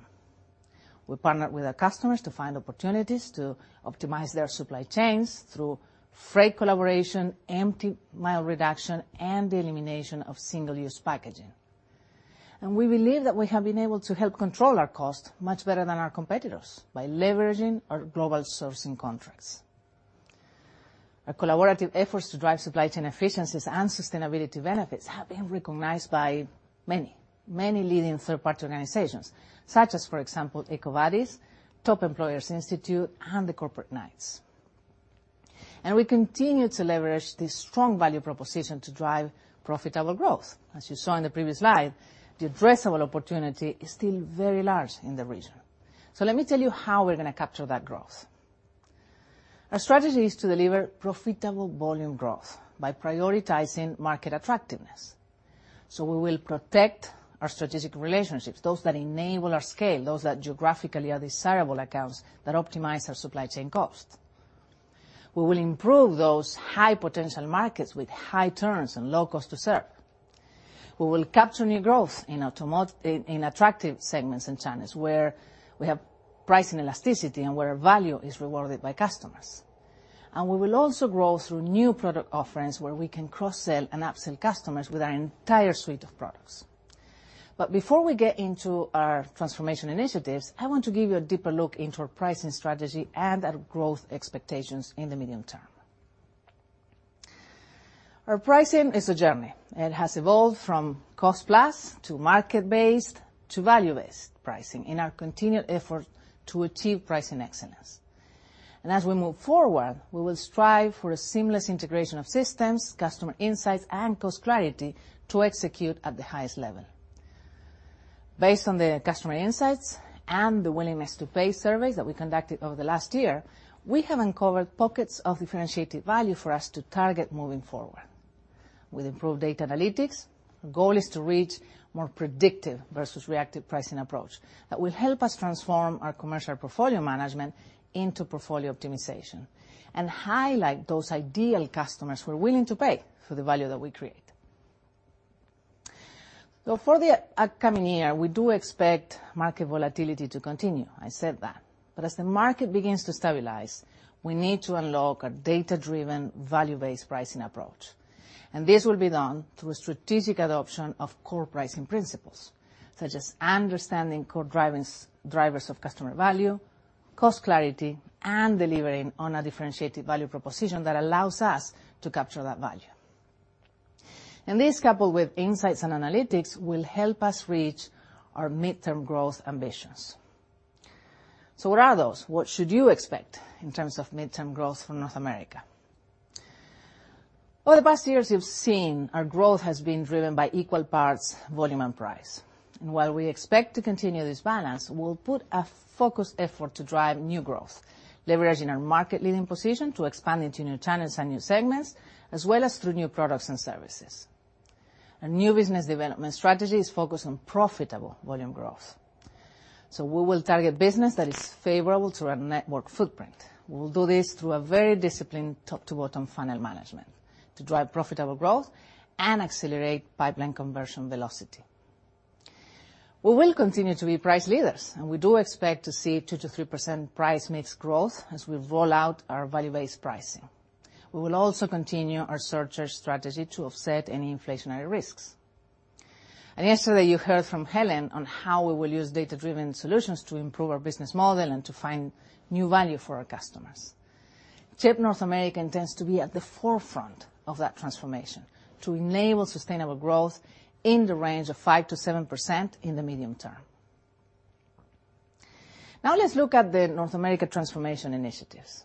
We partnered with our customers to find opportunities to optimize their supply chains through freight collaboration, empty mile reduction, and the elimination of single-use packaging. We believe that we have been able to help control our cost much better than our competitors by leveraging our global sourcing contracts. Our collaborative efforts to drive supply chain efficiencies and sustainability benefits have been recognized by many leading third-party organizations, such as, for example, EcoVadis, Top Employers Institute, and the Corporate Knights. We continue to leverage this strong value proposition to drive profitable growth. As you saw in the previous slide, the addressable opportunity is still very large in the region. Let me tell you how we're going to capture that growth. Our strategy is to deliver profitable volume growth by prioritizing market attractiveness. We will protect our strategic relationships, those that enable our scale, those that geographically are desirable accounts that optimize our supply chain cost. We will improve those high-potential markets with high turns and low cost to serve. We will capture new growth in attractive segments and channels where we have pricing elasticity and where value is rewarded by customers. We will also grow through new product offerings where we can cross-sell and upsell customers with our entire suite of products. Before we get into our transformation initiatives, I want to give you a deeper look into our pricing strategy and our growth expectations in the medium term. Our pricing is a journey. It has evolved from cost plus to market-based to value-based pricing in our continued effort to achieve pricing excellence. As we move forward, we will strive for a seamless integration of systems, customer insights, and cost clarity to execute at the highest level. Based on the customer insights and the willingness to pay surveys that we conducted over the last year, we have uncovered pockets of differentiated value for us to target moving forward. With improved data analytics, our goal is to reach more predictive versus reactive pricing approach that will help us transform our commercial portfolio management into portfolio optimization and highlight those ideal customers who are willing to pay for the value that we create. Though for the upcoming year, we do expect market volatility to continue. I said that. As the market begins to stabilize, we need to unlock a data-driven, value-based pricing approach, and this will be done through a strategic adoption of core pricing principles, such as understanding core drivers of customer value, cost clarity, and delivering on a differentiated value proposition that allows us to capture that value. This, coupled with insights and analytics, will help us reach our midterm growth ambitions. What are those? What should you expect in terms of midterm growth from North America? Over the past years, you've seen our growth has been driven by equal parts volume and price. While we expect to continue this balance, we'll put a focused effort to drive new growth, leveraging our market leading position to expand into new channels and new segments, as well as through new products and services. Our new business development strategy is focused on profitable volume growth. We will target business that is favorable to our network footprint. We will do this through a very disciplined top-to-bottom funnel management to drive profitable growth and accelerate pipeline conversion velocity. We will continue to be price leaders, and we do expect to see 2%-3% price mix growth as we roll out our value-based pricing. We will also continue our surcharge strategy to offset any inflationary risks. Yesterday, you heard from Helen on how we will use data-driven solutions to improve our business model and to find new value for our customers. CHEP North America intends to be at the forefront of that transformation to enable sustainable growth in the range of 5%-7% in the medium term. Now let's look at the North America transformation initiatives.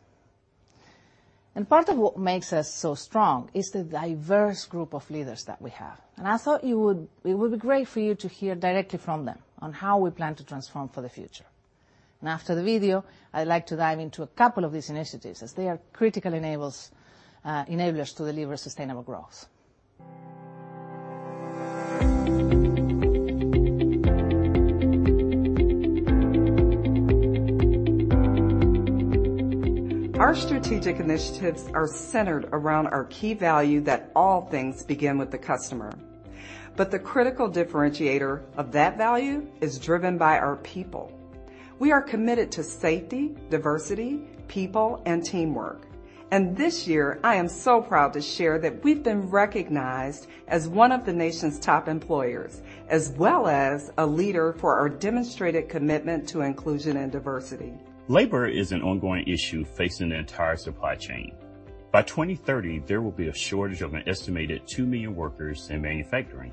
Part of what makes us so strong is the diverse group of leaders that we have, and I thought it would be great for you to hear directly from them on how we plan to transform for the future. After the video, I'd like to dive into a couple of these initiatives, as they are critical enablers to deliver sustainable growth. Our strategic initiatives are centered around our key value that all things begin with the customer. The critical differentiator of that value is driven by our people. We are committed to safety, diversity, people, and teamwork. This year, I am so proud to share that we've been recognized as one of the nation's Top Employers, as well as a leader for our demonstrated commitment to inclusion and diversity. Labor is an ongoing issue facing the entire supply chain. By 2030, there will be a shortage of an estimated 2 million workers in manufacturing.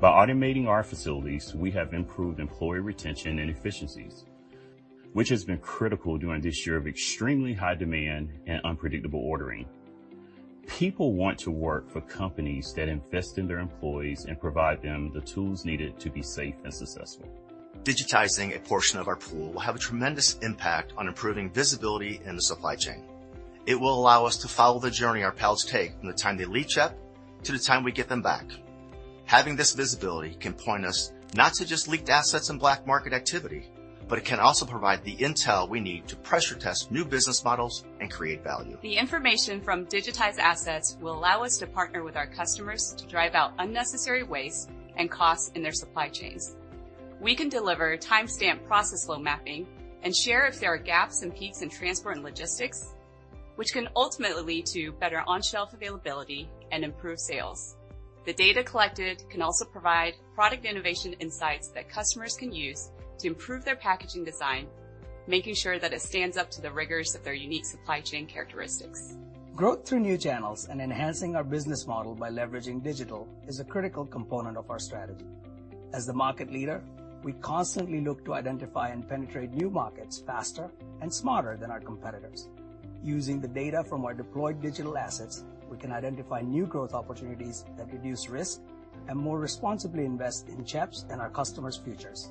By automating our facilities, we have improved employee retention and efficiencies, which has been critical during this year of extremely high demand and unpredictable ordering. People want to work for companies that invest in their employees and provide them the tools needed to be safe and successful. Digitizing a portion of our pool will have a tremendous impact on improving visibility in the supply chain. It will allow us to follow the journey our pallets take from the time they leave CHEP to the time we get them back. Having this visibility can point us not to just leaked assets and black market activity, but it can also provide the intel we need to pressure test new business models and create value. The information from digitized assets will allow us to partner with our customers to drive out unnecessary waste and costs in their supply chains. We can deliver timestamped process flow mapping and share if there are gaps and peaks in transport and logistics, which can ultimately lead to better on-shelf availability and improved sales. The data collected can also provide product innovation insights that customers can use to improve their packaging design, making sure that it stands up to the rigors of their unique supply chain characteristics. Growth through new channels and enhancing our business model by leveraging digital is a critical component of our strategy. As the market leader, we constantly look to identify and penetrate new markets faster and smarter than our competitors. Using the data from our deployed digital assets, we can identify new growth opportunities that reduce risk and more responsibly invest in CHEP's and our customers' futures.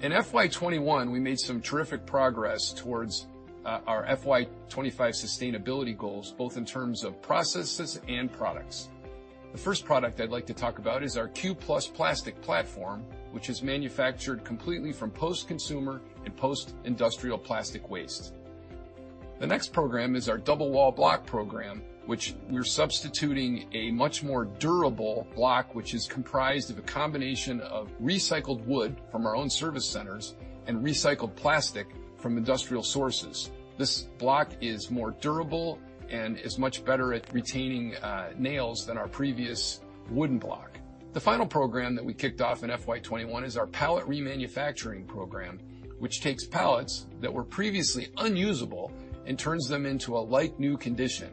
In FY 2021, we made some terrific progress towards our FY 2025 sustainability goals, both in terms of processes and products. The first product I'd like to talk about is our Q+ plastic platform, which is manufactured completely from post-consumer and post-industrial plastic waste. The next program is our double wall block program, which we're substituting a much more durable block, which is comprised of a combination of recycled wood from our own service centers and recycled plastic from industrial sources. This block is more durable and is much better at retaining nails than our previous wooden block. The final program that we kicked off in FY 2021 is our pallet remanufacturing program, which takes pallets that were previously unusable and turns them into a like-new condition.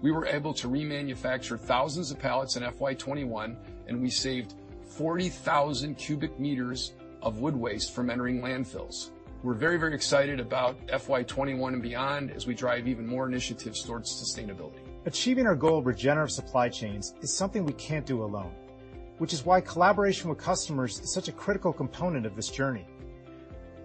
We were able to remanufacture thousands of pallets in FY 2021, and we saved 40,000 cubic meters of wood waste from entering landfills. We're very, very excited about FY 2021 and beyond as we drive even more initiatives towards sustainability. Achieving our goal of regenerative supply chains is something we can't do alone, which is why collaboration with customers is such a critical component of this journey.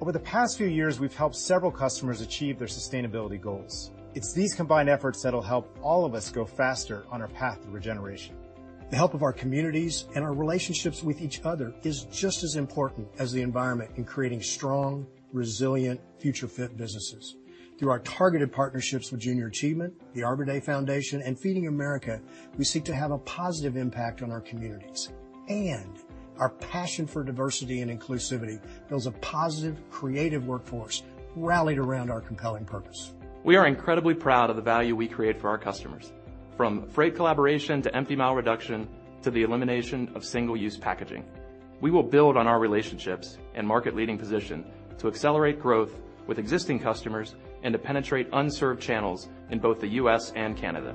Over the past few years, we've helped several customers achieve their sustainability goals. It's these combined efforts that'll help all of us go faster on our path to regeneration. The help of our communities and our relationships with each other is just as important as the environment in creating strong, resilient, future-fit businesses. Through our targeted partnerships with Junior Achievement, the Arbor Day Foundation, and Feeding America, we seek to have a positive impact on our communities. Our passion for diversity and inclusivity builds a positive, creative workforce rallied around our compelling purpose. We are incredibly proud of the value we create for our customers. From freight collaboration to empty mile reduction to the elimination of single-use packaging, we will build on our relationships and market-leading position to accelerate growth with existing customers and to penetrate unserved channels in both the U.S. and Canada.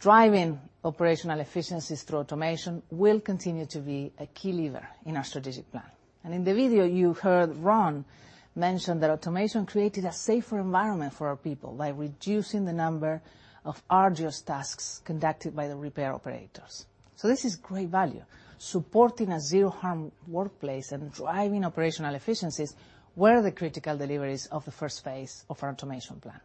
Driving operational efficiencies through automation will continue to be a key lever in our strategic plan. In the video, you heard Ron mention that automation created a safer environment for our people by reducing the number of arduous tasks conducted by the repair operators. This is great value. Supporting a zero-harm workplace and driving operational efficiencies were the critical deliveries of the first phase of our automation plan.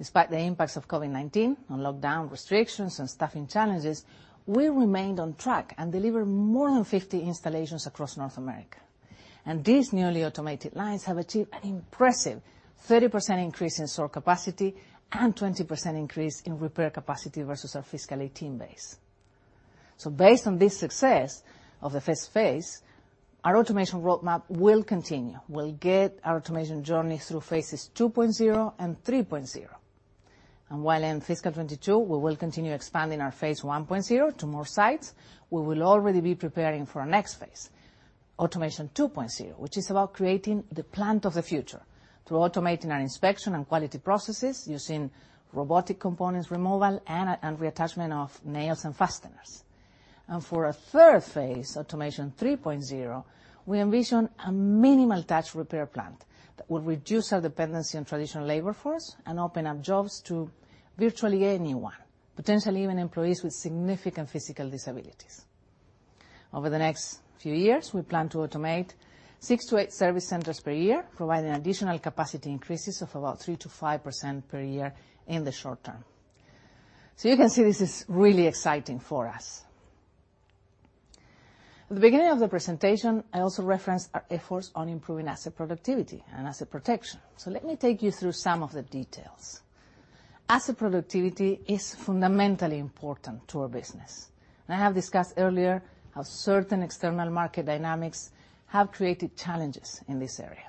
Despite the impacts of COVID-19 on lockdown restrictions and staffing challenges, we remained on track and delivered more than 50 installations across North America. These newly automated lines have achieved an impressive 30% increase in store capacity and 20% increase in repair capacity versus our fiscal 2018 base. Based on this success of the first phase, our automation roadmap will continue. We'll get our automation journey through phases 2.0 and 3.0. While in fiscal 2022, we will continue expanding our phase 1.0 to more sites, we will already be preparing for our next phase, automation 2.0, which is about creating the plant of the future through automating our inspection and quality processes using robotic components removal and reattachment of nails and fasteners. For our third phase, automation 3.0, we envision a minimal touch repair plant that would reduce our dependency on traditional labor force and open up jobs to virtually anyone, potentially even employees with significant physical disabilities. Over the next few years, we plan to automate 6-8 service centers per year, providing additional capacity increases of about 3%-5% per year in the short term. You can see this is really exciting for us. At the beginning of the presentation, I also referenced our efforts on improving asset productivity and asset protection. Let me take you through some of the details. Asset productivity is fundamentally important to our business, I have discussed earlier how certain external market dynamics have created challenges in this area.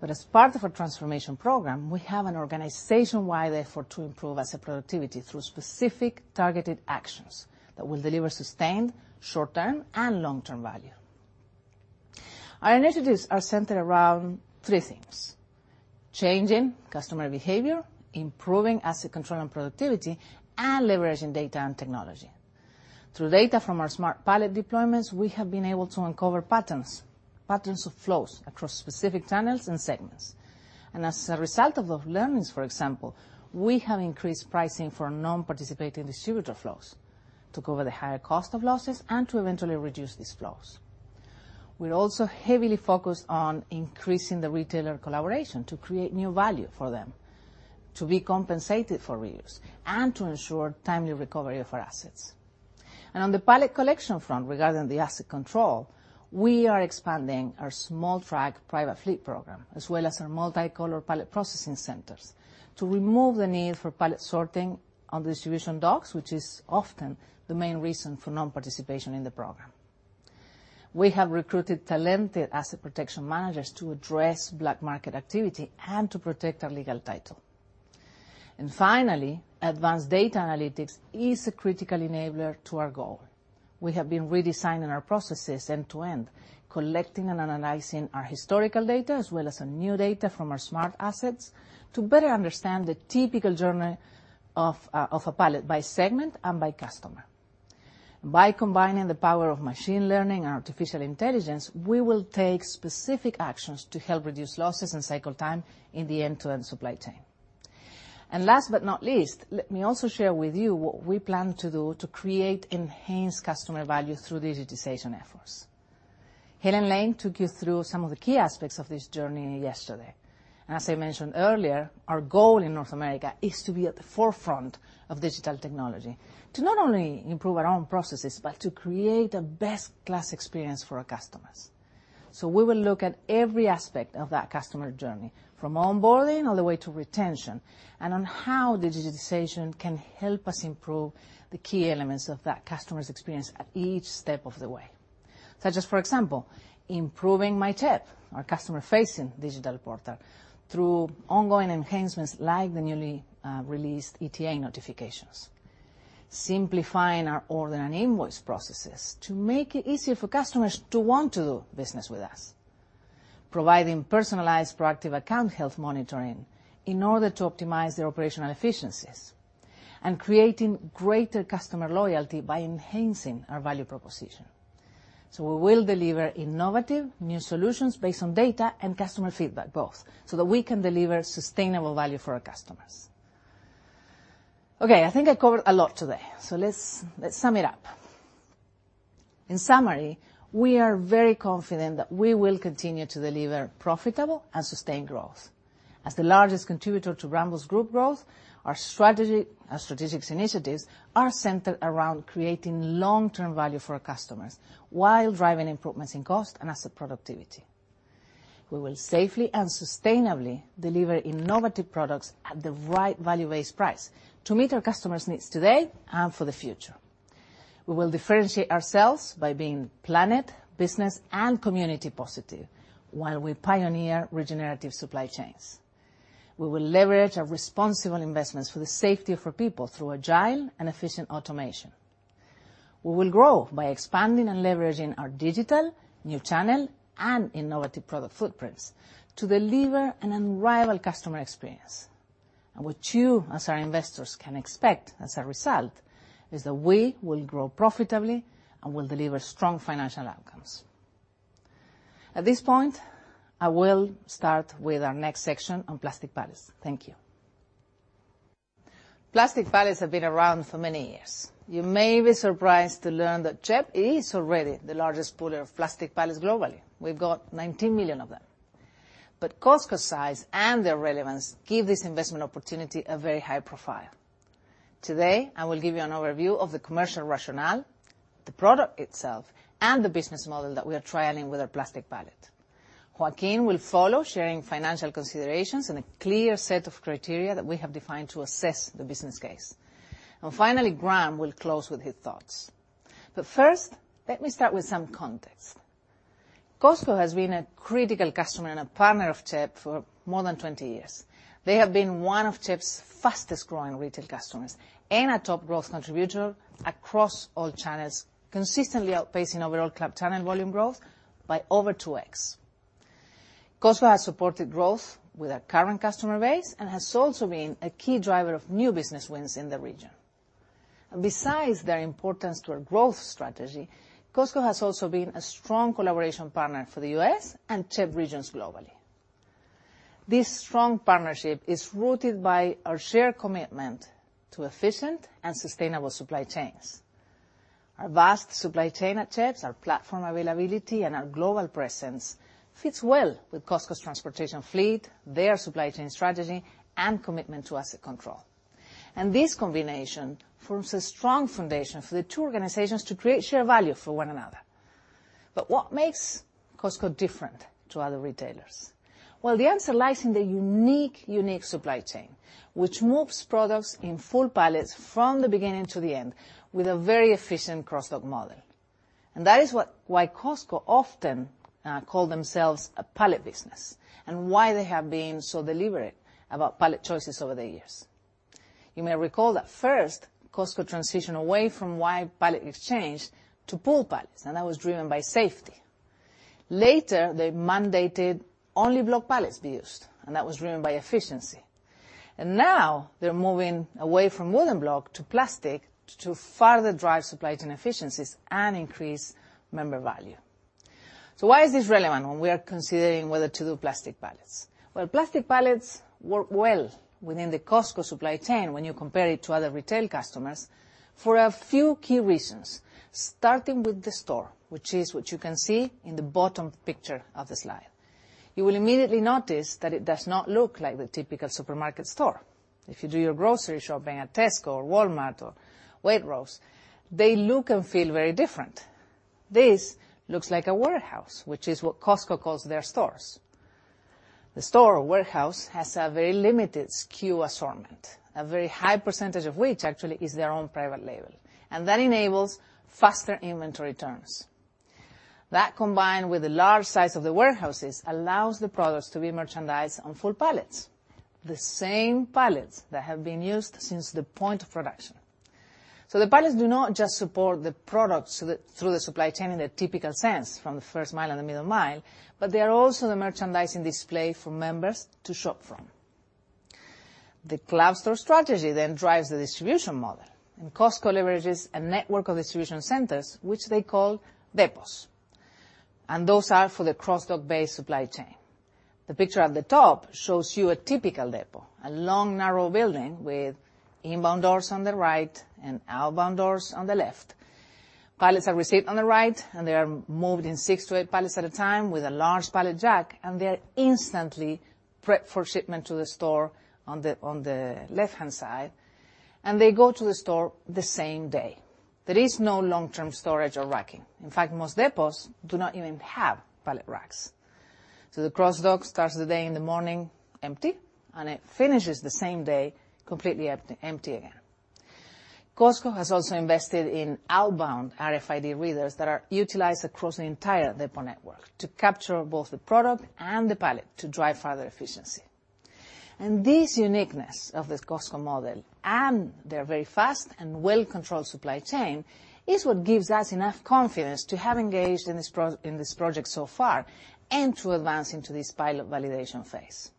As part of our transformation program, we have an organization-wide effort to improve asset productivity through specific targeted actions that will deliver sustained short-term and long-term value. Our initiatives are centered around three things: changing customer behavior, improving asset control and productivity, and leveraging data and technology. Through data from our smart pallet deployments, we have been able to uncover patterns of flows across specific channels and segments. As a result of those learnings, for example, we have increased pricing for non-participating distributor flows to cover the higher cost of losses and to eventually reduce these flows. We're also heavily focused on increasing the retailer collaboration to create new value for them, to be compensated for reuse, and to ensure timely recovery of our assets. On the pallet collection front, regarding the asset control, we are expanding our Small Frag Private Fleet Program, as well as our multicolor pallet processing centers to remove the need for pallet sorting on distribution docks, which is often the main reason for non-participation in the program. We have recruited talented asset protection managers to address black market activity and to protect our legal title. Finally, advanced data analytics is a critical enabler to our goal. We have been redesigning our processes end to end, collecting and analyzing our historical data, as well as new data from our smart assets to better understand the typical journey of a pallet by segment and by customer. By combining the power of machine learning and artificial intelligence, we will take specific actions to help reduce losses and cycle time in the end-to-end supply chain. Last but not least, let me also share with you what we plan to do to create enhanced customer value through digitization efforts. Helen Lane took you through some of the key aspects of this journey yesterday, and as I mentioned earlier, our goal in North America is to be at the forefront of digital technology, to not only improve our own processes, but to create a best-class experience for our customers. We will look at every aspect of that customer journey, from onboarding all the way to retention, and on how the digitization can help us improve the key elements of that customer's experience at each step of the way. Such as, for example, improving myCHEP, our customer-facing digital portal, through ongoing enhancements like the newly released ETA notifications. Simplifying our order and invoice processes to make it easier for customers to want to do business with us. Providing personalized, proactive account health monitoring in order to optimize their operational efficiencies. Creating greater customer loyalty by enhancing our value proposition. We will deliver innovative new solutions based on data and customer feedback both, so that we can deliver sustainable value for our customers. Okay, I think I covered a lot today, so let's sum it up. In summary, we are very confident that we will continue to deliver profitable and sustained growth. As the largest contributor to Brambles group growth, our strategic initiatives are centered around creating long-term value for our customers while driving improvements in cost and asset productivity. We will safely and sustainably deliver innovative products at the right value-based price to meet our customers' needs today and for the future. We will differentiate ourselves by being planet, business, and community positive while we pioneer regenerative supply chains. We will leverage our responsible investments for the safety of our people through agile and efficient automation. We will grow by expanding and leveraging our digital, new channel, and innovative product footprints to deliver an unrivaled customer experience. What you, as our investors, can expect as a result is that we will grow profitably and will deliver strong financial outcomes. At this point, I will start with our next section on plastic pallets. Thank you. Plastic pallets have been around for many years. You may be surprised to learn that CHEP is already the largest pooler of plastic pallets globally. We've got 19 million of them. Costco's size and their relevance give this investment opportunity a very high profile. Today, I will give you an overview of the commercial rationale, the product itself, and the business model that we are trialing with our plastic pallet. Joaquin will follow, sharing financial considerations and a clear set of criteria that we have defined to assess the business case. Finally, Graham will close with his thoughts. First, let me start with some context. Costco has been a critical customer and a partner of CHEP for more than 20 years. They have been one of CHEP's fastest-growing retail customers and a top growth contributor across all channels, consistently outpacing overall club channel volume growth by over 2x. Costco has supported growth with our current customer base and has also been a key driver of new business wins in the region. Besides their importance to our growth strategy, Costco has also been a strong collaboration partner for the U.S. and CHEP regions globally. This strong partnership is rooted by our shared commitment to efficient and sustainable supply chains. Our vast supply chain at CHEP, our platform availability, and our global presence fits well with Costco's transportation fleet, their supply chain strategy, and commitment to asset control. This combination forms a strong foundation for the two organizations to create shared value for one another. What makes Costco different to other retailers? Well, the answer lies in their unique supply chain, which moves products in full pallets from the beginning to the end with a very efficient cross-dock model. That is why Costco often call themselves a pallet business, and why they have been so deliberate about pallet choices over the years. You may recall that first, Costco transitioned away from wood pallet exchange to pool pallets, and that was driven by safety. Later, they mandated only block pallets be used, and that was driven by efficiency. Now, they're moving away from wooden block to plastic to further drive supply chain efficiencies and increase member value. Why is this relevant when we are considering whether to do plastic pallets? Plastic pallets work well within the Costco supply chain when you compare it to other retail customers for a few key reasons, starting with the store, which is what you can see in the bottom picture of the slide. You will immediately notice that it does not look like the typical supermarket store. If you do your grocery shopping at Tesco or Walmart or Waitrose, they look and feel very different. This looks like a warehouse, which is what Costco calls their stores. The store or warehouse has a very limited SKU assortment, a very high percent of which actually is their own private label. That enables faster inventory turns. That, combined with the large size of the warehouses, allows the products to be merchandised on full pallets, the same pallets that have been used since the point of production. The pallets do not just support the products through the supply chain in a typical sense from the first mile and the middle mile, but they are also the merchandising display for members to shop from. The club store strategy then drives the distribution model. Costco leverages a network of distribution centers, which they call depots, and those are for the cross-dock-based supply chain. The picture at the top shows you a typical depot, a long, narrow building with inbound doors on the right and outbound doors on the left. Pallets are received on the right, and they are moved in six to eight pallets at a time with a large pallet jack, and they're instantly prepped for shipment to the store on the left-hand side, and they go to the store the same day. There is no long-term storage or racking. In fact, most depots do not even have pallet racks. The cross-dock starts the day in the morning empty, and it finishes the same day completely empty again. Costco has also invested in outbound RFID readers that are utilized across the entire depot network to capture both the product and the pallet to drive further efficiency. This uniqueness of this Costco model, and their very fast and well-controlled supply chain, is what gives us enough confidence to have engaged in this project so far and to advance into this pilot validation phase.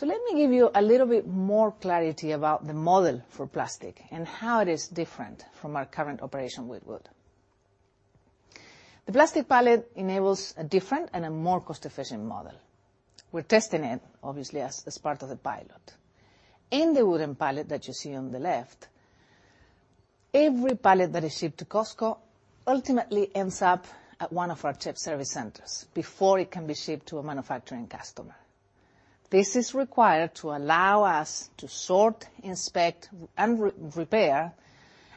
Let me give you a little bit more clarity about the model for plastic and how it is different from our current operation with wood. The plastic pallet enables a different and a more cost-efficient model. We're testing it, obviously, as part of the pilot. In the wooden pallet that you see on the left, every pallet that is shipped to Costco ultimately ends up at one of our CHEP service centers before it can be shipped to a manufacturing customer. This is required to allow us to sort, inspect, and repair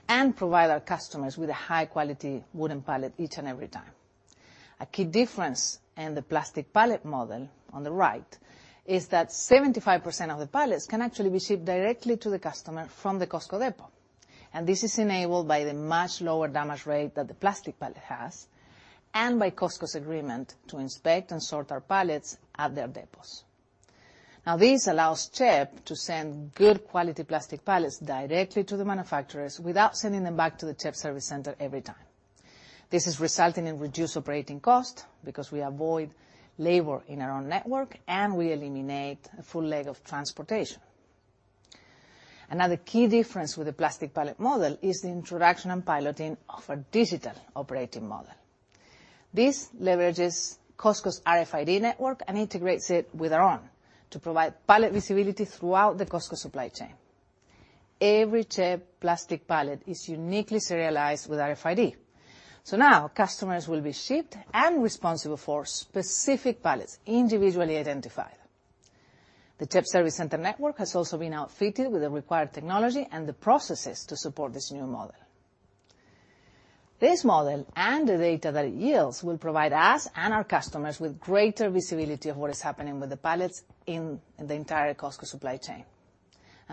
and provide our customers with a high-quality wooden pallet each and every time. A key difference in the plastic pallet model, on the right, is that 75% of the pallets can actually be shipped directly to the customer from the Costco depot. This is enabled by the much lower damage rate that the plastic pallet has and by Costco's agreement to inspect and sort our pallets at their depots. Now, this allows CHEP to send good quality plastic pallets directly to the manufacturers without sending them back to the CHEP service center every time. This is resulting in reduced operating cost because we avoid labor in our own network. We eliminate a full leg of transportation. Another key difference with the plastic pallet model is the introduction and piloting of a digital operating model. This leverages Costco's RFID network and integrates it with our own to provide pallet visibility throughout the Costco supply chain. Every CHEP plastic pallet is uniquely serialized with RFID. Now customers will be shipped and responsible for specific pallets, individually identified. The CHEP service center network has also been outfitted with the required technology and the processes to support this new model. This model, and the data that it yields, will provide us and our customers with greater visibility of what is happening with the pallets in the entire Costco supply chain.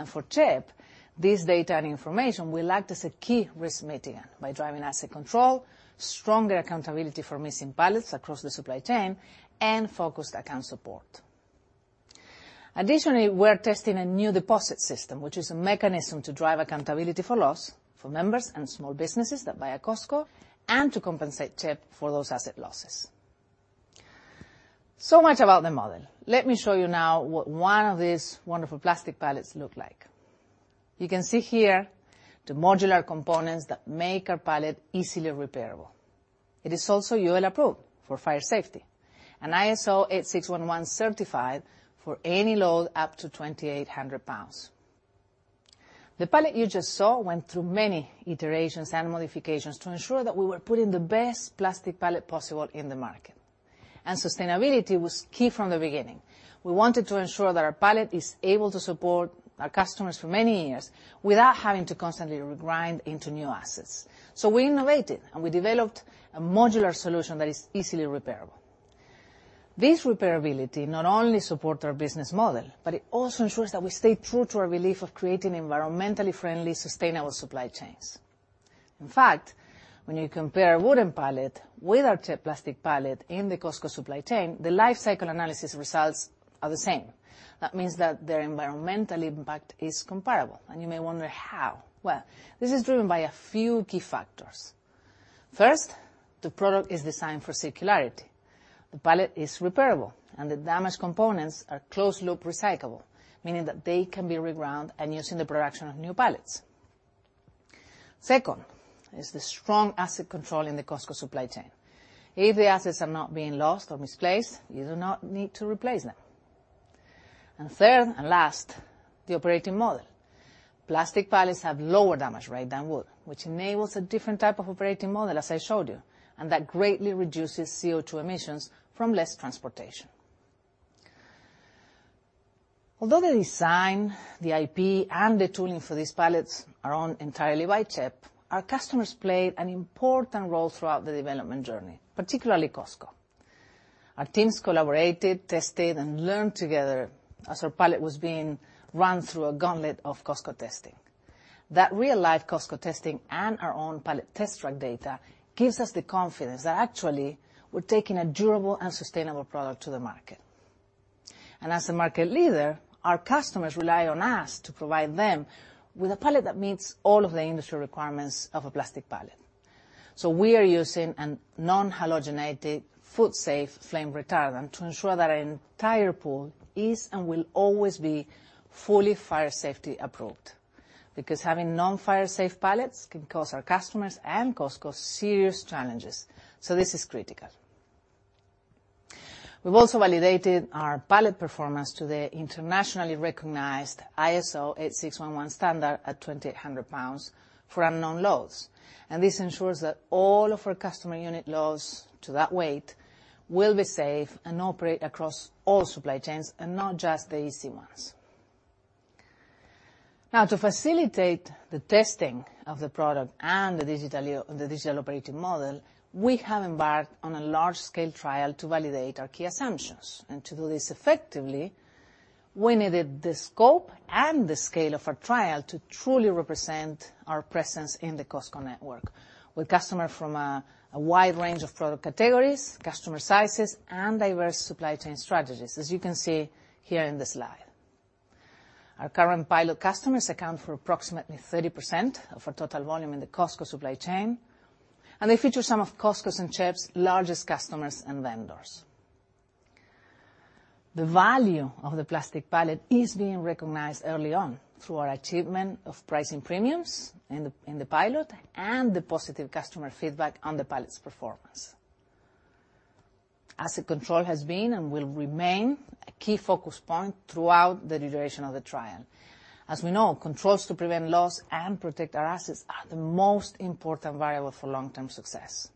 For CHEP, this data and information will act as a key risk mitigant by driving asset control, stronger accountability for missing pallets across the supply chain, and focused account support. Additionally, we're testing a new deposit system, which is a mechanism to drive accountability for loss for members and small businesses that buy at Costco, and to compensate CHEP for those asset losses. Much about the model. Let me show you now what one of these wonderful plastic pallets look like. You can see here the modular components that make our pallet easily repairable. It is also UL approved for fire safety and ISO 8611 certified for any load up to 2,800 lb. The pallet you just saw went through many iterations and modifications to ensure that we were putting the best plastic pallet possible in the market. Sustainability was key from the beginning. We wanted to ensure that our pallet is able to support our customers for many years without having to constantly regrind into new assets. We innovated and we developed a modular solution that is easily repairable. This repairability not only support our business model, but it also ensures that we stay true to our belief of creating environmentally friendly, sustainable supply chains. In fact, when you compare a wooden pallet with our CHEP plastic pallet in the Costco supply chain, the life cycle analysis results are the same. That means that their environmental impact is comparable, and you may wonder how. Well, this is driven by a few key factors. First, the product is designed for circularity. The pallet is repairable, and the damaged components are closed loop recyclable, meaning that they can be reground and used in the production of new pallets. Second, is the strong asset control in the Costco supply chain. If the assets are not being lost or misplaced, you do not need to replace them. Third and last, the operating model. Plastic pallets have lower damage rate than wood, which enables a different type of operating model, as I showed you, and that greatly reduces CO2 emissions from less transportation. Although the design, the IP, and the tooling for these pallets are owned entirely by CHEP, our customers played an important role throughout the development journey, particularly Costco. Our teams collaborated, tested, and learned together as our pallet was being run through a gauntlet of Costco testing. That real-life Costco testing and our own pallet test track data gives us the confidence that actually we're taking a durable and sustainable product to the market. As a market leader, our customers rely on us to provide them with a pallet that meets all of the industry requirements of a plastic pallet. We are using a non-halogenated food safe flame retardant to ensure that our entire pool is and will always be fully fire safety approved. Having non-fire safe pallets can cause our customers and Costco serious challenges. This is critical. We've also validated our pallet performance to the internationally recognized ISO 8611 standard at 2,800 lb for unknown loads. This ensures that all of our customer unit loads to that weight will be safe and operate across all supply chains and not just the easy ones. Now, to facilitate the testing of the product and the digital operating model, we have embarked on a large scale trial to validate our key assumptions. To do this effectively, we needed the scope and the scale of our trial to truly represent our presence in the Costco network, with customer from a wide range of product categories, customer sizes, and diverse supply chain strategies, as you can see here in the slide. Our current pilot customers account for approximately 30% of our total volume in the Costco supply chain. They feature some of Costco's and CHEP's largest customers and vendors. The value of the plastic pallet is being recognized early on through our achievement of pricing premiums in the pilot and the positive customer feedback on the pallet's performance. Asset control has been and will remain a key focus point throughout the duration of the trial. As we know, controls to prevent loss and protect our assets are the most important variable for long-term success,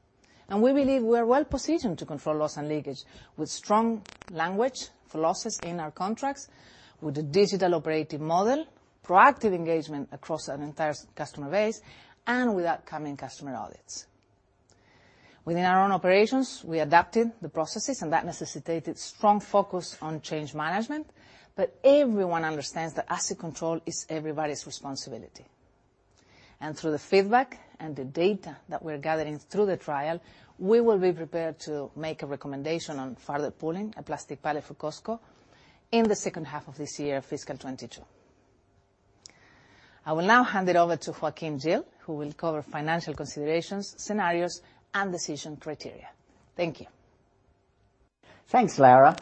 and we believe we are well positioned to control loss and leakage with strong language clauses in our contracts with a digital operating model, proactive engagement across our entire customer base, and with upcoming customer audits. Within our own operations, we adapted the processes, and that necessitated strong focus on change management. Everyone understands that asset control is everybody's responsibility. Through the feedback and the data that we're gathering through the trial, we will be prepared to make a recommendation on further pooling a plastic pallet for Costco in the second half of this year, fiscal 2022. I will now hand it over to Joaquin Gil, who will cover financial considerations, scenarios, and decision criteria. Thank you. Thanks, Laura.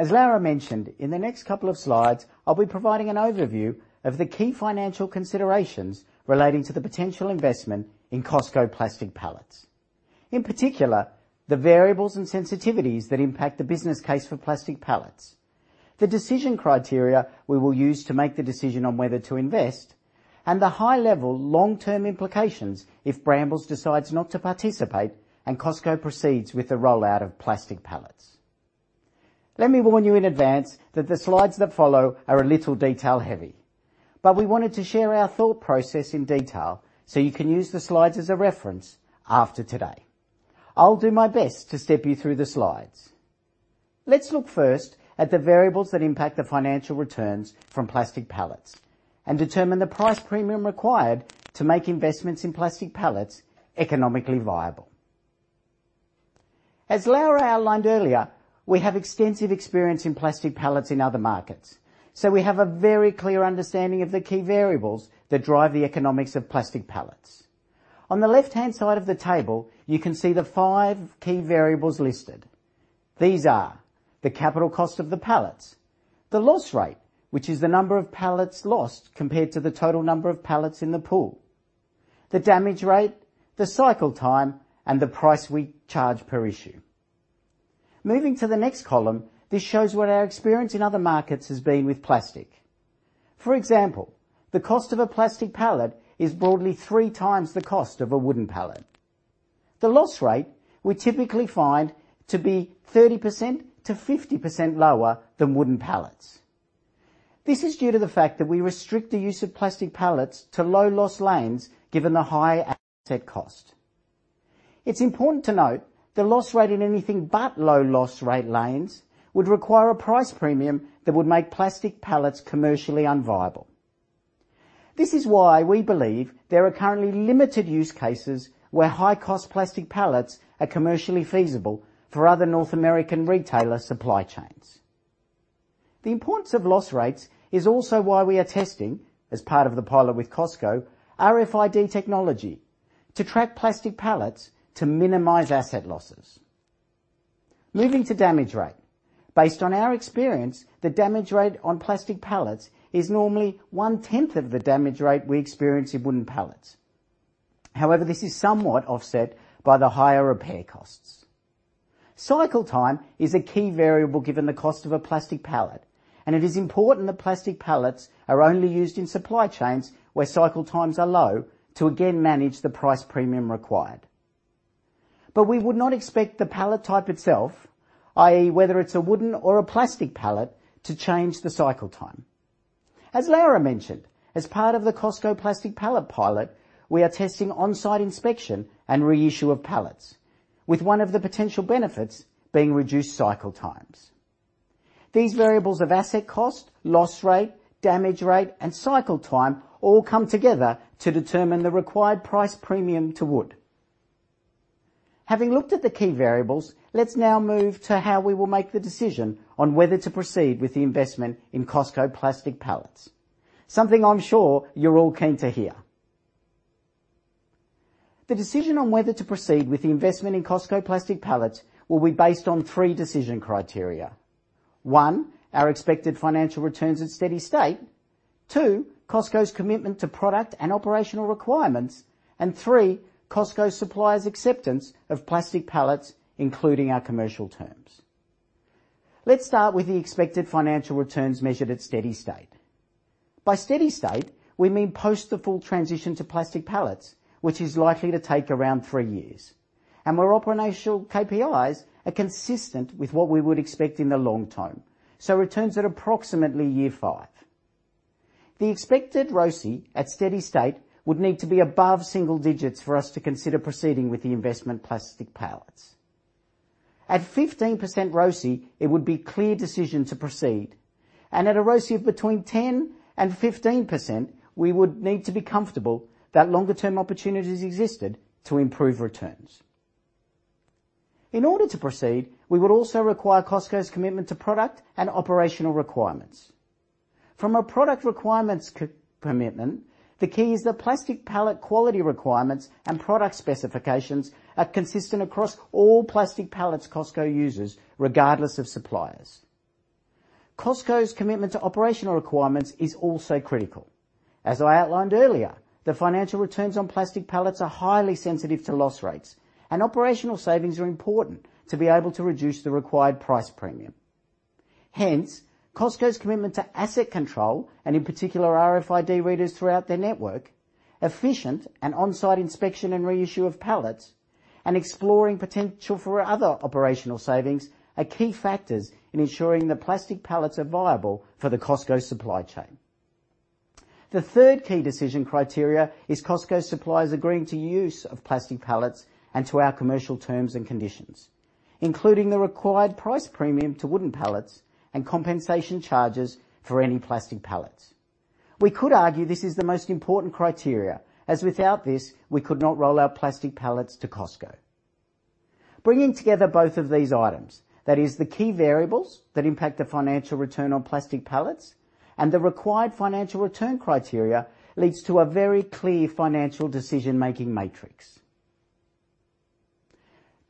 As Laura mentioned, in the next couple of slides, I'll be providing an overview of the key financial considerations relating to the potential investment in Costco plastic pallets. In particular, the variables and sensitivities that impact the business case for plastic pallets, the decision criteria we will use to make the decision on whether to invest, and the high-level long-term implications if Brambles decides not to participate and Costco proceeds with the rollout of plastic pallets. Let me warn you in advance that the slides that follow are a little detail heavy, but we wanted to share our thought process in detail so you can use the slides as a reference after today. I'll do my best to step you through the slides. Let's look first at the variables that impact the financial returns from plastic pallets and determine the price premium required to make investments in plastic pallets economically viable. As Laura outlined earlier, we have extensive experience in plastic pallets in other markets, so we have a very clear understanding of the key variables that drive the economics of plastic pallets. On the left-hand side of the table, you can see the five key variables listed. These are the capital cost of the pallets, the loss rate, which is the number of pallets lost compared to the total number of pallets in the pool, the damage rate, the cycle time, and the price we charge per issue. Moving to the next column, this shows what our experience in other markets has been with plastic. For example, the cost of a plastic pallet is broadly 3x the cost of a wooden pallet. The loss rate we typically find to be 30%-50% lower than wooden pallets. This is due to the fact that we restrict the use of plastic pallets to low-loss lanes given the high asset cost. It's important to note the loss rate in anything but low-loss rate lanes would require a price premium that would make plastic pallets commercially unviable. This is why we believe there are currently limited use cases where high-cost plastic pallets are commercially feasible for other North American retailer supply chains. The importance of loss rates is also why we are testing, as part of the pilot with Costco, RFID technology to track plastic pallets to minimize asset losses. Moving to damage rate. Based on our experience, the damage rate on plastic pallets is normally one-tenth of the damage rate we experience in wooden pallets. This is somewhat offset by the higher repair costs. Cycle time is a key variable given the cost of a plastic pallet, and it is important that plastic pallets are only used in supply chains where cycle times are low to again manage the price premium required. We would not expect the pallet type itself, i.e., whether it's a wooden or a plastic pallet, to change the cycle time. As Laura mentioned, as part of the Costco plastic pallet pilot, we are testing on-site inspection and reissue of pallets, with one of the potential benefits being reduced cycle times. These variables of asset cost, loss rate, damage rate, and cycle time all come together to determine the required price premium to wood. Having looked at the key variables, let's now move to how we will make the decision on whether to proceed with the investment in Costco plastic pallets. Something I'm sure you're all keen to hear. The decision on whether to proceed with the investment in Costco plastic pallets will be based on three decision criteria. One, our expected financial returns at steady state. Two, Costco's commitment to product and operational requirements. Three, Costco suppliers' acceptance of plastic pallets, including our commercial terms. Let's start with the expected financial returns measured at steady state. By steady state, we mean post the full transition to plastic pallets, which is likely to take around three years, and where operational KPIs are consistent with what we would expect in the long term, so returns at approximately year five. The expected ROCE at steady state would need to be above single-digits for us to consider proceeding with the investment plastic pallets. At 15% ROCE, it would be clear decision to proceed, and at a ROCE of between 10% and 15%, we would need to be comfortable that longer-term opportunities existed to improve returns. In order to proceed, we would also require Costco's commitment to product and operational requirements. From a product requirements commitment, the key is the plastic pallet quality requirements and product specifications are consistent across all plastic pallets Costco uses, regardless of suppliers. Costco's commitment to operational requirements is also critical. As I outlined earlier, the financial returns on plastic pallets are highly sensitive to loss rates, and operational savings are important to be able to reduce the required price premium. Costco's commitment to asset control, and in particular, RFID readers throughout their network, efficient and on-site inspection and reissue of pallets, and exploring potential for other operational savings are key factors in ensuring that plastic pallets are viable for the Costco supply chain. The third key decision criteria is Costco suppliers agreeing to use of plastic pallets and to our commercial terms and conditions, including the required price premium to wooden pallets and compensation charges for any plastic pallets. We could argue this is the most important criteria, as without this, we could not roll out plastic pallets to Costco. Bringing together both of these items, that is the key variables that impact the financial return on plastic pallets and the required financial return criteria, leads to a very clear financial decision-making matrix.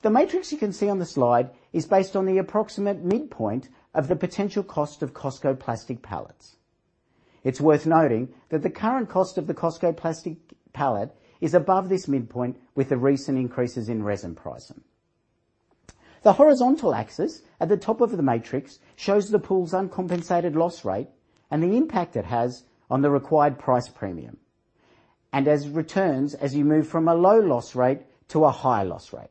The matrix you can see on the slide is based on the approximate midpoint of the potential cost of Costco plastic pallets. It's worth noting that the current cost of the Costco plastic pallet is above this midpoint with the recent increases in resin pricing. The horizontal axis at the top of the matrix shows the pool's uncompensated loss rate and the impact it has on the required price premium, and as returns as you move from a low loss rate to a high loss rate.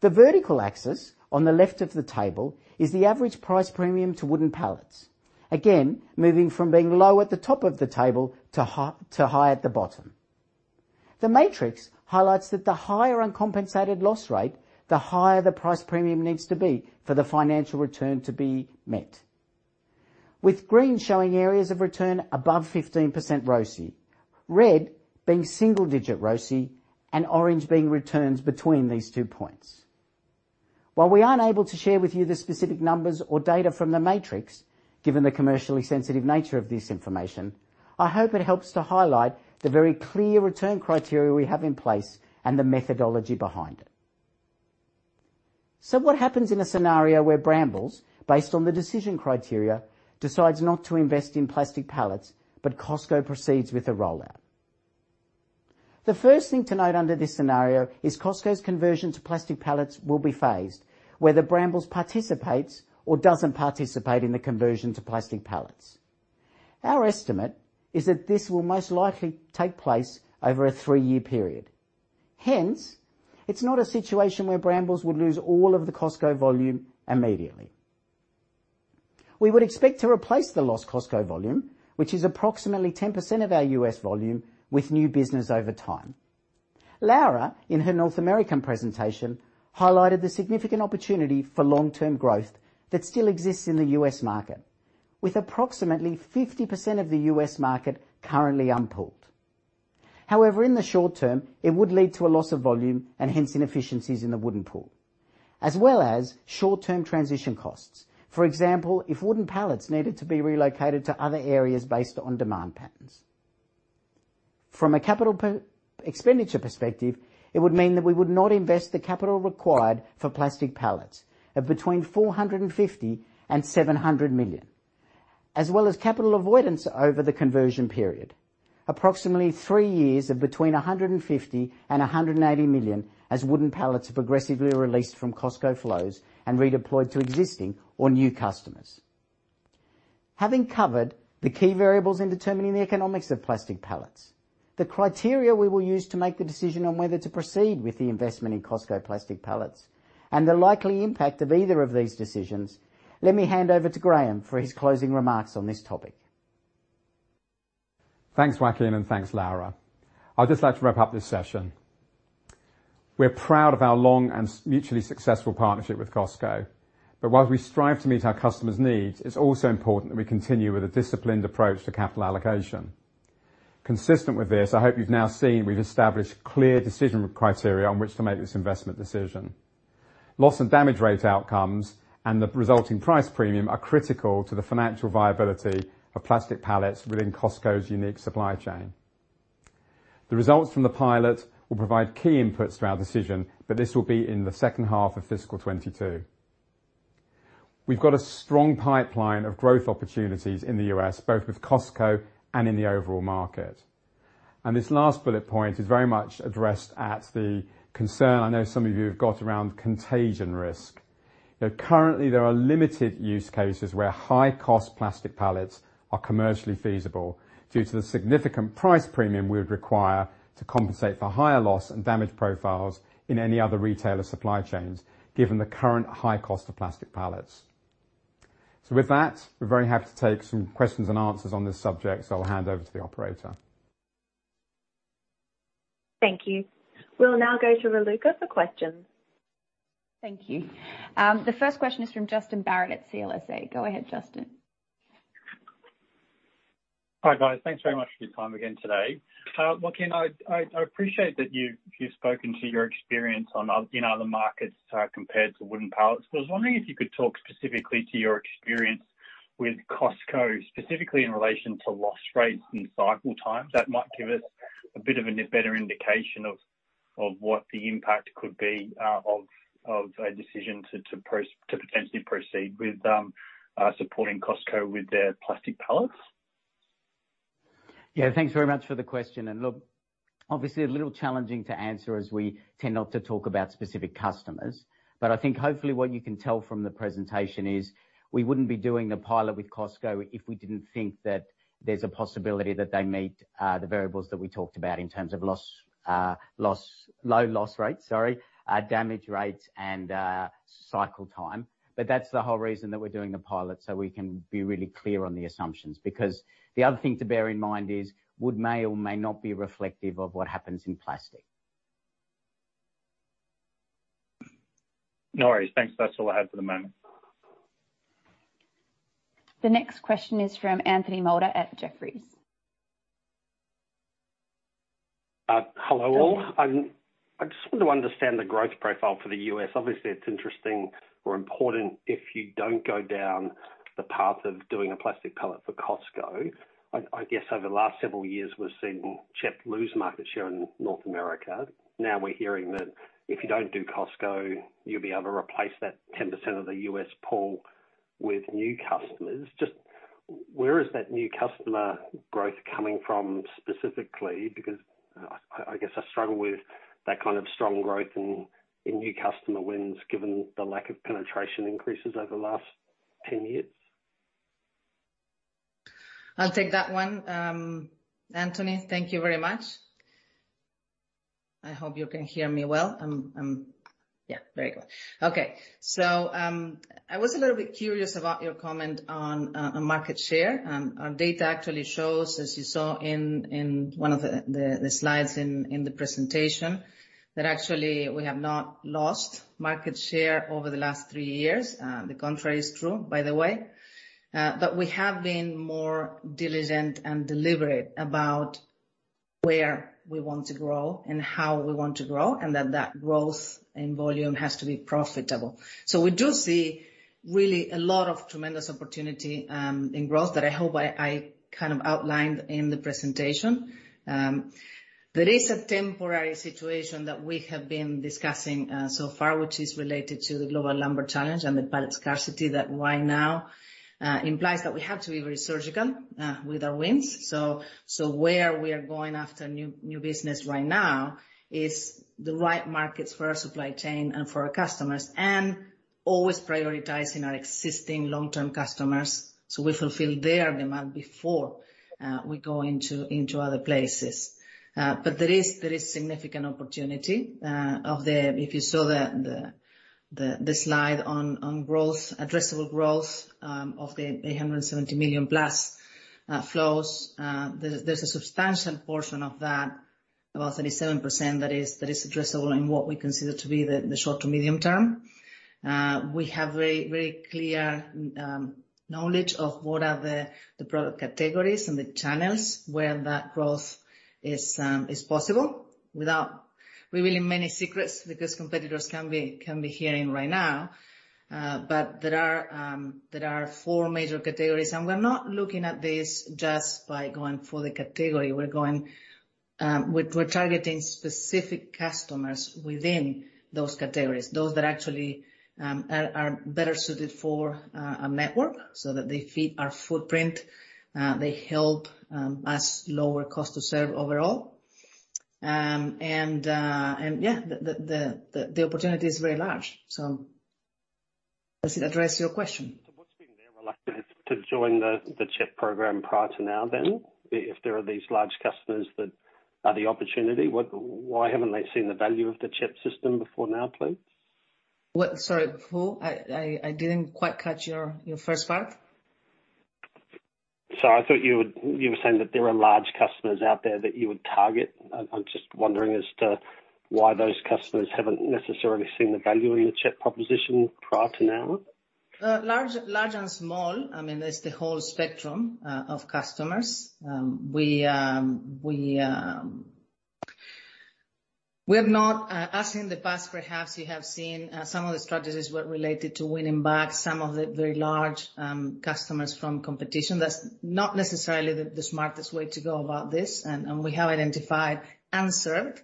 The vertical axis on the left of the table is the average price premium to wooden pallets, again, moving from being low at the top of the table to high at the bottom. The matrix highlights that the higher uncompensated loss rate, the higher the price premium needs to be for the financial return to be met. With green showing areas of return above 15% ROCE, red being single-digit ROCE, and orange being returns between these two points. While we aren't able to share with you the specific numbers or data from the matrix, given the commercially sensitive nature of this information, I hope it helps to highlight the very clear return criteria we have in place and the methodology behind it. What happens in a scenario where Brambles, based on the decision criteria, decides not to invest in plastic pallets, but Costco proceeds with the rollout? The first thing to note under this scenario is Costco's conversion to plastic pallets will be phased, whether Brambles participates or doesn't participate in the conversion to plastic pallets. Our estimate is that this will most likely take place over a three-year period. It's not a situation where Brambles would lose all of the Costco volume immediately. We would expect to replace the lost Costco volume, which is approximately 10% of our U.S. volume, with new business over time. Laura, in her North American presentation, highlighted the significant opportunity for long-term growth that still exists in the U.S. market, with approximately 50% of the U.S. market currently unpooled. In the short term, it would lead to a loss of volume and hence inefficiencies in the wooden pool, as well as short-term transition costs. For example, if wooden pallets needed to be relocated to other areas based on demand patterns. From a capital expenditure perspective, it would mean that we would not invest the capital required for plastic pallets of between $450 million-$700 million, as well as capital avoidance over the conversion period. Approximately 3 years of between $150 million-$180 million as wooden pallets are progressively released from Costco flows and redeployed to existing or new customers. Having covered the key variables in determining the economics of plastic pallets, the criteria we will use to make the decision on whether to proceed with the investment in Costco plastic pallets and the likely impact of either of these decisions, let me hand over to Graham for his closing remarks on this topic. Thanks, Joaquin, and thanks, Laura. I'd just like to wrap up this session. While we strive to meet our customers' needs, it's also important that we continue with a disciplined approach to capital allocation. Consistent with this, I hope you've now seen we've established clear decision criteria on which to make this investment decision. Loss and damage rate outcomes and the resulting price premium are critical to the financial viability of plastic pallets within Costco's unique supply chain. The results from the pilot will provide key inputs to our decision, but this will be in the second half of fiscal 2022. We've got a strong pipeline of growth opportunities in the U.S., both with Costco and in the overall market. This last bullet point is very much addressed at the concern I know some of you have got around contagion risk. Currently, there are limited use cases where high-cost plastic pallets are commercially feasible due to the significant price premium we would require to compensate for higher loss and damage profiles in any other retailer supply chains, given the current high cost of plastic pallets. With that, we're very happy to take some questions and answers on this subject. I'll hand over to the operator. Thank you. We'll now go to Raluca for questions. Thank you. The first question is from Justin Barratt at CLSA. Go ahead, Justin. Hi, guys. Thanks very much for your time again today. Joaquin, I appreciate that you've spoken to your experience in other markets compared to wooden pallets. I was wondering if you could talk specifically to your experience with Costco, specifically in relation to loss rates and cycle times. That might give us a bit of a better indication of what the impact could be of a decision to potentially proceed with supporting Costco with their plastic pallets. Yeah. Thanks very much for the question. Look, obviously, a little challenging to answer as we tend not to talk about specific customers. I think hopefully what you can tell from the presentation is we wouldn't be doing the pilot with Costco if we didn't think that there's a possibility that they meet the variables that we talked about in terms of low loss rates, damage rates, and cycle time. That's the whole reason that we're doing the pilot, so we can be really clear on the assumptions. Because the other thing to bear in mind is wood may or may not be reflective of what happens in plastic. No worries. Thanks. That's all I have for the moment. The next question is from Anthony Moulder at Jefferies. Hello, all. I just want to understand the growth profile for the U.S. Obviously, it's interesting or important if you don't go down the path of doing a plastic pallet for Costco. I guess over the last several years, we're seeing CHEP lose market share in North America. Now we're hearing that if you don't do Costco, you'll be able to replace that 10% of the U.S. pool with new customers. Just where is that new customer growth coming from specifically? Because I guess I struggle with that kind of strong growth in new customer wins given the lack of penetration increases over the last 10 years. I'll take that one. Anthony, thank you very much. I hope you can hear me well. Yeah, very good. Okay. I was a little bit curious about your comment on market share. Our data actually shows, as you saw in one of the slides in the presentation, that actually we have not lost market share over the last three years. The contrary is true, by the way. We have been more diligent and deliberate about where we want to grow and how we want to grow, and that that growth and volume has to be profitable. We do see really a lot of tremendous opportunity, in growth that I hope I outlined in the presentation. There is a temporary situation that we have been discussing so far, which is related to the global lumber challenge and the pallet scarcity that right now implies that we have to be very surgical with our wins. Where we are going after new business right now is the right markets for our supply chain and for our customers, and always prioritizing our existing long-term customers. We fulfill their demand before we go into other places. There is significant opportunity. If you saw the slide on addressable growth of the 870 million+ flows, there's a substantial portion of that, about 37%, that is addressable in what we consider to be the short to medium term. We have very clear knowledge of what are the product categories and the channels where that growth is possible without revealing many secrets, because competitors can be hearing right now. There are four major categories, and we're not looking at this just by going for the category. We're targeting specific customers within those categories, those that actually are better suited for a network so that they fit our footprint, they help us lower cost to serve overall. Yeah, the opportunity is very large. Does it address your question? What's been their reluctance to join the CHEP program prior to now then? If there are these large customers that are the opportunity, why haven't they seen the value of the CHEP system before now, please? What? Sorry, who? I didn't quite catch your first part. Sorry. I thought you were saying that there are large customers out there that you would target. I'm just wondering as to why those customers haven't necessarily seen the value in the CHEP proposition prior to now. Large and small. There's the whole spectrum of customers. As in the past, perhaps you have seen some of the strategies were related to winning back some of the very large customers from competition. That's not necessarily the smartest way to go about this, and we have identified unserved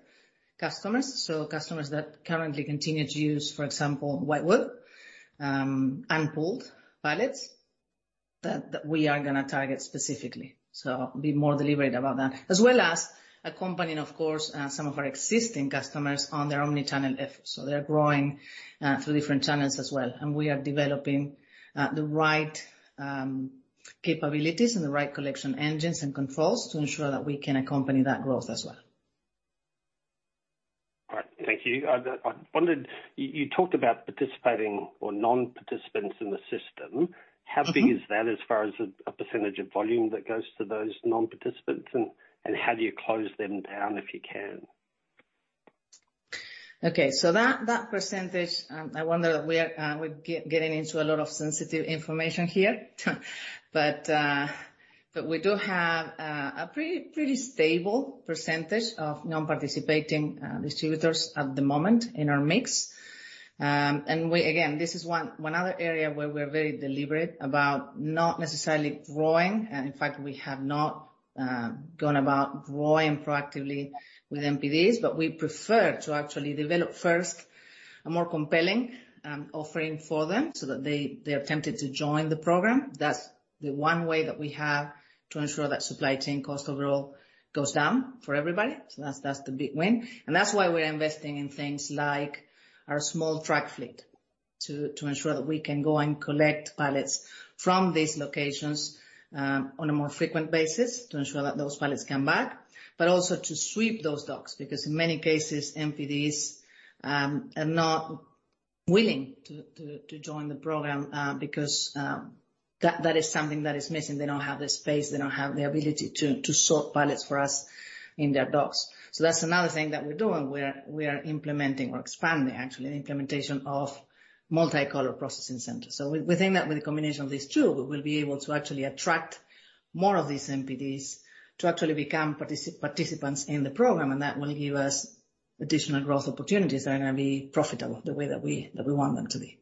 customers. Customers that currently continue to use, for example, whitewood unpooled pallets that we are going to target specifically. Be more deliberate about that. As well as accompanying, of course, some of our existing customers on their omnichannel efforts. They are growing through different channels as well. We are developing the right capabilities and the right collection engines and controls to ensure that we can accompany that growth as well. All right. Thank you. I wondered, you talked about participating or non-participants in the system. How big is that as far as a percentage of volume that goes to those non-participants, and how do you close them down if you can? Okay. That percentage, I wonder, we're getting into a lot of sensitive information here. We do have a pretty stable percentage of non-participating distributors at the moment in our mix. Again, this is one other area where we're very deliberate about not necessarily growing. In fact, we have not gone about growing proactively with NPDs, but we prefer to actually develop first a more compelling offering for them so that they are tempted to join the program. That's the one way that we have to ensure that supply chain cost overall goes down for everybody. That's the big win, and that's why we're investing in things like our small truck fleet to ensure that we can go and collect pallets from these locations on a more frequent basis to ensure that those pallets come back. Also to sweep those docks, because in many cases, NPDs are not willing to join the program because that is something that is missing. They don't have the space, they don't have the ability to sort pallets for us in their docks. That's another thing that we're doing, we are implementing or expanding actually the implementation of multicolor processing centers. Within that, with the combination of these two, we'll be able to actually attract more of these NPDs to actually become participants in the program, that will give us additional growth opportunities are going to be profitable the way that we want them to be.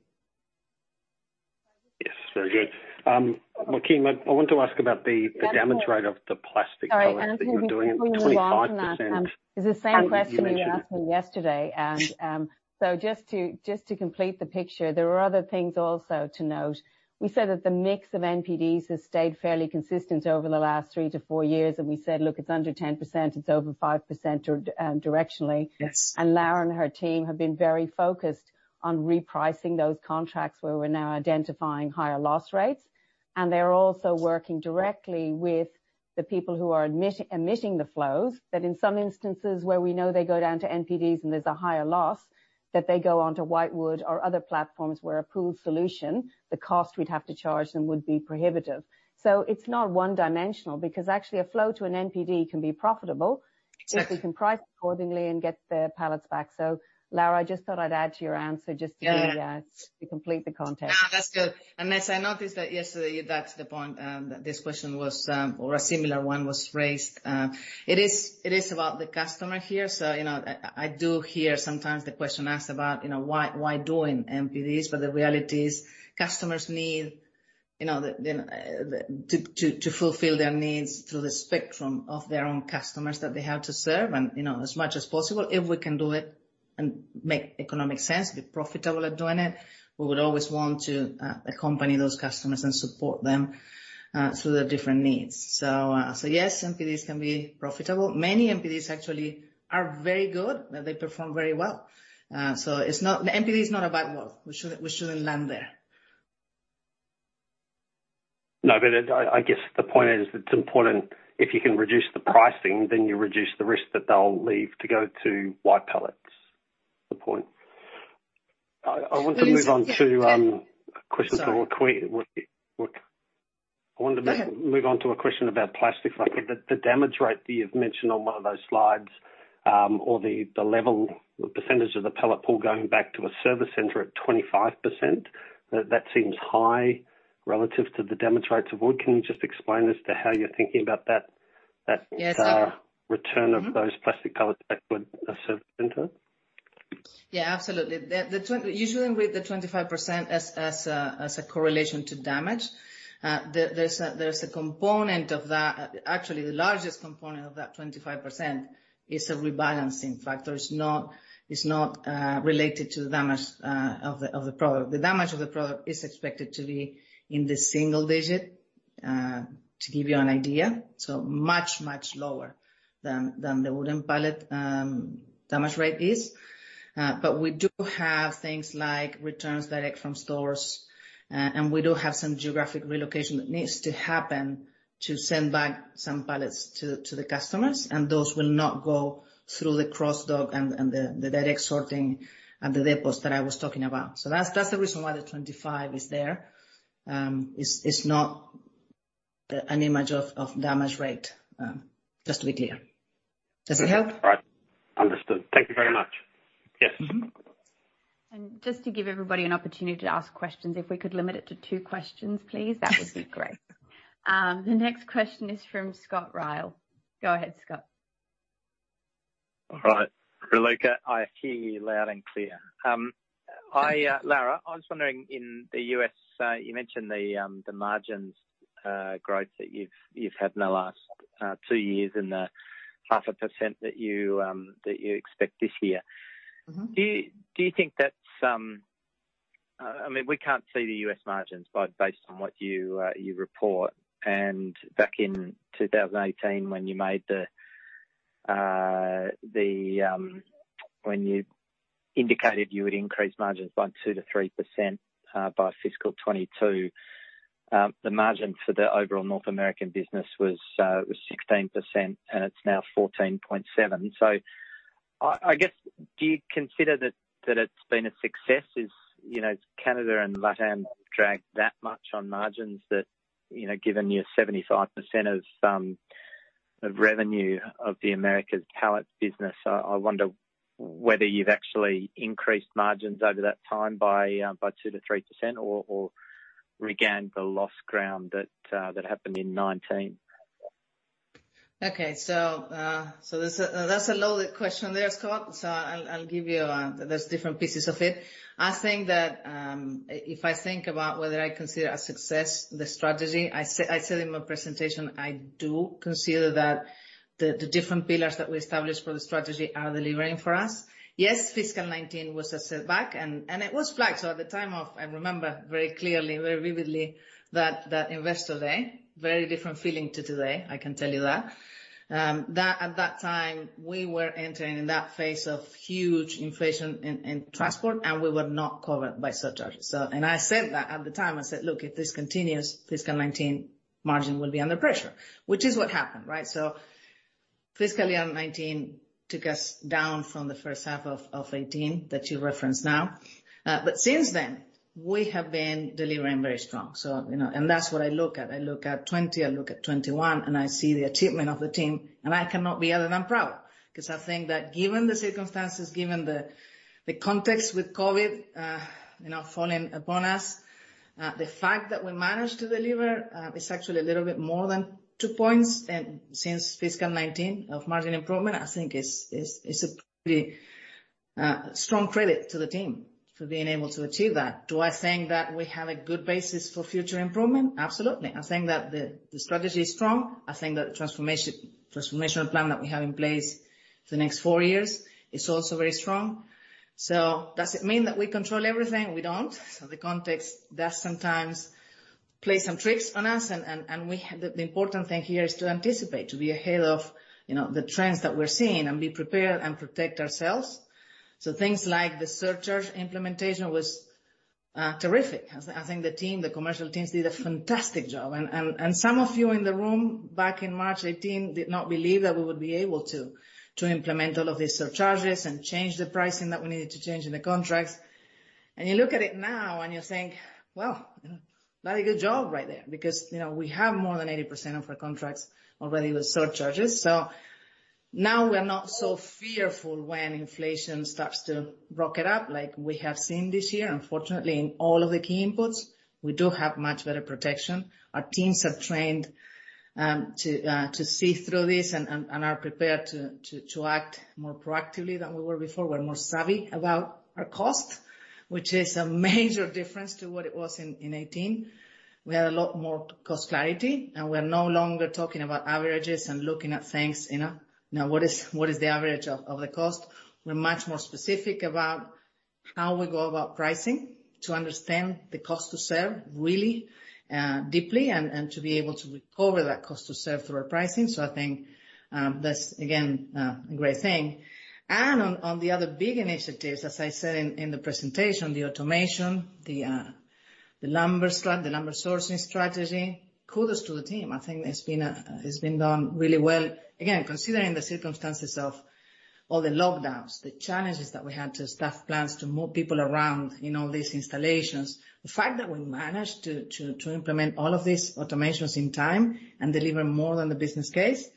Yes, very good. Joaquin, I want to ask about the damage rate of the plastic. Sorry, I'm just going to come in on that. 25%. It's the same question you were asking yesterday. Just to complete the picture, there are other things also to note. We said that the mix of NPDs has stayed fairly consistent over the last three to four years. We said, look, it's under 10%, it's over 5% directionally. Yes. Laura and her team have been very focused on repricing those contracts where we're now identifying higher loss rates. They're also working directly with the people who are emitting the flows, that in some instances where we know they go down to NPDs and there's a higher loss, that they go on to whitewood or other platforms where a pooled solution, the cost we'd have to charge them would be prohibitive. It's not one-dimensional because actually a flow to an NPD can be profitable. Yes if we can price it accordingly and get the pallets back. Laura, I just thought I'd add to your answer. Yeah to complete the context. No, that's good. As I noticed yesterday, that's the point, that this question was, or a similar one was raised. It is about the customer here. I do hear sometimes the question asked about, why do NPDs? The reality is customers need to fulfill their needs through the spectrum of their own customers that they have to serve. As much as possible, if we can do it and make economic sense, be profitable at doing it, we would always want to accompany those customers and support them through their different needs. Yes, NPDs can be profitable. Many NPDs actually are very good, they perform very well. NPD is not a bad word. We shouldn't land there. No, I guess the point is it's important if you can reduce the pricing, then you reduce the risk that they'll leave to go to white pallets. The point. Sorry. I want to move on to a question about plastic pallets. The damage rate that you've mentioned on one of those slides, or the level percentage of the pallet pool going back to a service center at 25%, that seems high relative to the damage rates of wood. Can you just explain as to how you're thinking about that return of those plastic pallets back to a service center? Yeah, absolutely. You shouldn't read the 25% as a correlation to damage. There's a component of that. Actually, the largest component of that 25% is a rebalancing factor. It's not related to the damage of the product. The damage of the product is expected to be in the single digit, to give you an idea. Much, much lower than the wooden pallet damage rate is. We do have things like returns direct from stores, and we do have some geographic relocation that needs to happen to send back some pallets to the customers, and those will not go through the cross dock and the direct sorting at the depots that I was talking about. That's the reason why the 25% is there. It's not an image of damage rate, just to be clear. Does it help? Right. Understood. Thank you very much. Yes. Just to give everybody an opportunity to ask questions, if we could limit it to two questions, please, that would be great. The next question is from Scott Ryall. Go ahead, Scott. All right. Raluca, I hear you loud and clear. Laura Nador, I was wondering, in the U.S., you mentioned the margins growth that you've had in the last two years and the half a percent that you expect this year. Do you think that's We can't see the U.S. margins based on what you report. Back in 2018 when you indicated you would increase margins by 2%-3% by fiscal 2022, the margin for the overall North American business was 16%, and it's now 14.7%. I guess, do you consider that it's been a success? Has Canada and Latin dragged that much on margins that given you a 75% of revenue of the Americas pallet business, I wonder whether you've actually increased margins over that time by 2%-3% or regained the lost ground that happened in 2019. Okay. That's a loaded question there, Scott. I'll give you, there's different pieces of it. I think that if I think about whether I consider a success the strategy, I said in my presentation, I do consider that the different pillars that we established for the strategy are delivering for us. Yes, fiscal 2019 was a setback, and it was flagged. At the time of, I remember very clearly, very vividly, that Investor Day, very different feeling to today, I can tell you that. At that time, we were entering in that phase of huge inflation in transport, and we were not covered by surcharges. I said that at the time. I said, "Look, if this continues, fiscal 2019 margin will be under pressure." Which is what happened, right? Fiscally, 2019 took us down from the first half of 2018 that you referenced now. Since then, we have been delivering very strong. That's what I look at. I look at 2020, I look at 2021, and I see the achievement of the team, and I cannot be other than proud. Because I think that given the circumstances, given the context with COVID-19 falling upon us. The fact that we managed to deliver is actually a little bit more than two points since fiscal 2019 of margin improvement, I think is a pretty strong credit to the team for being able to achieve that. Do I think that we have a good basis for future improvement? Absolutely. I think that the strategy is strong. I think that the transformational plan that we have in place for the next four years is also very strong. Does it mean that we control everything? We don't. The context does sometimes play some tricks on us, and the important thing here is to anticipate, to be ahead of the trends that we're seeing and be prepared and protect ourselves. Things like the surcharge implementation was terrific. I think the team, the commercial teams, did a fantastic job. Some of you in the room back in March 2018 did not believe that we would be able to implement all of these surcharges and change the pricing that we needed to change in the contracts. You look at it now and you think, well, bloody good job right there, because we have more than 80% of our contracts already with surcharges. Now we are not so fearful when inflation starts to rocket up like we have seen this year, unfortunately, in all of the key inputs. We do have much better protection. Our teams have trained to see through this and are prepared to act more proactively than we were before. We're more savvy about our cost, which is a major difference to what it was in 2018. We have a lot more cost clarity. We're no longer talking about averages and looking at things, now what is the average of the cost? We're much more specific about how we go about pricing to understand the cost to serve really deeply and to be able to recover that cost to serve through our pricing. I think that's, again, a great thing. On the other big initiatives, as I said in the presentation, the automation, the lumber sourcing strategy, kudos to the team. I think it's been done really well. Again, considering the circumstances of all the lockdowns, the challenges that we had to staff plans to move people around in all these installations. The fact that we managed to implement all of these automations in time and deliver more than the business case,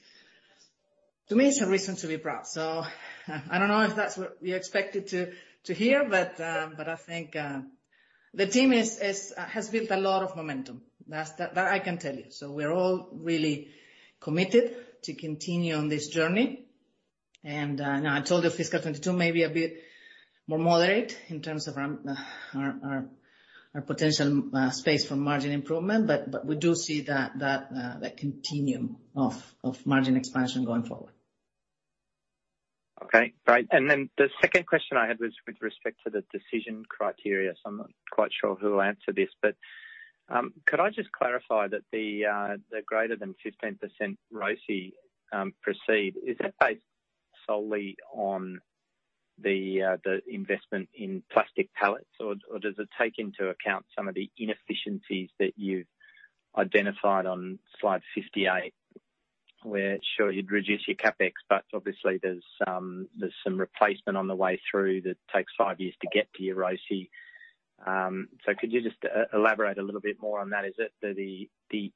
to me is a reason to be proud. I don't know if that's what you expected to hear, but I think the team has built a lot of momentum. That I can tell you. We're all really committed to continue on this journey. I told you fiscal 2022 may be a bit more moderate in terms of our potential space for margin improvement, but we do see that continuum of margin expansion going forward. Great. The second question I had was with respect to the decision criteria. I'm not quite sure who will answer this, but could I just clarify that the greater than 15% ROCE proceed, is that based solely on the investment in plastic pallets, or does it take into account some of the inefficiencies that you've identified on slide 58, where sure, you'd reduce your CapEx, but obviously there's some replacement on the way through that takes five years to get to your ROCE. Could you just elaborate a little bit more on that? Is it the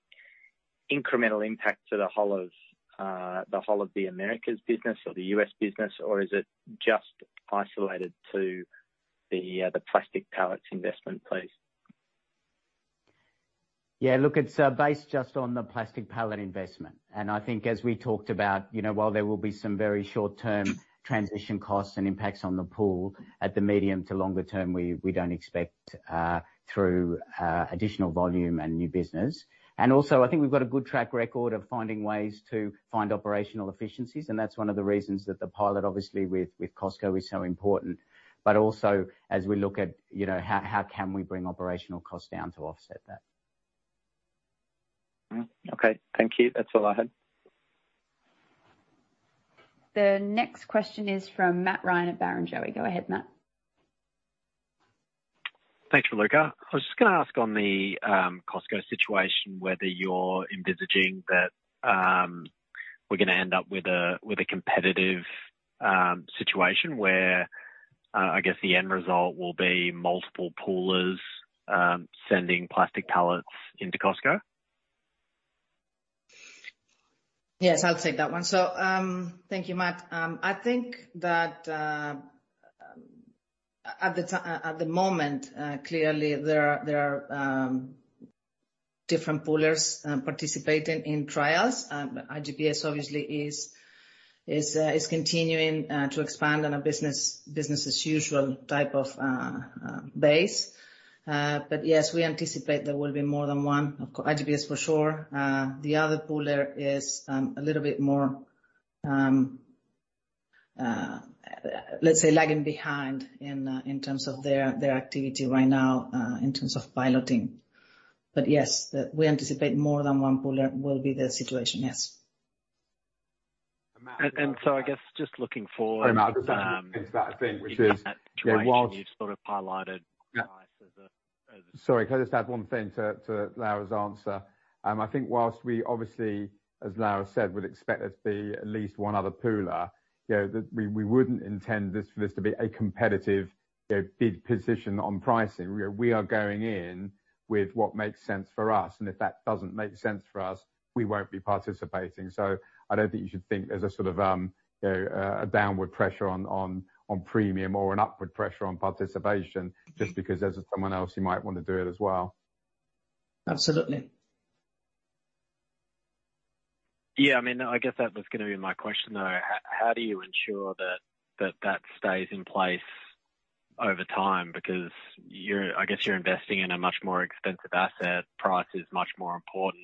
incremental impact to the whole of the Americas business or the U.S. business, or is it just isolated to the plastic pallets investment, please? Yeah, look, it's based just on the plastic pallet investment. I think as we talked about, while there will be some very short-term transition costs and impacts on the pool, at the medium to longer term, we don't expect through additional volume and new business. Also, I think we've got a good track record of finding ways to find operational efficiencies, and that's one of the reasons that the pilot, obviously with Costco, is so important. Also as we look at how can we bring operational costs down to offset that. Okay. Thank you. That's all I had. The next question is from Matt Ryan at Barrenjoey. Go ahead, Matt. Thanks, Raluca. I was just going to ask on the Costco situation, whether you're envisaging that we're going to end up with a competitive situation where, I guess, the end result will be multiple poolers sending plastic pallets into Costco? Yes, I'll take that one. Thank you, Matt. I think that at the moment, clearly there are different poolers participating in trials. iGPS obviously is continuing to expand on a business as usual type of base. Yes, we anticipate there will be more than one. iGPS for sure. The other pooler is a little bit more, let's say, lagging behind in terms of their activity right now, in terms of piloting. Yes, we anticipate more than one pooler will be the situation, yes. I guess just looking forward. Can I just add one thing to that, I think which is. In that situation you've sort of highlighted price. Sorry, can I just add one thing to Laura's answer? I think whilst we obviously, as Laura said, would expect there to be at least one other pooler, we wouldn't intend for this to be a competitive bid position on pricing. We are going in with what makes sense for us, and if that doesn't make sense for us, we won't be participating. I don't think you should think there's a sort of downward pressure on premium or an upward pressure on participation just because there's someone else who might want to do it as well. Absolutely. Yeah, I guess that was going to be my question, though. How do you ensure that stays in place over time? I guess you're investing in a much more expensive asset. Price is much more important.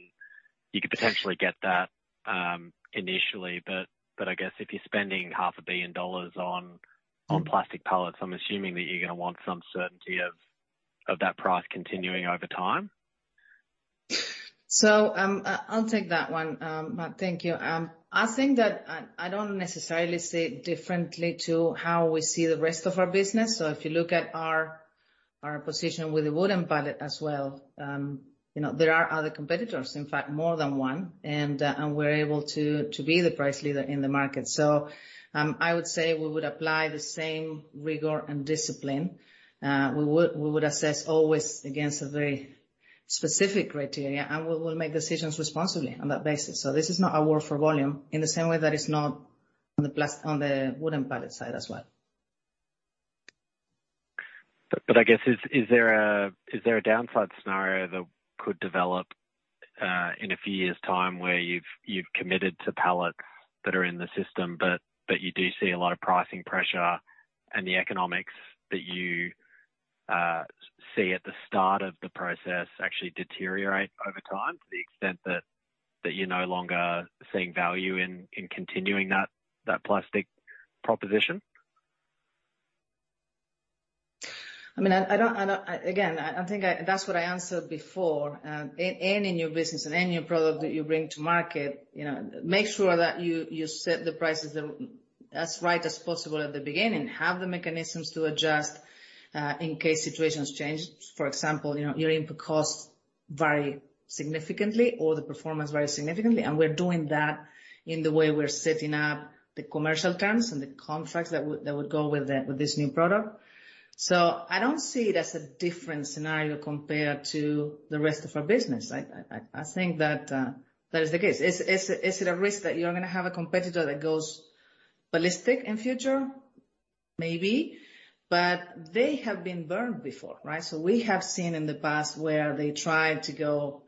You could potentially get that initially, but I guess if you're spending half a billion dollars on plastic pallets, I'm assuming that you're going to want some certainty of that price continuing over time. I'll take that one, Matt. Thank you. I think that I don't necessarily see it differently to how we see the rest of our business. If you look at our position with the wooden pallet as well, there are other competitors, in fact, more than one, and we're able to be the price leader in the market. I would say we would apply the same rigor and discipline. We would assess always against a very specific criteria, and we'll make decisions responsibly on that basis. This is not a war for volume, in the same way that it's not on the wooden pallet side as well. I guess, is there a downside scenario that could develop in a few years' time where you've committed to pallets that are in the system, but you do see a lot of pricing pressure and the economics that you see at the start of the process actually deteriorate over time, to the extent that you're no longer seeing value in continuing that plastic proposition? I think that's what I answered before. Any new business or any new product that you bring to market, make sure that you set the prices as right as possible at the beginning, have the mechanisms to adjust in case situations change. For example, your input costs vary significantly or the performance varies significantly. We're doing that in the way we're setting up the commercial terms and the contracts that would go with this new product. I don't see it as a different scenario compared to the rest of our business. I think that that is the case. Is it a risk that you're going to have a competitor that goes ballistic in future? Maybe. They have been burned before, right? We have seen in the past where they tried to go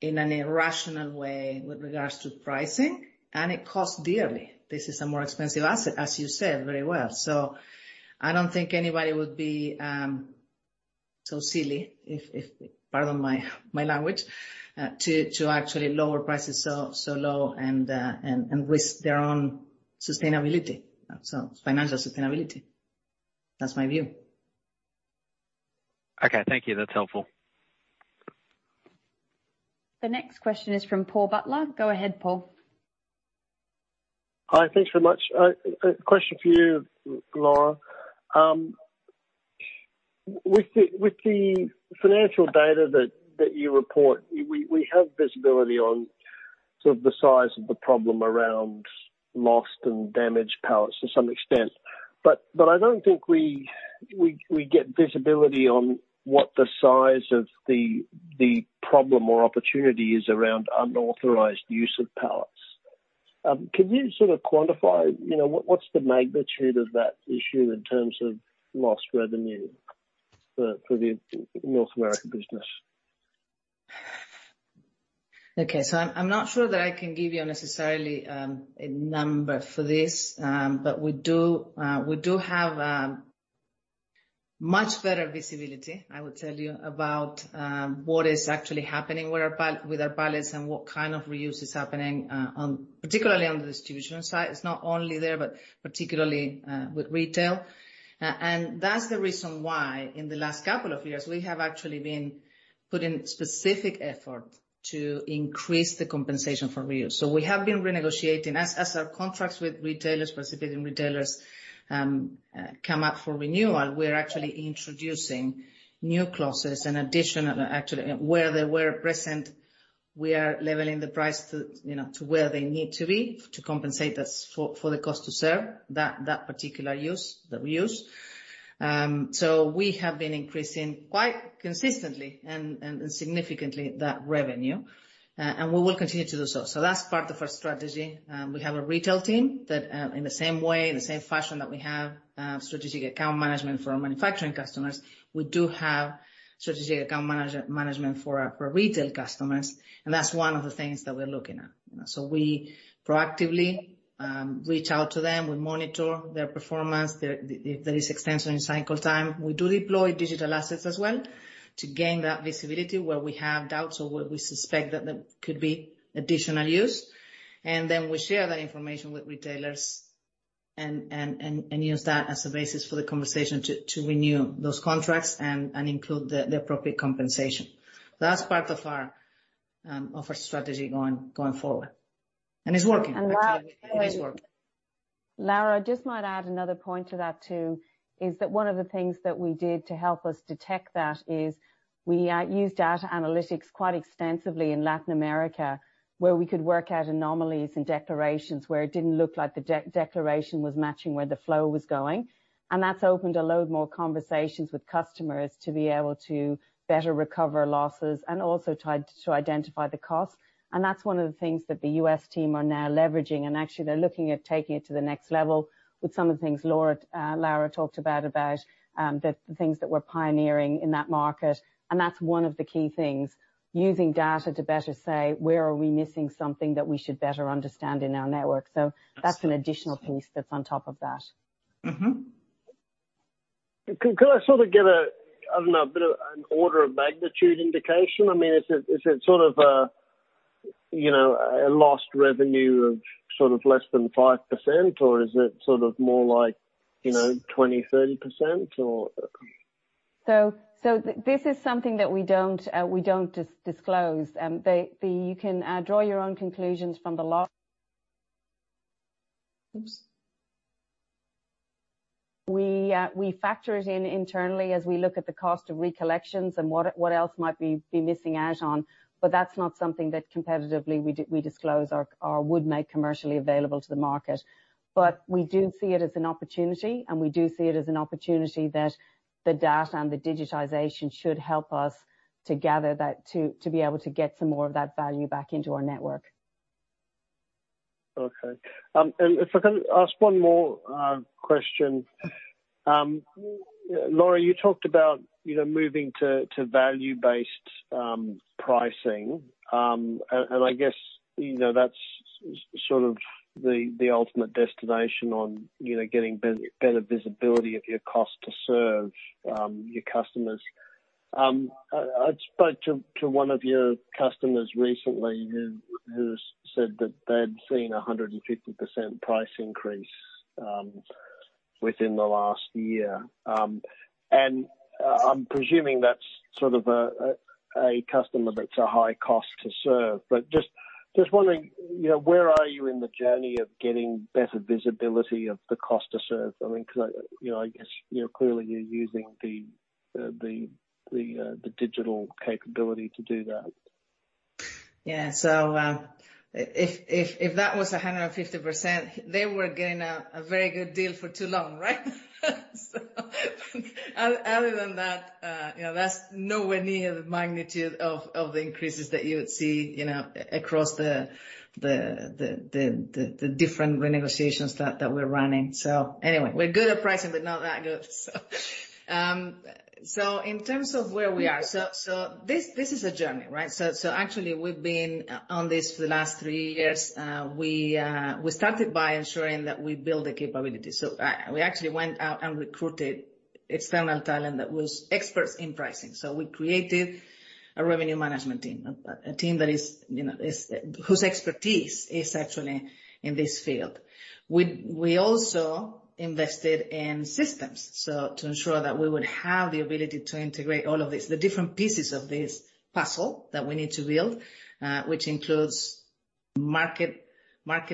in an irrational way with regards to pricing, and it cost dearly. This is a more expensive asset, as you said very well. I don't think anybody would be so silly, pardon my language, to actually lower prices so low and risk their own sustainability. Financial sustainability. That's my view. Okay. Thank you. That's helpful. The next question is from Paul Butler. Go ahead, Paul. Hi. Thanks very much. A question for you, Laura. With the financial data that you report, we have visibility on sort of the size of the problem around lost and damaged pallets to some extent. I don't think we get visibility on what the size of the problem or opportunity is around unauthorized use of pallets. Can you sort of quantify what's the magnitude of that issue in terms of lost revenue for the North America business? I'm not sure that I can give you necessarily a number for this. We do have much better visibility, I would tell you, about what is actually happening with our pallets and what kind of reuse is happening, particularly on the distribution side. It's not only there, but particularly with retail. That's the reason why in the last couple of years, we have actually been putting specific effort to increase the compensation for reuse. We have been renegotiating, as our contracts with retailers, participating retailers, come up for renewal, we're actually introducing new clauses in addition. Actually, where they were present, we are leveling the price to where they need to be to compensate us for the cost to serve that particular use, the reuse. We have been increasing quite consistently and significantly that revenue, and we will continue to do so. That's part of our strategy. We have a retail team that in the same way, in the same fashion that we have strategic account management for our manufacturing customers, we do have strategic account management for our retail customers, and that's one of the things that we're looking at. We proactively reach out to them. We monitor their performance, if there is extension in cycle time. We do deploy digital assets as well to gain that visibility where we have doubts or where we suspect that there could be additional use. Then we share that information with retailers and use that as a basis for the conversation to renew those contracts and include the appropriate compensation. That's part of our strategy going forward. It's working. It's working. Laura, I just might add another point to that, too, is that one of the things that we did to help us detect that is we used data analytics quite extensively in Latin America, where we could work out anomalies and declarations where it didn't look like the declaration was matching where the flow was going. That's opened a load more conversations with customers to be able to better recover losses and also to identify the cost. That's one of the things that the U.S. team are now leveraging, and actually they're looking at taking it to the next level with some of the things Laura talked about, the things that we're pioneering in that market, and that's one of the key things, using data to better say, where are we missing something that we should better understand in our network? That's an additional piece that's on top of that. Can I sort of get a, I don't know, a bit of an order of magnitude indication? Is it sort of a lost revenue of less than 5%, or is it more like 20, 30% or? This is something that we don't disclose. You can draw your own conclusions from the loss. We factor it in internally as we look at the cost of recollections and what else might be missing out on, but that's not something that competitively we disclose or would make commercially available to the market. We do see it as an opportunity, and we do see it as an opportunity that the data and the digitization should help us to gather that to be able to get some more of that value back into our network. Okay. If I can ask one more question. Laura, you talked about moving to value-based pricing. I guess that's sort of the ultimate destination on getting better visibility of your cost to serve your customers. I spoke to one of your customers recently who said that they'd seen 150% price increase within the last year. I'm presuming that's sort of a customer that's a high cost to serve. Just wondering, where are you in the journey of getting better visibility of the cost to serve? I guess clearly you're using the digital capability to do that. Yeah. If that was 150%, they were getting a very good deal for too long, right? Other than that's nowhere near the magnitude of the increases that you would see across the different renegotiations that we're running. Anyway, we're good at pricing, but not that good. In terms of where we are, this is a journey, right? Actually we've been on this for the last three years. We started by ensuring that we build the capability. We actually went out and recruited external talent that was experts in pricing. We created a revenue management team, a team whose expertise is actually in this field. We also invested in systems to ensure that we would have the ability to integrate all of this, the different pieces of this puzzle that we need to build which includes market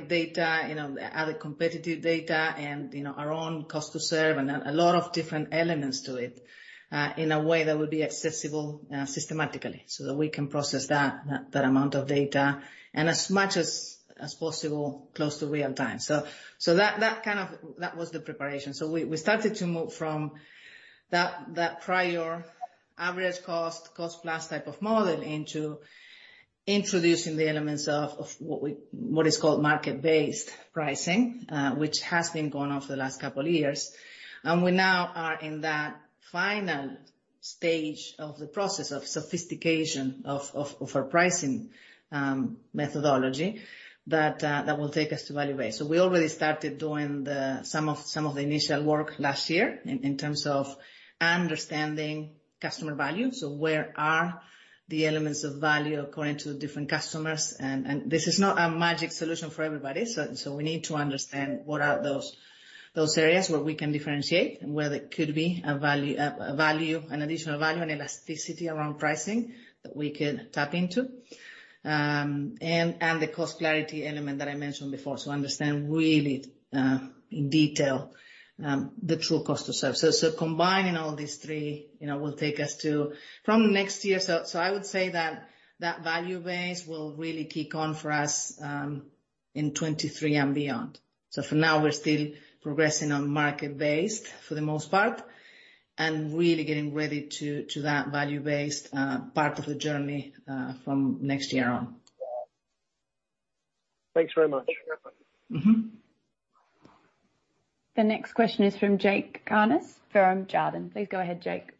data, other competitive data, and our own cost to serve and a lot of different elements to it, in a way that would be accessible systematically so that we can process that amount of data and as much as possible close to real time. That was the preparation. We started to move from that prior average cost plus type of model into introducing the elements of what is called market-based pricing, which has been going on for the last couple of years. We now are in that final stage of the process of sophistication of our pricing methodology that will take us to value-based. We already started doing some of the initial work last year in terms of understanding customer value. Where are the elements of value according to the different customers? This is not a magic solution for everybody. We need to understand what are those areas where we can differentiate and where there could be an additional value and elasticity around pricing that we could tap into. The cost clarity element that I mentioned before. Understand really in detail, the true cost to serve. Combining all these three will take us to from next year. I would say that that value base will really kick on for us in 2023 and beyond. For now we're still progressing on market-based for the most part, and really getting ready to that value-based part of the journey from next year on. Thanks very much. The next question is from Jakob Cakarnis, from Jarden. Please go ahead, Jakob.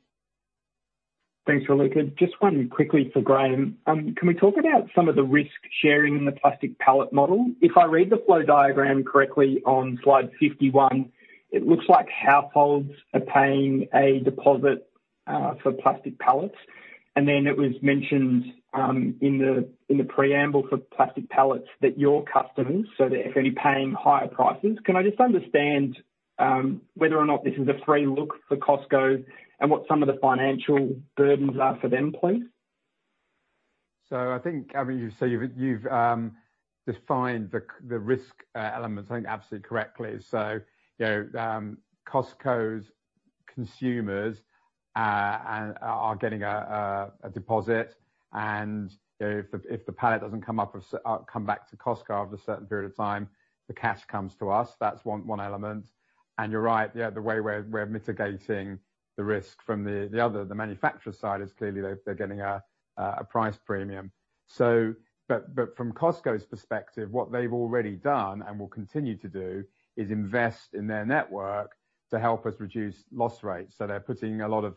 Thanks, Raluca. Just one quickly for Graham. Can we talk about some of the risk sharing in the plastic pallet model? If I read the flow diagram correctly on slide 51, it looks like households are paying a deposit for plastic pallets. It was mentioned in the preamble for plastic pallets that your customers, so they're effectively paying higher prices. Can I just understand whether or not this is a free look for Costco and what some of the financial burdens are for them, please? I think, you've defined the risk elements I think absolutely correctly. Costco's consumers are getting a deposit and if the pallet doesn't come back to Costco after a certain period of time, the cash comes to us. That's one element. You're right, the way we're mitigating the risk from the other, the manufacturer side is clearly they're getting a price premium. But from Costco's perspective, what they've already done, and will continue to do, is invest in their network to help us reduce loss rates. They're putting a lot of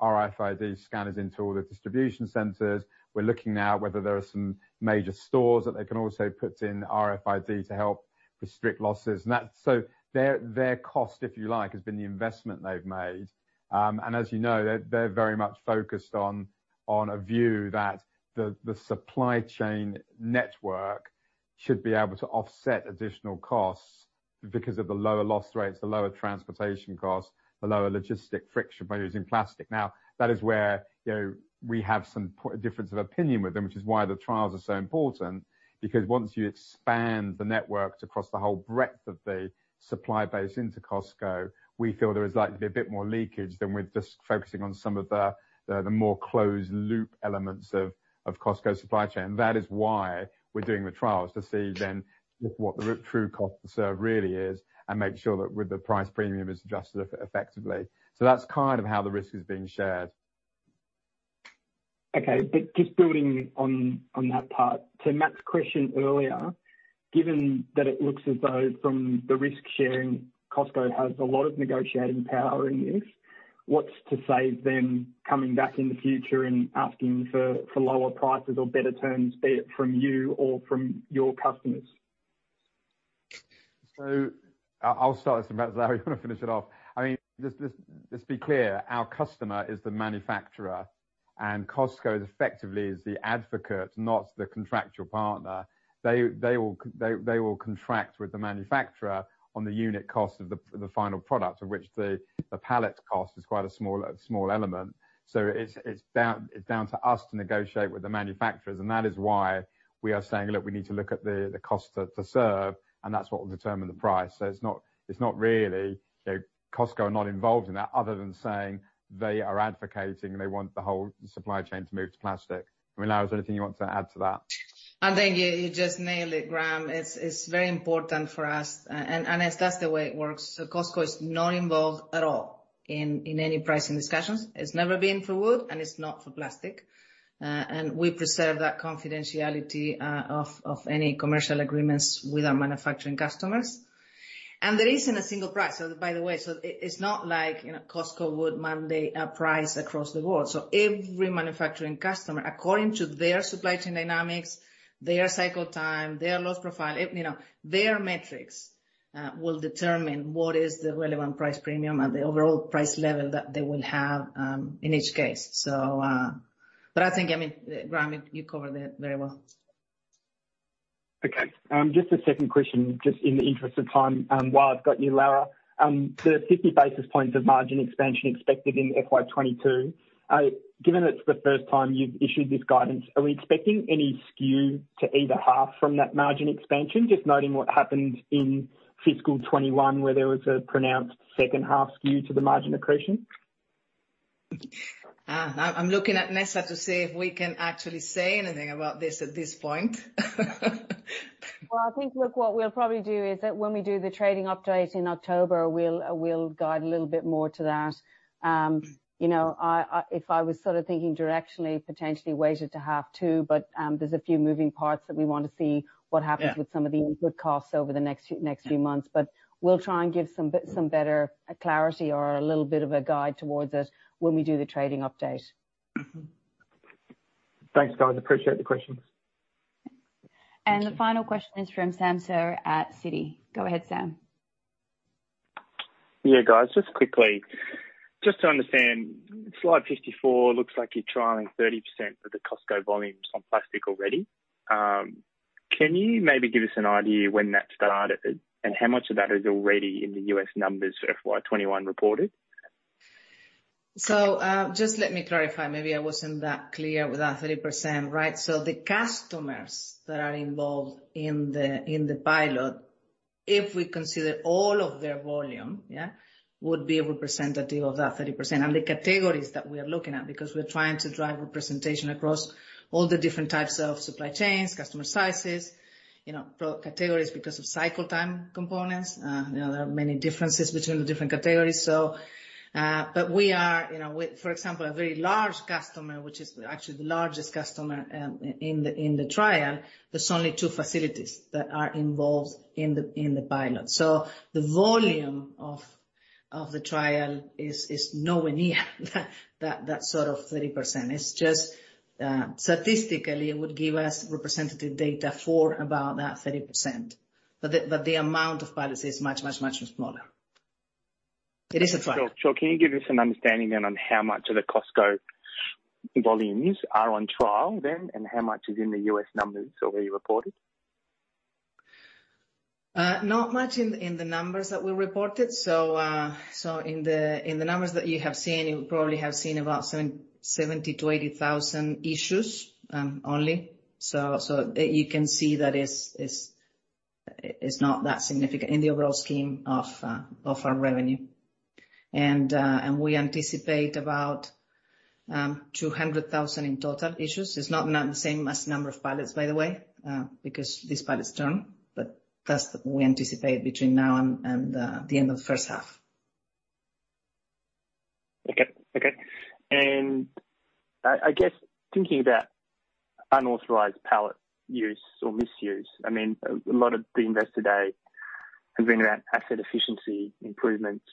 RFID scanners into all their distribution centers. We're looking now whether there are some major stores that they can also put in RFID to help restrict losses. Their cost, if you like, has been the investment they've made. As you know, they're very much focused on a view that the supply chain network should be able to offset additional costs because of the lower loss rates, the lower transportation costs, the lower logistics friction by using plastic. That is where we have some difference of opinion with them, which is why the trials are so important, because once you expand the network across the whole breadth of the supply base into Costco, we feel there is likely to be a bit more leakage than with just focusing on some of the more closed loop elements of Costco's supply chain. That is why we're doing the trials to see then what the true cost to serve really is and make sure that the price premium is adjusted effectively. That's kind of how the risk is being shared. Okay. Just building on that part, to Matt's question earlier, given that it looks as though from the risk sharing, Costco has a lot of negotiating power in this, what's to say them coming back in the future and asking for lower prices or better terms, be it from you or from your customers? I'll start this and, Laura, you want to finish it off. Let's be clear. Our customer is the manufacturer, and Costco effectively is the advocate, not the contractual partner. They will contract with the manufacturer on the unit cost of the final product, of which the pallet cost is quite a small element. It's down to us to negotiate with the manufacturers, and that is why we are saying, "Look, we need to look at the cost to serve," and that's what will determine the price. Costco are not involved in that other than saying they are advocating and they want the whole supply chain to move to plastic. Laura, is there anything you want to add to that? I think you just nailed it, Graham. It's very important for us, and that's the way it works. Costco is not involved at all in any pricing discussions. It's never been for wood, and it's not for plastic. We preserve that confidentiality of any commercial agreements with our manufacturing customers. There isn't a single price, by the way. It's not like Costco would mandate a price across the board. Every manufacturing customer, according to their supply chain dynamics, their cycle time, their loss profile, their metrics, will determine what is the relevant price premium and the overall price level that they will have in each case. I think, Graham, you covered it very well. Just a second question, just in the interest of time, while I've got you, Laura. The 50 basis points of margin expansion expected in FY 2022, given it's the first time you've issued this guidance, are we expecting any skew to either half from that margin expansion? Just noting what happened in fiscal 2021, where there was a pronounced second half skew to the margin accretion. I'm looking at Nessa to see if we can actually say anything about this at this point. Well, I think what we'll probably do is that when we do the trading update in October, we'll guide a little bit more to that. If I was sort of thinking directionally, potentially weighted to half two, but there's a few moving parts that we want to see what happens with some of the input costs over the next few months. We'll try and give some better clarity or a little bit of a guide towards it when we do the trading update. Thanks, guys. Appreciate the questions. The final question is from Sam Seow at Citi. Go ahead, Sam. Yeah, guys. Just quickly, just to understand, slide 54 looks like you're trialing 30% of the Costco volumes on plastic already. Can you maybe give us an idea when that started and how much of that is already in the U.S. numbers FY 2021 reported? Just let me clarify. Maybe I wasn't that clear with that 30%. The customers that are involved in the pilot, if we consider all of their volume, would be a representative of that 30%. The categories that we are looking at, because we're trying to drive representation across all the different types of supply chains, customer sizes, categories because of cycle time components. There are many differences between the different categories. For example, a very large customer, which is actually the largest customer in the trial, there's only two facilities that are involved in the pilot. The volume of the trial is nowhere near that 30%. It's just statistically it would give us representative data for about that 30%, but the amount of pilots is much, much smaller. It is a trial. Sure. Can you give us an understanding then on how much of the Costco volumes are on trial then, and how much is in the U.S. numbers already reported? Not much in the numbers that we reported. In the numbers that you have seen, you probably have seen about 70,000-80,000 issues, only. You can see that it's not that significant in the overall scheme of our revenue. We anticipate about 200,000 in total issues. It's not the same as number of pallets, by the way, because these pallets turn, but that's what we anticipate between now and the end of the first half. Okay. I guess thinking about unauthorized pallet use or misuse, a lot of the Investor Day has been about asset efficiency improvements,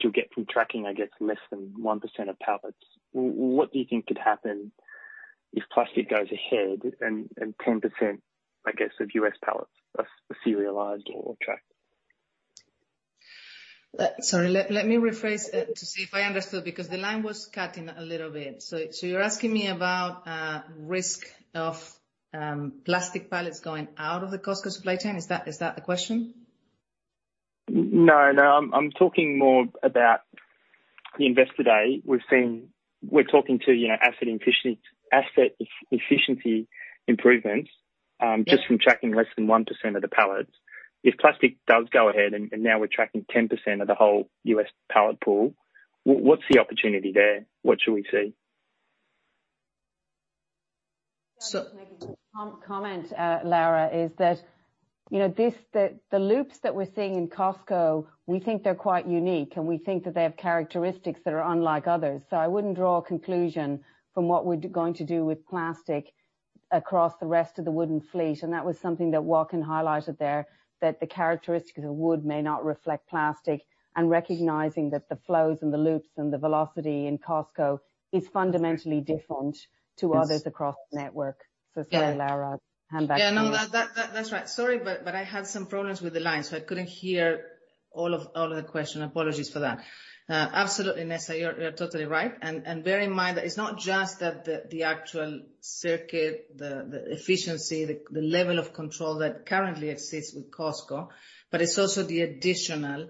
to get from tracking, I guess less than 1% of pallets. What do you think could happen if plastic goes ahead and 10%, I guess, of U.S. pallets are serialized or tracked? Sorry, let me rephrase to see if I understood, because the line was cutting a little bit. You're asking me about risk of plastic pallets going out of the Costco supply chain? Is that the question? No, I'm talking more about the Investor Day. We're talking to asset efficiency improvements. just from tracking less than 1% of the pallets. If plastic does go ahead and now we're tracking 10% of the whole U.S. pallet pool, what's the opportunity there? What should we see? So- Could I just make a quick comment, Laura, is that the loops that we're seeing in Costco, we think they're quite unique, and we think that they have characteristics that are unlike others. I wouldn't draw a conclusion from what we're going to do with plastic across the rest of the wooden fleet. That was something that Joaquin Gil highlighted there, that the characteristics of wood may not reflect plastic, and recognizing that the flows and the loops and the velocity in Costco is fundamentally different to others across the network. Sorry, Laura, I'll hand back to you. Yeah, no, that's right. Sorry, but I had some problems with the line, so I couldn't hear all of the question. Apologies for that. Absolutely, Nessa, you're totally right. Bear in mind that it's not just that the actual circuit, the efficiency, the level of control that currently exists with Costco, but it's also the additional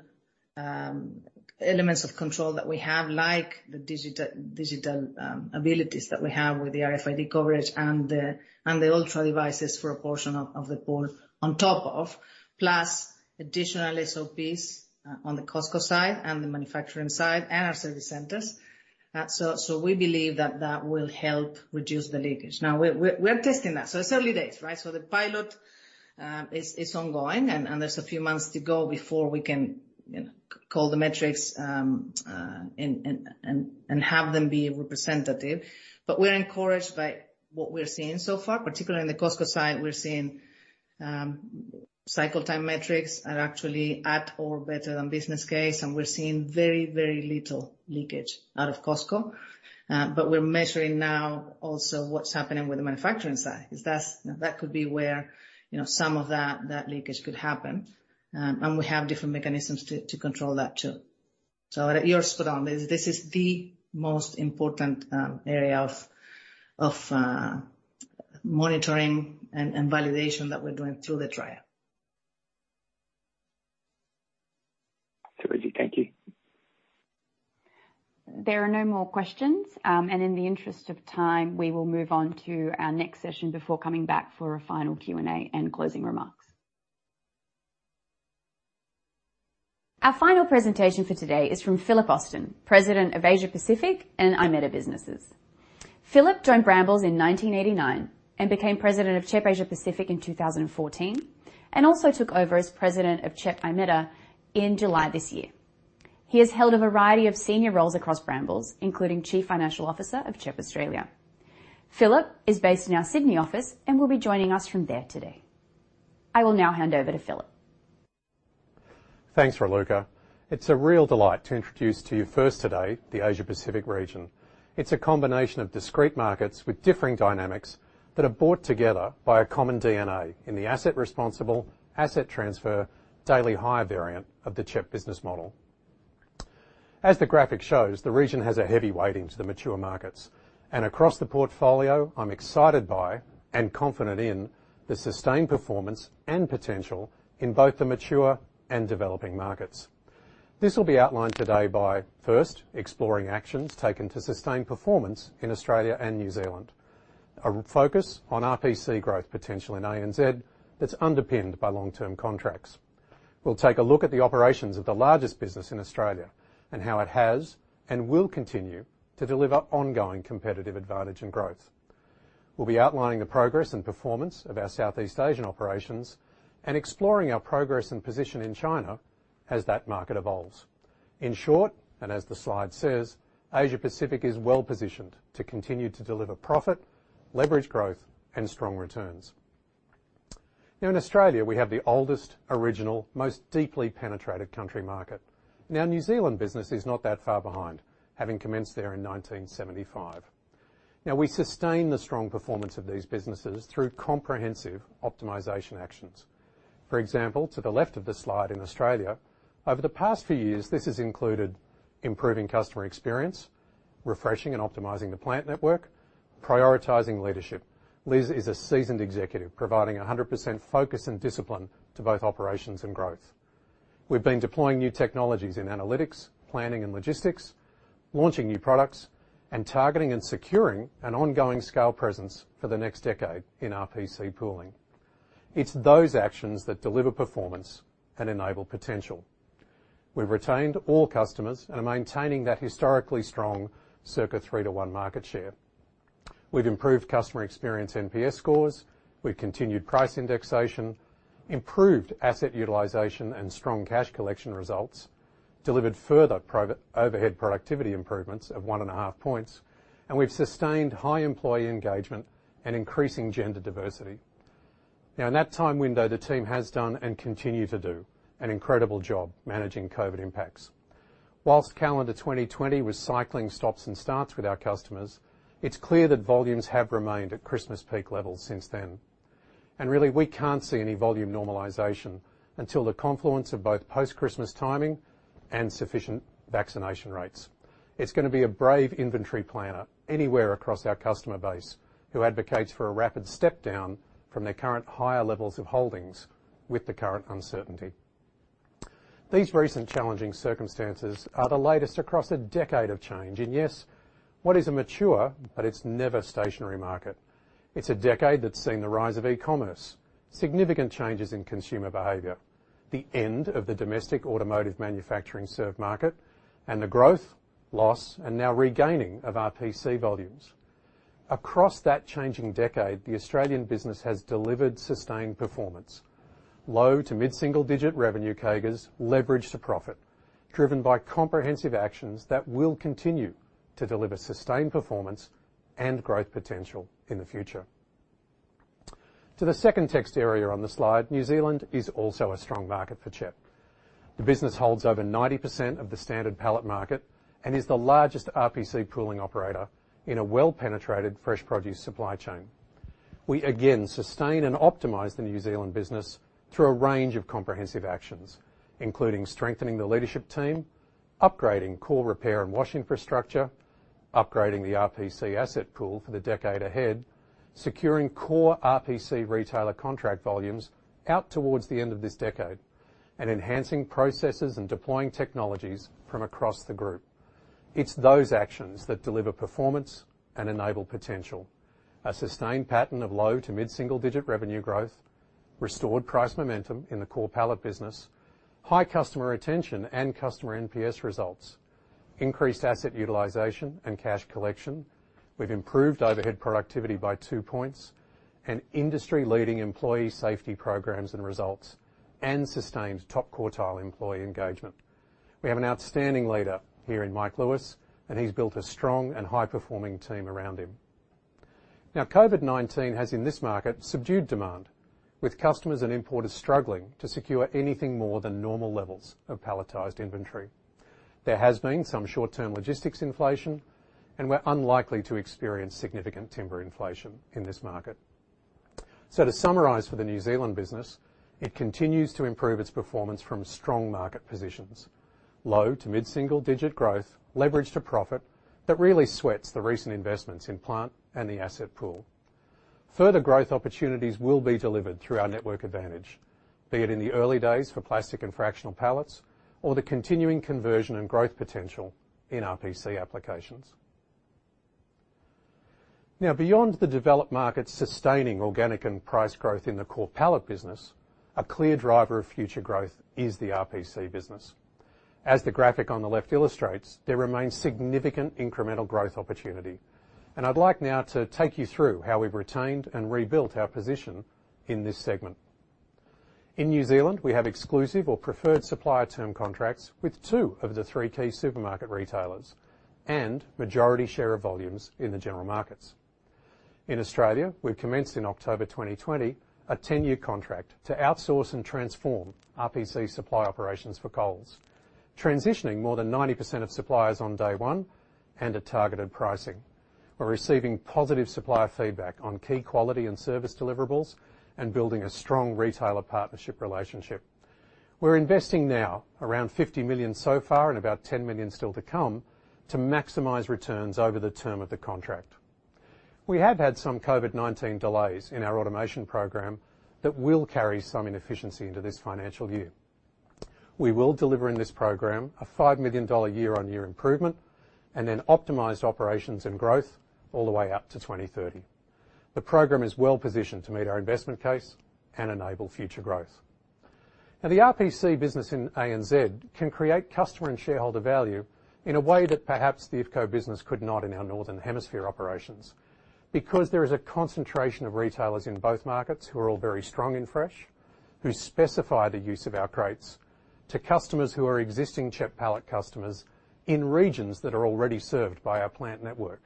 elements of control that we have, like the digital abilities that we have with the RFID coverage and the ultra devices for a portion of the pool on top of, plus additional SOPs on the Costco side and the manufacturing side and our service centers. We believe that that will help reduce the leakage. Now, we're testing that. It's early days, right? The pilot is ongoing, and there's a few months to go before we can call the metrics and have them be representative. We're encouraged by what we're seeing so far, particularly in the Costco side. We're seeing cycle time metrics are actually at or better than business case, and we're seeing very little leakage out of Costco. We're measuring now also what's happening with the manufacturing side. That could be where some of that leakage could happen. We have different mechanisms to control that, too. You're spot on. This is the most important area of monitoring and validation that we're doing through the trial. Too easy. Thank you. There are no more questions. In the interest of time, we will move on to our next session before coming back for a final Q&A and closing remarks. Our final presentation for today is from Phillip Austin, President of Asia-Pacific and IMETA Businesses. Phillip joined Brambles in 1989 and became President of CHEP Asia-Pacific in 2014, and also took over as President of CHEP IMETA in July this year. He has held a variety of senior roles across Brambles, including Chief Financial Officer of CHEP Australia. Phillip is based in our Sydney office and will be joining us from there today. I will now hand over to Phillip. Thanks, Raluca. It's a real delight to introduce to you first today the Asia-Pacific region. It's a combination of discrete markets with differing dynamics that are brought together by a common DNA in the asset responsible, asset transfer, daily hire variant of the CHEP business model. As the graphic shows, the region has a heavy weighting to the mature markets. Across the portfolio, I'm excited by and confident in the sustained performance and potential in both the mature and developing markets. This will be outlined today by, first, exploring actions taken to sustain performance in Australia and New Zealand. A focus on RPC growth potential in ANZ that's underpinned by long-term contracts. We'll take a look at the operations of the largest business in Australia and how it has and will continue to deliver ongoing competitive advantage and growth. We'll be outlining the progress and performance of our Southeast Asian operations and exploring our progress and position in China as that market evolves. In short, and as the slide says, Asia-Pacific is well-positioned to continue to deliver profit, leverage growth, and strong returns. In Australia, we have the oldest, original, most deeply penetrated country market. New Zealand business is not that far behind, having commenced there in 1975. We sustain the strong performance of these businesses through comprehensive optimization actions. For example, to the left of the slide in Australia, over the past few years, this has included improving customer experience, refreshing and optimizing the plant network, prioritizing leadership. Liz is a seasoned executive, providing 100% focus and discipline to both operations and growth. We've been deploying new technologies in analytics, planning and logistics, launching new products, and targeting and securing an ongoing scale presence for the next decade in RPC pooling. It's those actions that deliver performance and enable potential. We've retained all customers and are maintaining that historically strong circa three to one market share. We've improved customer experience NPS scores, we've continued price indexation, improved asset utilization and strong cash collection results, delivered further private overhead productivity improvements of 1.5 points, and we've sustained high employee engagement and increasing gender diversity. In that time window, the team has done and continue to do an incredible job managing COVID impacts. Whilst calendar 2020 was cycling stops and starts with our customers, it's clear that volumes have remained at Christmas peak levels since then. Really we can't see any volume normalization until the confluence of both post-Christmas timing and sufficient vaccination rates. It's going to be a brave inventory planner anywhere across our customer base who advocates for a rapid step down from their current higher levels of holdings with the current uncertainty. These recent challenging circumstances are the latest across a decade of change in, yes, what is a mature but it's never stationary market. It's a decade that's seen the rise of e-commerce, significant changes in consumer behavior, the end of the domestic automotive manufacturing served market, and the growth, loss, and now regaining of RPC volumes. Across that changing decade, the Australian business has delivered sustained performance, low to mid-single digit revenue CAGRs leveraged to profit, driven by comprehensive actions that will continue to deliver sustained performance and growth potential in the future. To the second text area on the slide, New Zealand is also a strong market for CHEP. The business holds over 90% of the standard pallet market and is the largest RPC pooling operator in a well-penetrated fresh produce supply chain. We again sustain and optimize the New Zealand business through a range of comprehensive actions, including strengthening the leadership team, upgrading core repair and wash infrastructure, upgrading the RPC asset pool for the decade ahead, securing core RPC retailer contract volumes out towards the end of this decade, and enhancing processes and deploying technologies from across the group. It's those actions that deliver performance and enable potential. A sustained pattern of low to mid-single digit revenue growth, restored price momentum in the core pallet business, high customer retention and customer NPS results, increased asset utilization and cash collection with improved overhead productivity by two points, industry-leading employee safety programs and results, and sustained top quartile employee engagement. We have an outstanding leader here in Mike Lewis, he's built a strong and high-performing team around him. COVID-19 has in this market subdued demand, with customers and importers struggling to secure anything more than normal levels of palletized inventory. There has been some short-term logistics inflation, we're unlikely to experience significant timber inflation in this market. To summarize for the New Zealand business, it continues to improve its performance from strong market positions. Low to mid-single digit growth leveraged to profit that really sweats the recent investments in plant and the asset pool. Further growth opportunities will be delivered through our network advantage, be it in the early days for plastic and fractional pallets or the continuing conversion and growth potential in RPC applications. Beyond the developed markets sustaining organic and price growth in the core pallet business, a clear driver of future growth is the RPC business. As the graphic on the left illustrates, there remains significant incremental growth opportunity. I'd like now to take you through how we've retained and rebuilt our position in this segment. In New Zealand, we have exclusive or preferred supplier term contracts with two of the three key supermarket retailers and majority share of volumes in the general markets. In Australia, we've commenced in October 2020 a 10-year contract to outsource and transform RPC supply operations for Coles, transitioning more than 90% of suppliers on day one and at targeted pricing. We're receiving positive supplier feedback on key quality and service deliverables and building a strong retailer partnership relationship. We're investing now around $50 million so far and about $10 million still to come to maximize returns over the term of the contract. We have had some COVID-19 delays in our automation program that will carry some inefficiency into this financial year. We will deliver in this program a $5 million year-on-year improvement and then optimized operations and growth all the way out to 2030. The program is well-positioned to meet our investment case and enable future growth. The RPC business in ANZ can create customer and shareholder value in a way that perhaps the IFCO business could not in our northern hemisphere operations because there is a concentration of retailers in both markets who are all very strong and fresh, who specify the use of our crates to customers who are existing CHEP pallet customers in regions that are already served by our plant network.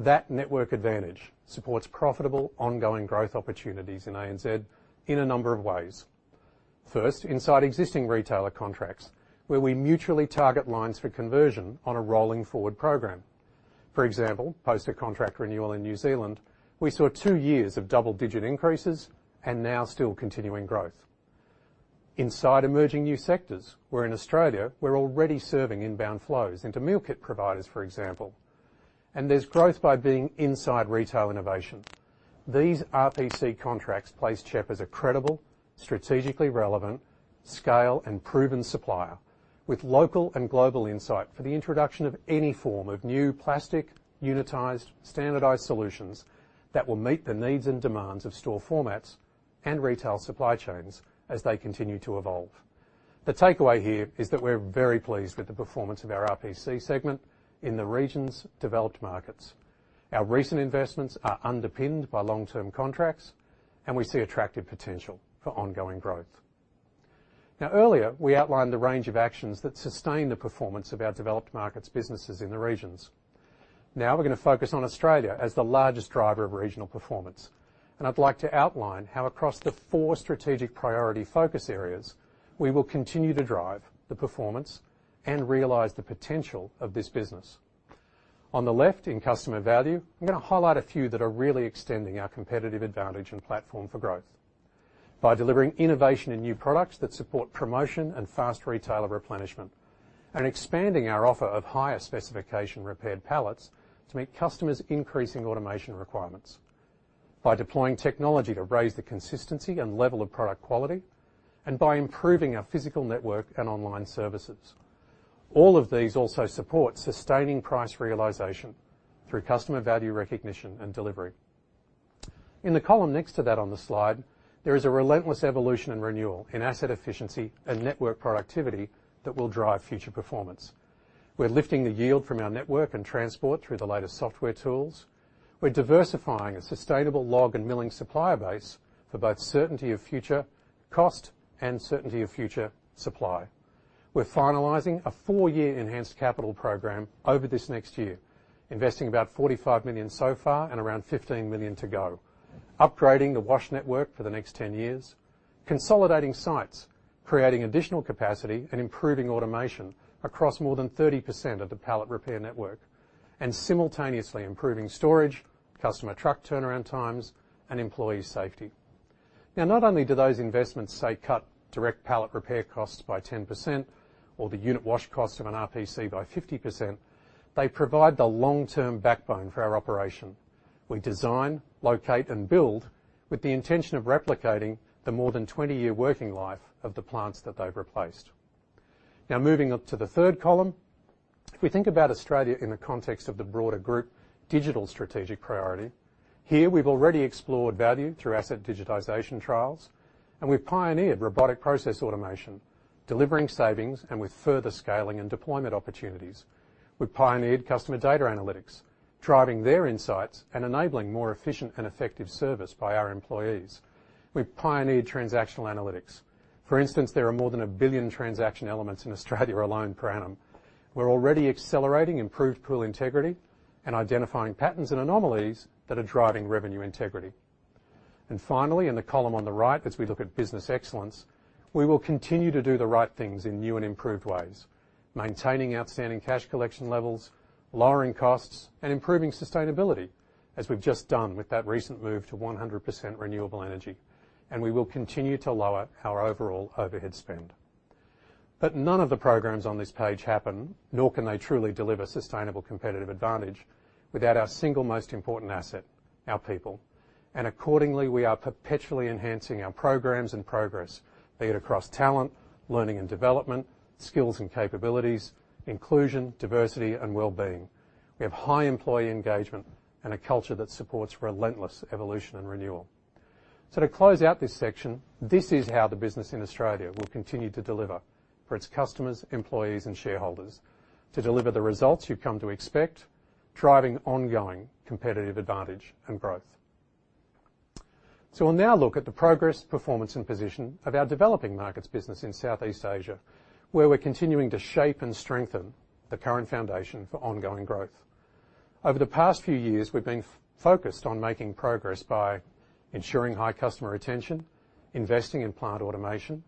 That network advantage supports profitable ongoing growth opportunities in ANZ in a number of ways. First, inside existing retailer contracts, where we mutually target lines for conversion on a rolling forward program. For example, post a contract renewal in New Zealand, we saw two years of double-digit increases and now still continuing growth. Inside emerging new sectors, where in Australia we're already serving inbound flows into meal kit providers, for example. There's growth by being inside retail innovation. These RPC contracts place CHEP as a credible, strategically relevant, scale, and proven supplier with local and global insight for the introduction of any form of new plastic, unitized, standardized solutions that will meet the needs and demands of store formats and retail supply chains as they continue to evolve. The takeaway here is that we're very pleased with the performance of our RPC segment in the regions developed markets. Our recent investments are underpinned by long-term contracts, and we see attractive potential for ongoing growth. Earlier we outlined the range of actions that sustain the performance of our developed markets businesses in the regions. We're going to focus on Australia as the largest driver of regional performance, and I'd like to outline how across the four strategic priority focus areas, we will continue to drive the performance and realize the potential of this business. On the left in customer value, I'm going to highlight a few that are really extending our competitive advantage and platform for growth by delivering innovation in new products that support promotion and fast retailer replenishment, and expanding our offer of higher specification repaired pallets to meet customers' increasing automation requirements. By deploying technology to raise the consistency and level of product quality, and by improving our physical network and online services. All of these also support sustaining price realization through customer value recognition and delivery. In the column next to that on the slide, there is a relentless evolution and renewal in asset efficiency and network productivity that will drive future performance. We're lifting the yield from our network and transport through the latest software tools. We're diversifying a sustainable log and milling supplier base for both certainty of future cost and certainty of future supply. We're finalizing a four-year enhanced capital program over this next year, investing about $45 million so far and around $15 million to go. Upgrading the wash network for the next 10 years. Consolidating sites, creating additional capacity, and improving automation across more than 30% of the pallet repair network. Simultaneously improving storage, customer truck turnaround times, and employee safety. Not only do those investments, say, cut direct pallet repair costs by 10% or the unit wash cost of an RPC by 50%, they provide the long-term backbone for our operation. We design, locate, and build with the intention of replicating the more than 20-year working life of the plants that they've replaced. Moving up to the third column, if we think about Australia in the context of the broader group digital strategic priority, here we've already explored value through asset digitization trials, and we've pioneered robotic process automation, delivering savings and with further scaling and deployment opportunities. We've pioneered customer data analytics, driving their insights and enabling more efficient and effective service by our employees. We've pioneered transactional analytics. There are more than 1 billion transaction elements in Australia alone per annum. We're already accelerating improved pool integrity and identifying patterns and anomalies that are driving revenue integrity. Finally, in the column on the right, as we look at business excellence, we will continue to do the right things in new and improved ways, maintaining outstanding cash collection levels, lowering costs, and improving sustainability, as we've just done with that recent move to 100% renewable energy. We will continue to lower our overall overhead spend. None of the programs on this page happen, nor can they truly deliver sustainable competitive advantage without our single most important asset, our people. Accordingly, we are perpetually enhancing our programs and progress, be it across talent, learning and development, skills and capabilities, inclusion, diversity, and wellbeing. We have high employee engagement and a culture that supports relentless evolution and renewal. To close out this section, this is how the business in Australia will continue to deliver for its customers, employees, and shareholders. To deliver the results you've come to expect, driving ongoing competitive advantage and growth. We'll now look at the progress, performance, and position of our developing markets business in Southeast Asia, where we're continuing to shape and strengthen the current foundation for ongoing growth. Over the past few years, we've been focused on making progress by ensuring high customer retention, investing in plant automation,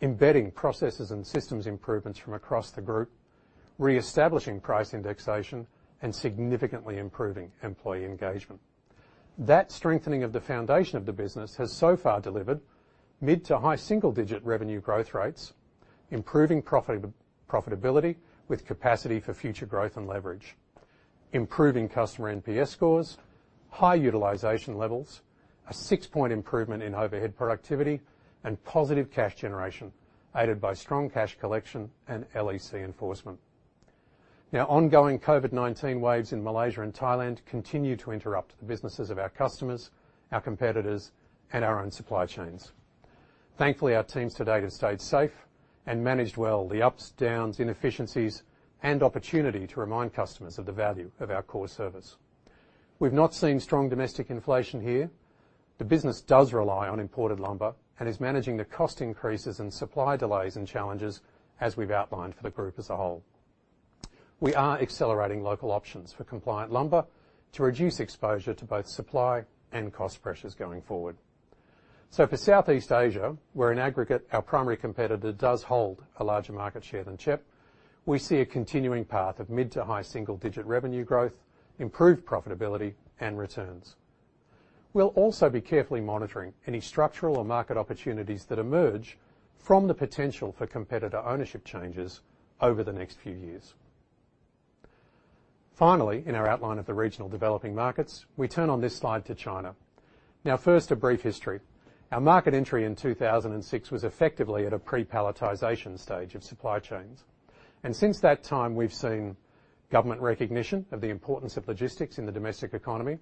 embedding processes and systems improvements from across the group, reestablishing price indexation, and significantly improving employee engagement. That strengthening of the foundation of the business has so far delivered mid to high single-digit revenue growth rates, improving profitability with capacity for future growth and leverage, improving customer NPS scores, high utilization levels, a six-point improvement in overhead productivity, and positive cash generation aided by strong cash collection and LEC enforcement. Ongoing COVID-19 waves in Malaysia and Thailand continue to interrupt the businesses of our customers, our competitors, and our own supply chains. Thankfully, our teams to date have stayed safe and managed well the ups, downs, inefficiencies, and opportunity to remind customers of the value of our core service. We've not seen strong domestic inflation here. The business does rely on imported lumber and is managing the cost increases and supply delays and challenges as we've outlined for the group as a whole. We are accelerating local options for compliant lumber to reduce exposure to both supply and cost pressures going forward. For Southeast Asia, where in aggregate, our primary competitor does hold a larger market share than CHEP. We see a continuing path of mid to high single-digit revenue growth, improved profitability, and returns. We'll also be carefully monitoring any structural or market opportunities that emerge from the potential for competitor ownership changes over the next few years. Finally, in our outline of the regional developing markets, we turn on this slide to China. First, a brief history. Our market entry in 2006 was effectively at a pre-palletization stage of supply chains. Since that time, we've seen government recognition of the importance of logistics in the domestic economy.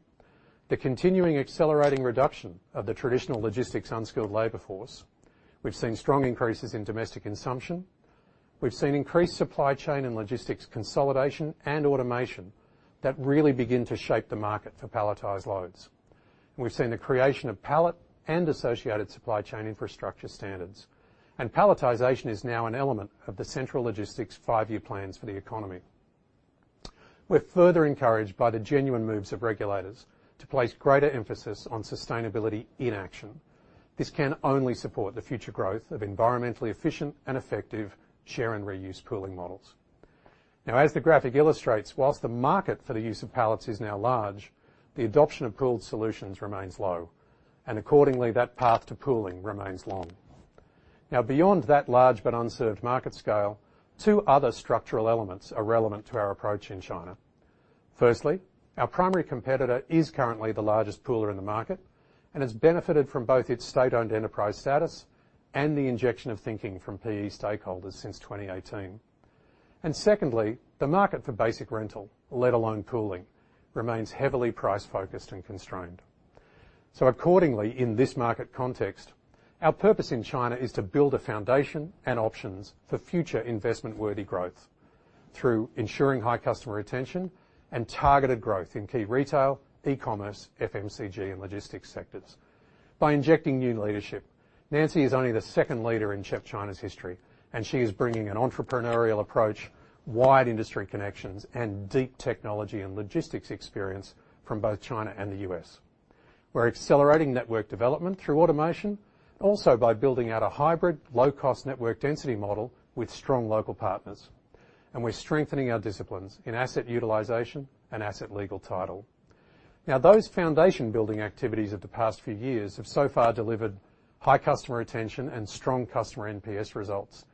The continuing accelerating reduction of the traditional logistics unskilled labor force. We've seen strong increases in domestic consumption. We've seen increased supply chain and logistics consolidation and automation that really begin to shape the market for palletized loads. We've seen the creation of pallet and associated supply chain infrastructure standards. Palletization is now an element of the central logistics five-year plans for the economy. We're further encouraged by the genuine moves of regulators to place greater emphasis on sustainability in action. This can only support the future growth of environmentally efficient and effective share and reuse pooling models. As the graphic illustrates, whilst the market for the use of pallets is now large, the adoption of pooled solutions remains low, and accordingly, that path to pooling remains long. Beyond that large but unserved market scale, 2 other structural elements are relevant to our approach in China. Firstly, our primary competitor is currently the largest pooler in the market and has benefited from both its state-owned enterprise status and the injection of thinking from PE stakeholders since 2018. Secondly, the market for basic rental, let alone pooling, remains heavily price-focused and constrained. Accordingly, in this market context, our purpose in China is to build a foundation and options for future investment-worthy growth through ensuring high customer retention and targeted growth in key retail, e-commerce, FMCG, and logistics sectors by injecting new leadership. Nancy is only the second leader in CHEP China's history, and she is bringing an entrepreneurial approach, wide industry connections, and deep technology and logistics experience from both China and the U.S. We're accelerating network development through automation, also by building out a hybrid, low-cost network density model with strong local partners. We're strengthening our disciplines in asset utilization and asset legal title. Those foundation building activities of the past few years have so far delivered high customer retention and strong customer NPS results.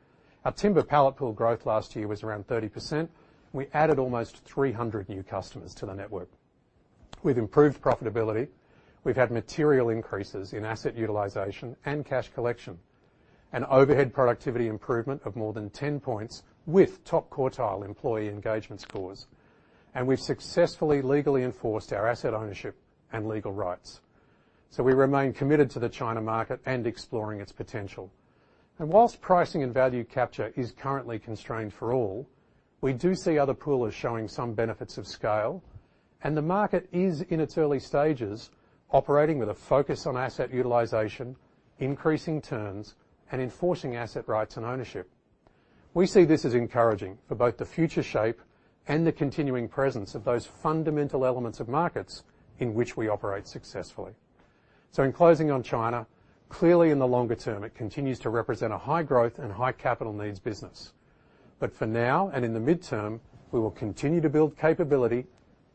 Our timber pallet pool growth last year was around 30%, and we added almost 300 new customers to the network. We've improved profitability. We've had material increases in asset utilization and cash collection, an overhead productivity improvement of more than 10 points with top quartile employee engagement scores. We've successfully legally enforced our asset ownership and legal rights. We remain committed to the China market and exploring its potential. Whilst pricing and value capture is currently constrained for all, we do see other poolers showing some benefits of scale. The market is in its early stages, operating with a focus on asset utilization, increasing turns, and enforcing asset rights and ownership. We see this as encouraging for both the future shape and the continuing presence of those fundamental elements of markets in which we operate successfully. In closing on China, clearly in the longer term, it continues to represent a high growth and high capital needs business. For now and in the midterm, we will continue to build capability,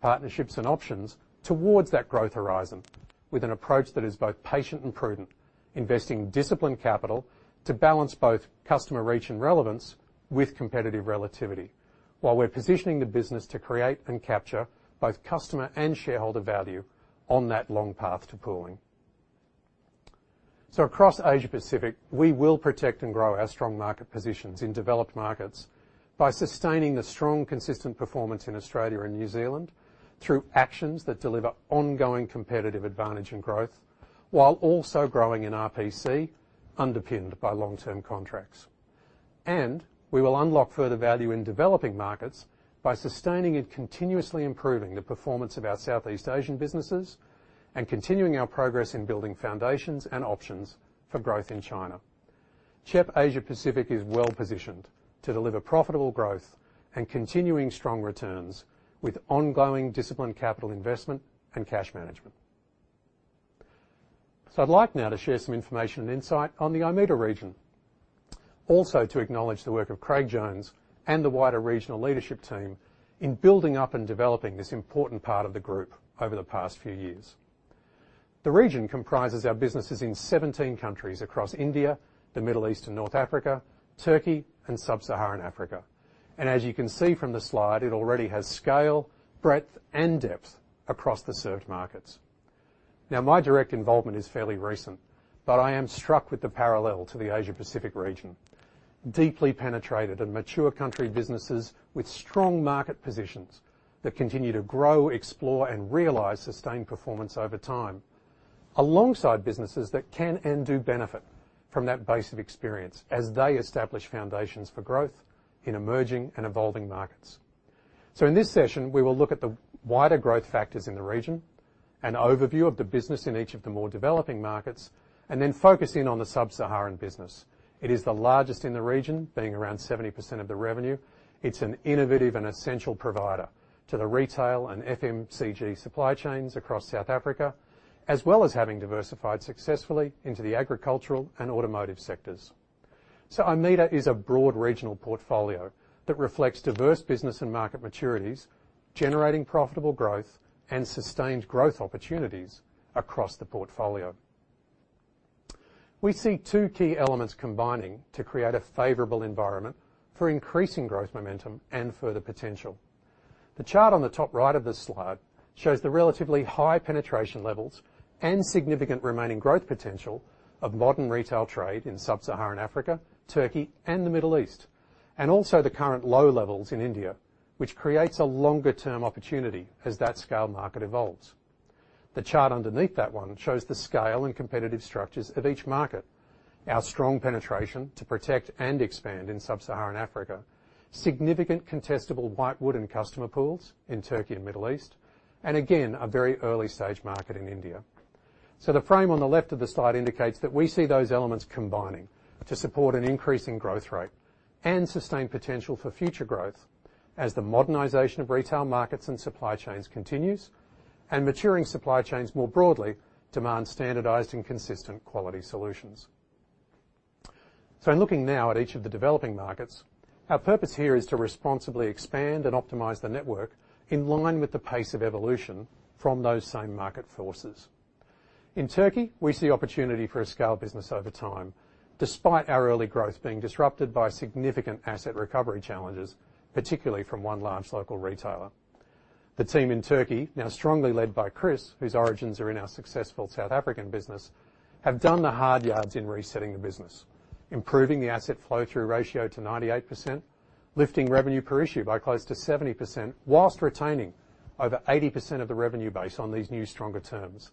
partnerships, and options towards that growth horizon with an approach that is both patient and prudent, investing disciplined capital to balance both customer reach and relevance with competitive relativity. While we're positioning the business to create and capture both customer and shareholder value on that long path to pooling. Across Asia-Pacific, we will protect and grow our strong market positions in developed markets by sustaining a strong, consistent performance in Australia and New Zealand through actions that deliver ongoing competitive advantage and growth, while also growing in RPC, underpinned by long-term contracts. We will unlock further value in developing markets by sustaining and continuously improving the performance of our Southeast Asian businesses and continuing our progress in building foundations and options for growth in China. CHEP Asia-Pacific is well-positioned to deliver profitable growth and continuing strong returns with ongoing disciplined capital investment and cash management. I'd like now to share some information and insight on the IMETA region. Also, to acknowledge the work of Craig Jones and the wider regional leadership team in building up and developing this important part of the group over the past few years. The region comprises our businesses in 17 countries across India, the Middle East and North Africa, Türkiye, and sub-Saharan Africa. As you can see from the slide, it already has scale, breadth, and depth across the served markets. My direct involvement is fairly recent, but I am struck with the parallel to the Asia-Pacific region. Deeply penetrated and mature country businesses with strong market positions that continue to grow, explore, and realize sustained performance over time. Alongside businesses that can and do benefit from that base of experience as they establish foundations for growth in emerging and evolving markets. In this session, we will look at the wider growth factors in the region, an overview of the business in each of the more developing markets, and then focus in on the sub-Saharan business. It is the largest in the region, being around 70% of the revenue. It's an innovative and essential provider to the retail and FMCG supply chains across South Africa, as well as having diversified successfully into the agricultural and automotive sectors. IMETA is a broad regional portfolio that reflects diverse business and market maturities, generating profitable growth and sustained growth opportunities across the portfolio. We see two key elements combining to create a favorable environment for increasing growth momentum and further potential. The chart on the top right of this slide shows the relatively high penetration levels and significant remaining growth potential of modern retail trade in sub-Saharan Africa, Turkey, and the Middle East. Also the current low levels in India, which creates a longer-term opportunity as that scale market evolves. The chart underneath that one shows the scale and competitive structures of each market. Our strong penetration to protect and expand in sub-Saharan Africa, significant contestable whitewood and customer pools in Türkiye and Middle East, and again, a very early-stage market in India. The frame on the left of the slide indicates that we see those elements combining to support an increasing growth rate and sustained potential for future growth as the modernization of retail markets and supply chains continues, and maturing supply chains more broadly demand standardized and consistent quality solutions. In looking now at each of the developing markets, our purpose here is to responsibly expand and optimize the network in line with the pace of evolution from those same market forces. In Türkiye, we see opportunity for a scale business over time, despite our early growth being disrupted by significant asset recovery challenges, particularly from one large local retailer. The team in Turkey, now strongly led by Chris, whose origins are in our successful South African business, have done the hard yards in resetting the business, improving the asset flow-through ratio to 98%, lifting revenue per issue by close to 70%, whilst retaining over 80% of the revenue base on these new stronger terms.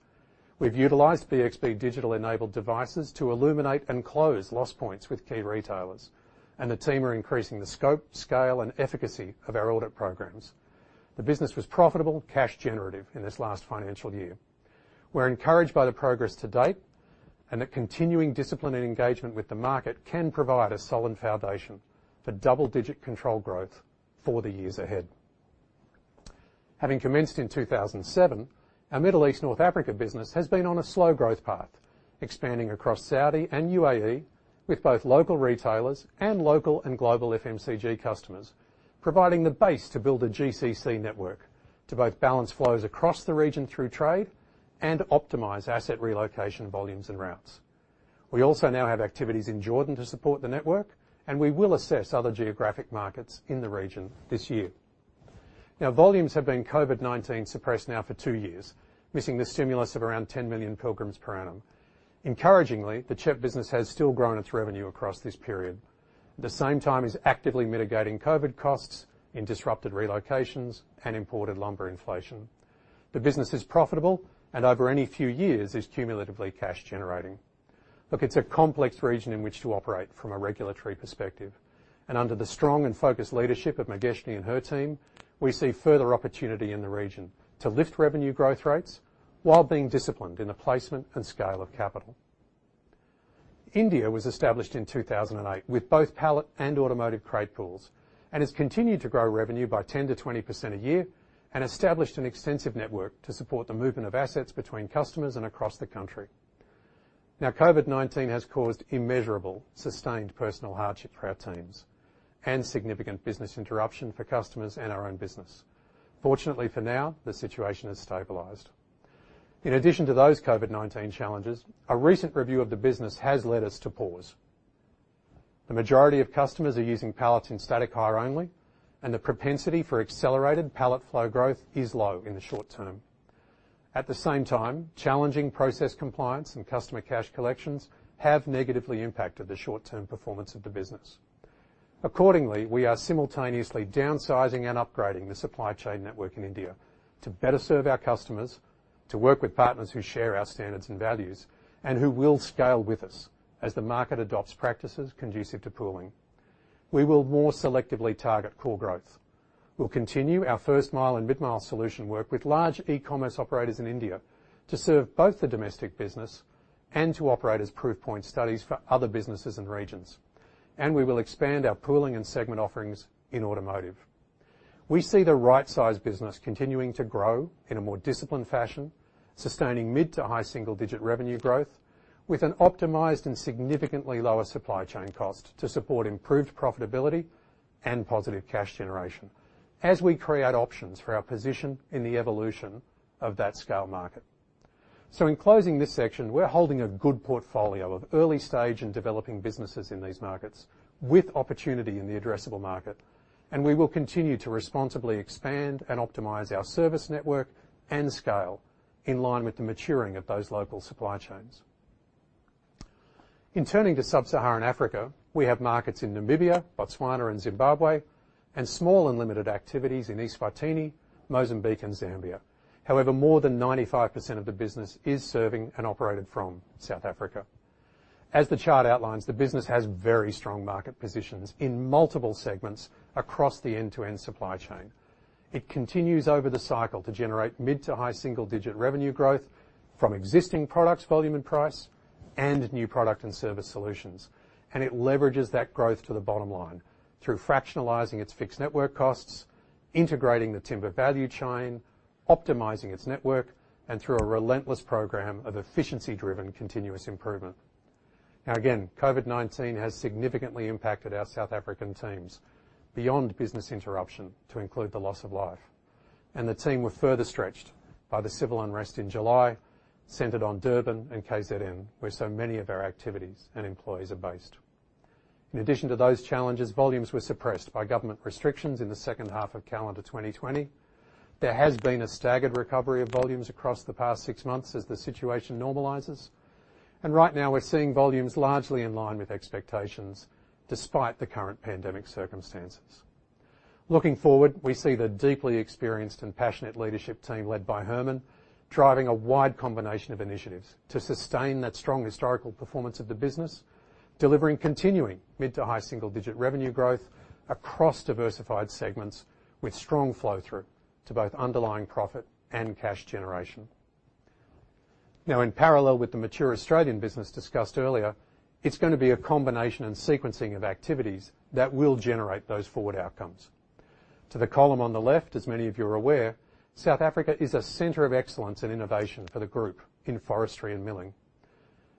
We've utilized BXB Digital-enabled devices to illuminate and close loss points with key retailers, and the team are increasing the scope, scale, and efficacy of our audit programs. The business was profitable, cash generative in this last financial year. We're encouraged by the progress to date, and that continuing discipline and engagement with the market can provide a solid foundation for double-digit control growth for the years ahead. Having commenced in 2007, our Middle East/North Africa business has been on a slow growth path, expanding across Saudi and UAE with both local retailers and local and global FMCG customers, providing the base to build a GCC network to both balance flows across the region through trade and optimize asset relocation volumes and routes. We also now have activities in Jordan to support the network, and we will assess other geographic markets in the region this year. Now, volumes have been COVID-19 suppressed now for two years, missing the stimulus of around 10 million pilgrims per annum. Encouragingly, the CHEP business has still grown its revenue across this period, at the same time is actively mitigating COVID costs in disrupted relocations and imported lumber inflation. The business is profitable and over any few years is cumulatively cash generating. Look, it's a complex region in which to operate from a regulatory perspective, and under the strong and focused leadership of Mageshni and her team, we see further opportunity in the region to lift revenue growth rates while being disciplined in the placement and scale of capital. India was established in 2008 with both pallet and automotive crate pools, and has continued to grow revenue by 10%-20% a year and established an extensive network to support the movement of assets between customers and across the country. Now, COVID-19 has caused immeasurable, sustained personal hardship for our teams and significant business interruption for customers and our own business. Fortunately for now, the situation has stabilized. In addition to those COVID-19 challenges, a recent review of the business has led us to pause. The majority of customers are using pallets in static hire only, and the propensity for accelerated pallet flow growth is low in the short term. At the same time, challenging process compliance and customer cash collections have negatively impacted the short-term performance of the business. Accordingly, we are simultaneously downsizing and upgrading the supply chain network in India to better serve our customers, to work with partners who share our standards and values, and who will scale with us as the market adopts practices conducive to pooling. We will more selectively target core growth. We'll continue our first-mile and mid-mile solution work with large e-commerce operators in India to serve both the domestic business and to operate as proof point studies for other businesses and regions. We will expand our pooling and segment offerings in automotive. We see the right size business continuing to grow in a more disciplined fashion, sustaining mid to high single-digit revenue growth with an optimized and significantly lower supply chain cost to support improved profitability and positive cash generation as we create options for our position in the evolution of that scale market. In closing this section, we're holding a good portfolio of early-stage and developing businesses in these markets with opportunity in the addressable market, and we will continue to responsibly expand and optimize our service network and scale in line with the maturing of those local supply chains. In turning to sub-Saharan Africa, we have markets in Namibia, Botswana, and Zimbabwe, and small and limited activities in Eswatini, Mozambique, and Zambia. However, more than 95% of the business is serving and operated from South Africa. As the chart outlines, the business has very strong market positions in multiple segments across the end-to-end supply chain. It continues over the cycle to generate mid to high single-digit revenue growth from existing products, volume, and price, and new product and service solutions. It leverages that growth to the bottom line through fractionalizing its fixed network costs, integrating the timber value chain, optimizing its network, and through a relentless program of efficiency-driven continuous improvement. Now again, COVID-19 has significantly impacted our South African teams beyond business interruption to include the loss of life. The team were further stretched by the civil unrest in July, centered on Durban and KZN, where so many of our activities and employees are based. In addition to those challenges, volumes were suppressed by government restrictions in the second half of calendar 2020. There has been a staggered recovery of volumes across the past six months as the situation normalizes. Right now, we're seeing volumes largely in line with expectations despite the current pandemic circumstances. Looking forward, we see the deeply experienced and passionate leadership team led by Herman driving a wide combination of initiatives to sustain that strong historical performance of the business, delivering continuing mid to high single-digit revenue growth across diversified segments with strong flow-through to both underlying profit and cash generation. In parallel with the mature Australian business discussed earlier, it's going to be a combination and sequencing of activities that will generate those forward outcomes. To the column on the left, as many of you are aware, South Africa is a center of excellence and innovation for the group in forestry and milling.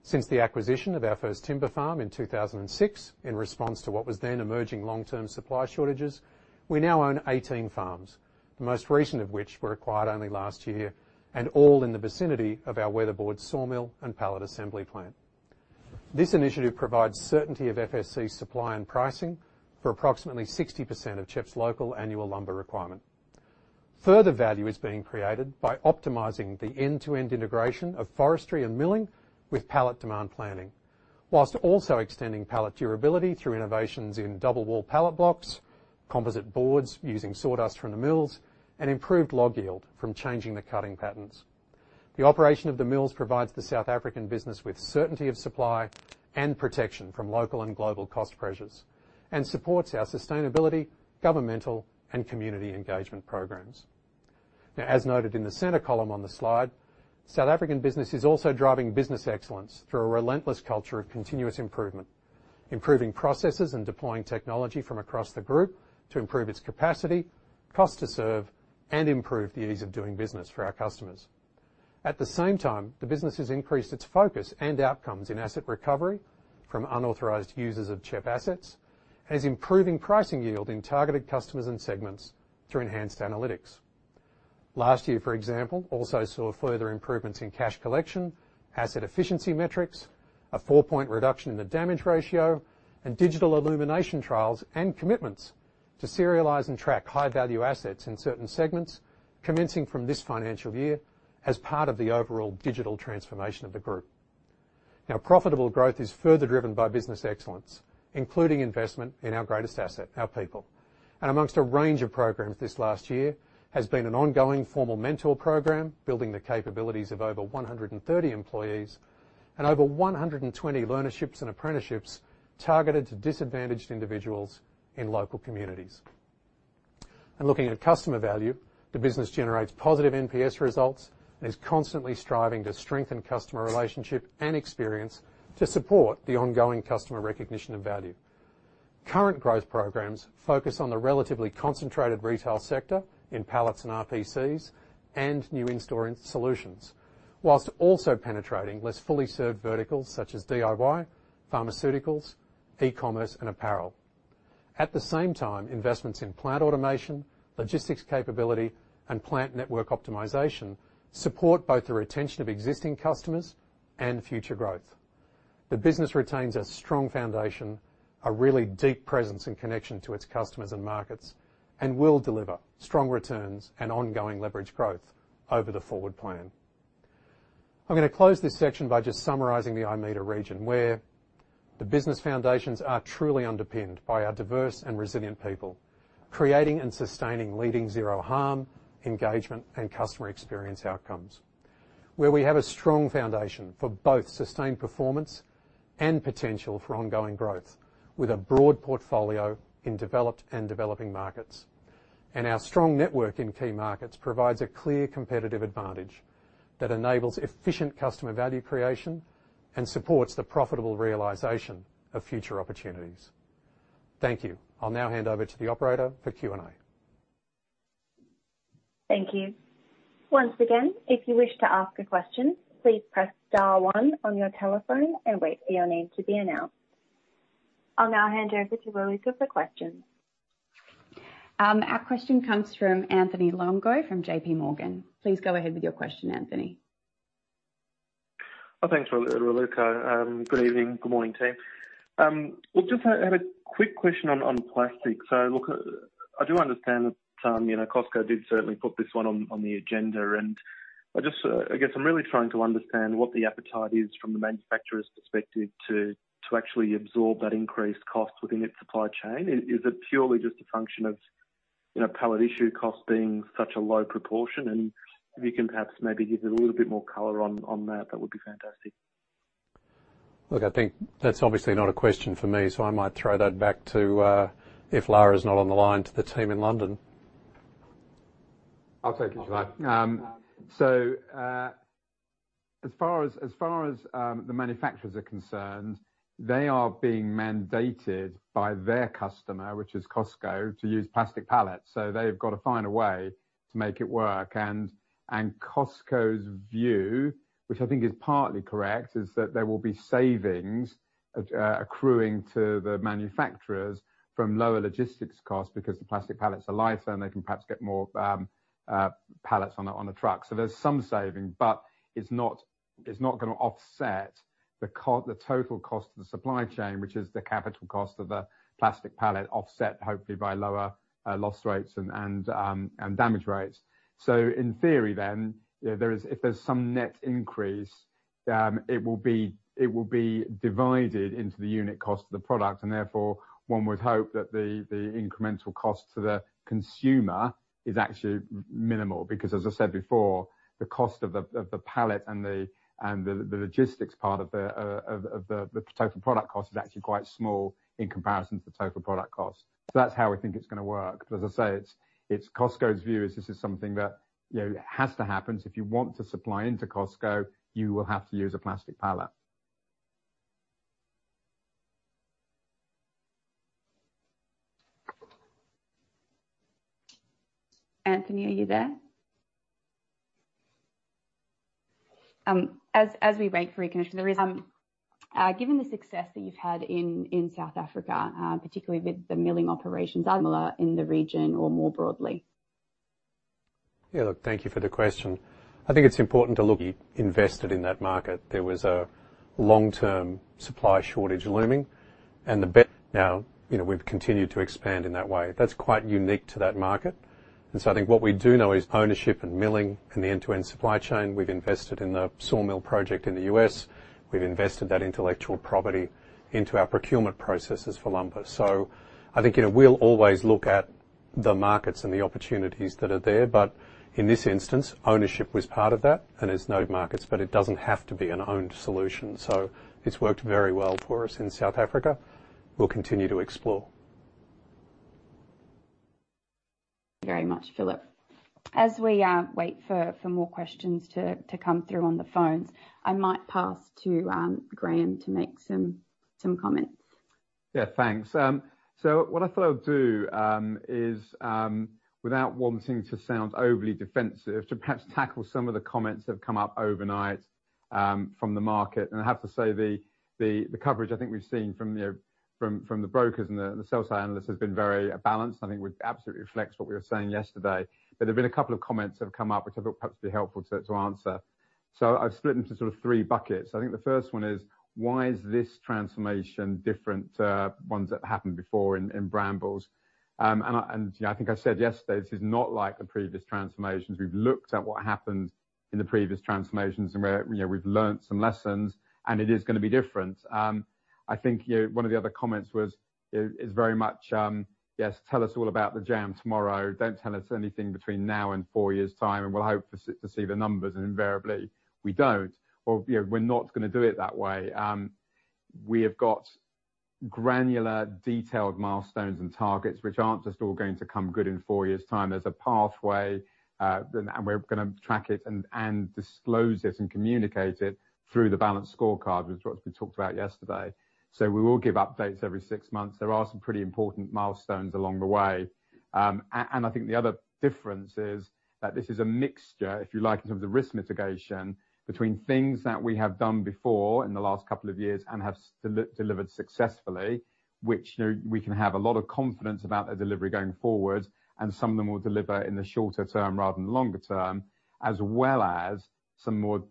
Since the acquisition of our first timber farm in 2006, in response to what was then emerging long-term supply shortages, we now own 18 farms, the most recent of which were acquired only last year, and all in the vicinity of our Weatherboard sawmill and pallet assembly plant. This initiative provides certainty of FSC supply and pricing for approximately 60% of CHEP's local annual lumber requirement. Further value is being created by optimizing the end-to-end integration of forestry and milling with pallet demand planning, while also extending pallet durability through innovations in double wall pallet blocks, composite boards using sawdust from the mills, and improved log yield from changing the cutting patterns. The operation of the mills provides the South African business with certainty of supply and protection from local and global cost pressures, and supports our sustainability, governmental, and community engagement programs. Now, as noted in the center column on the slide, South African business is also driving business excellence through a relentless culture of continuous improvement, improving processes and deploying technology from across the group to improve its capacity, cost to serve, and improve the ease of doing business for our customers. At the same time, the business has increased its focus and outcomes in asset recovery from unauthorized users of CHEP assets and is improving pricing yield in targeted customers and segments through enhanced analytics. Last year, for example, also saw further improvements in cash collection, asset efficiency metrics, a four-point reduction in the damage ratio, and digital illumination trials and commitments to serialize and track high-value assets in certain segments commencing from this financial year as part of the overall digital transformation of the group. Now, profitable growth is further driven by business excellence, including investment in our greatest asset, our people. Amongst a range of programs this last year has been an ongoing formal mentor program, building the capabilities of over 130 employees and over 120 learnerships and apprenticeships targeted to disadvantaged individuals in local communities. Looking at customer value, the business generates positive NPS results and is constantly striving to strengthen customer relationship and experience to support the ongoing customer recognition of value. Current growth programs focus on the relatively concentrated retail sector in pallets and RPCs and new in-store solutions, whilst also penetrating less fully served verticals such as DIY, pharmaceuticals, e-commerce, and apparel. At the same time, investments in plant automation, logistics capability, and plant network optimization support both the retention of existing customers and future growth. The business retains a strong foundation, a really deep presence and connection to its customers and markets, and will deliver strong returns and ongoing leverage growth over the forward plan. I'm going to close this section by just summarizing the IMETA region, where the business foundations are truly underpinned by our diverse and resilient people, creating and sustaining leading zero harm, engagement, and customer experience outcomes. Where we have a strong foundation for both sustained performance and potential for ongoing growth with a broad portfolio in developed and developing markets. Our strong network in key markets provides a clear competitive advantage that enables efficient customer value creation and supports the profitable realization of future opportunities. Thank you. I'll now hand over to the operator for Q&A. Thank you. Once again, if you wish to ask a question, please press star one on your telephone and wait for your name to be announced. I will now hand over to Raluca for questions. Our question comes from Anthony Longo from JP Morgan. Please go ahead with your question, Anthony. Thanks, Raluca. Good evening, good morning, team. Well, just had a quick question on plastic. Look, I do understand that Costco did certainly put this one on the agenda, and I guess I'm really trying to understand what the appetite is from the manufacturer's perspective to actually absorb that increased cost within its supply chain. Is it purely just a function of pallet issue cost being such a low proportion? If you can perhaps maybe give a little bit more color on that would be fantastic. I think that's obviously not a question for me, so I might throw that back to, if Laura is not on the line, to the team in London. I'll take it, if you like. As far as the manufacturers are concerned, they are being mandated by their customer, which is Costco, to use plastic pallets. They've got to find a way to make it work. Costco's view, which I think is partly correct, is that there will be savings accruing to the manufacturers from lower logistics costs because the plastic pallets are lighter and they can perhaps get more pallets on the truck. There's some saving, but it is not going to offset the total cost of the supply chain, which is the capital cost of a plastic pallet offset hopefully by lower loss rates and damage rates. In theory then, if there's some net increase, it will be divided into the unit cost of the product, and therefore one would hope that the incremental cost to the consumer is actually minimal. As I said before, the cost of the pallet and the logistics part of the total product cost is actually quite small in comparison to the total product cost. That's how we think it's going to work. As I say, it's Costco's view is this is something that has to happen. If you want to supply into Costco, you will have to use a plastic pallet. Anthony, are you there? As we wait for reconnection, given the success that you've had in South Africa, particularly with the milling operations in the region or more broadly. Yeah, look, thank you for the question. I think it's important to look invested in that market. There was a long-term supply shortage looming and we've continued to expand in that way. That's quite unique to that market. I think what we do know is ownership and milling and the end-to-end supply chain. We've invested in the sawmill project in the U.S. We've invested that intellectual property into our procurement processes for lumber. I think, we'll always look at the markets and the opportunities that are there. In this instance, ownership was part of that and in those markets, but it doesn't have to be an owned solution. It's worked very well for us in South Africa. We'll continue to explore. Very much, Phillip. As we wait for more questions to come through on the phones, I might pass to Graham to make some comments. Yeah, thanks. What I thought I'd do, is, without wanting to sound overly defensive, to perhaps tackle some of the comments that have come up overnight, from the market. I have to say, the coverage I think we've seen from the brokers and the sell side analysts has been very balanced and I think would absolutely reflect what we were saying yesterday. There have been a couple of comments that have come up, which I thought perhaps would be helpful to answer. I've split them into sort of three buckets. I think the first one is why is this transformation different to ones that happened before in Brambles? I think I said yesterday, this is not like the previous transformations. We've looked at what happened in the previous transformations and we've learned some lessons and it is going to be different. I think one of the other comments was, is very much, yes, tell us all about the jam tomorrow. Don't tell us anything between now and four years' time, and we'll hope to see the numbers. Invariably we don't or we're not going to do it that way. We have got granular, detailed milestones and targets, which aren't just all going to come good in four years' time. There's a pathway, we're going to track it and disclose it and communicate it through the balanced scorecard, which is what we talked about yesterday. We will give updates every six months. There are some pretty important milestones along the way. I think the other difference is that this is a mixture, if you like, in terms of risk mitigation between things that we have done before in the last couple of years and have delivered successfully, which we can have a lot of confidence about their delivery going forward, and some of them will deliver in the shorter term rather than the longer term, as well as some more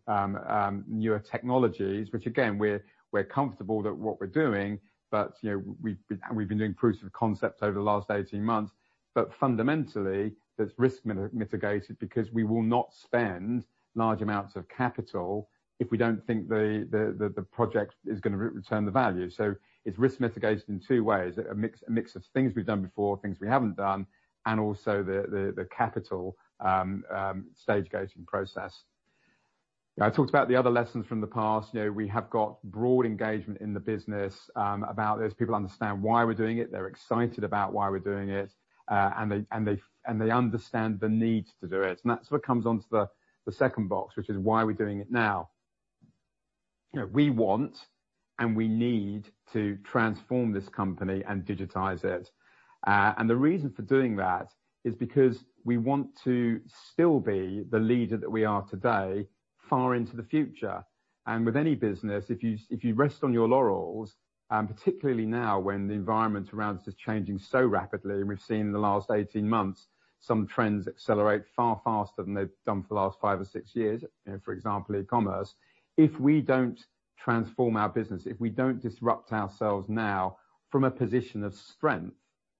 newer technologies, which again, we're comfortable that what we're doing, but we've been doing proof of concept over the last 18 months. Fundamentally, there's risk mitigated because we will not spend large amounts of capital if we don't think the project is going to return the value. It's risk mitigated in two ways. A mix of things we've done before, things we haven't done, and also the capital stage gating process. I talked about the other lessons from the past. We have got broad engagement in the business, about this. People understand why we're doing it. They're excited about why we're doing it. They understand the need to do it. That's what comes onto the second box, which is why we're doing it now. We want and we need to transform this company and digitize it. The reason for doing that is because we want to still be the leader that we are today far into the future. With any business, if you rest on your laurels, particularly now when the environment around us is changing so rapidly, and we've seen in the last 18 months some trends accelerate far faster than they've done for the last five or six years, for example, e-commerce. If we don't transform our business, if we don't disrupt ourselves now from a position of strength,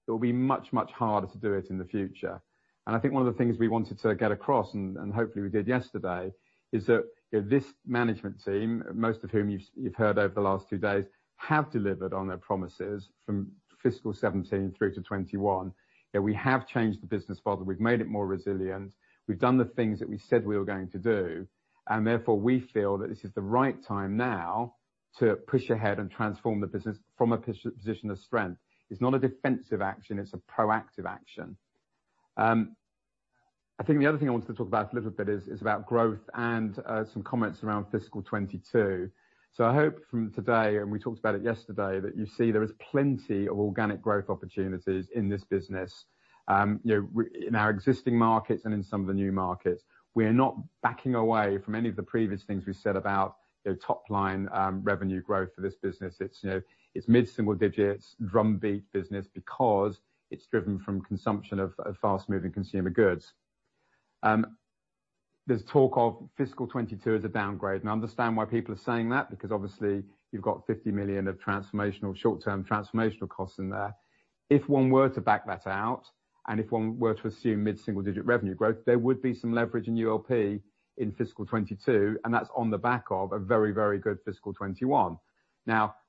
it will be much, much harder to do it in the future. I think one of the things we wanted to get across, and hopefully we did yesterday, is that this management team, most of whom you've heard over the last two days, have delivered on their promises from fiscal 2017 through to 2021. That we have changed the business model, we've made it more resilient. We've done the things that we said we were going to do, and therefore we feel that this is the right time now to push ahead and transform the business from a position of strength. It's not a defensive action, it's a proactive action. I think the other thing I wanted to talk about a little bit is about growth and some comments around fiscal 2022. I hope from today, and we talked about it yesterday, that you see there is plenty of organic growth opportunities in this business. In our existing markets and in some of the new markets. We are not backing away from any of the previous things we said about top line revenue growth for this business. It's mid-single digits drum beat business because it's driven from consumption of fast-moving consumer goods. There's talk of fiscal 2022 as a downgrade, and I understand why people are saying that because obviously you've got $50 million of transformational short-term transformational costs in there. If one were to back that out, and if one were to assume mid-single-digit revenue growth, there would be some leverage in ULP in fiscal 2022, and that's on the back of a very, very good fiscal 2021.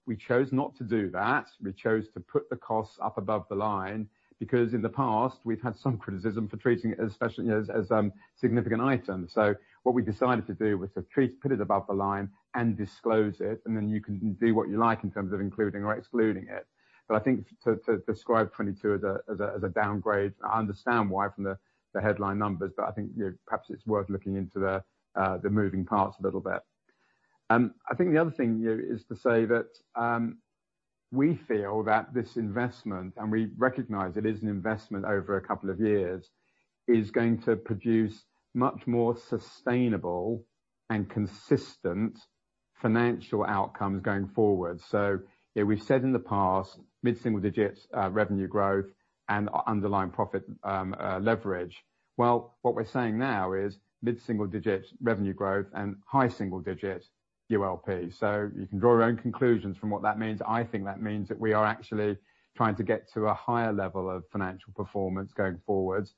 We chose not to do that. We chose to put the costs up above the line because in the past, we've had some criticism for treating it as significant item. What we decided to do was to put it above the line and disclose it, and then you can do what you like in terms of including or excluding it. I think to describe 2022 as a downgrade, I understand why from the headline numbers, but I think perhaps it's worth looking into the moving parts a little bit. I think the other thing is to say that we feel that this investment, and we recognize it is an investment over two years, is going to produce much more sustainable and consistent financial outcomes going forward. We've said in the past, mid-single digits, revenue growth and underlying profit leverage. Well, what we're saying now is mid-single-digit revenue growth and high-single-digit ULP. You can draw your own conclusions from what that means. I think that means that we are actually trying to get to a higher level of financial performance going forward,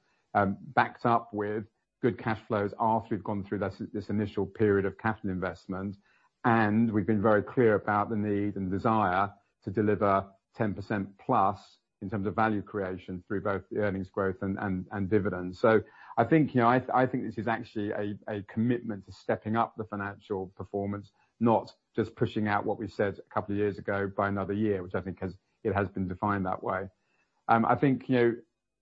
backed up with good cash flows after we've gone through this initial period of capital investment, and we've been very clear about the need and desire to deliver 10%+ in terms of value creation through both the earnings growth and dividends. I think this is actually a commitment to stepping up the financial performance, not just pushing out what we said two years ago by another year, which I think it has been defined that way. I think,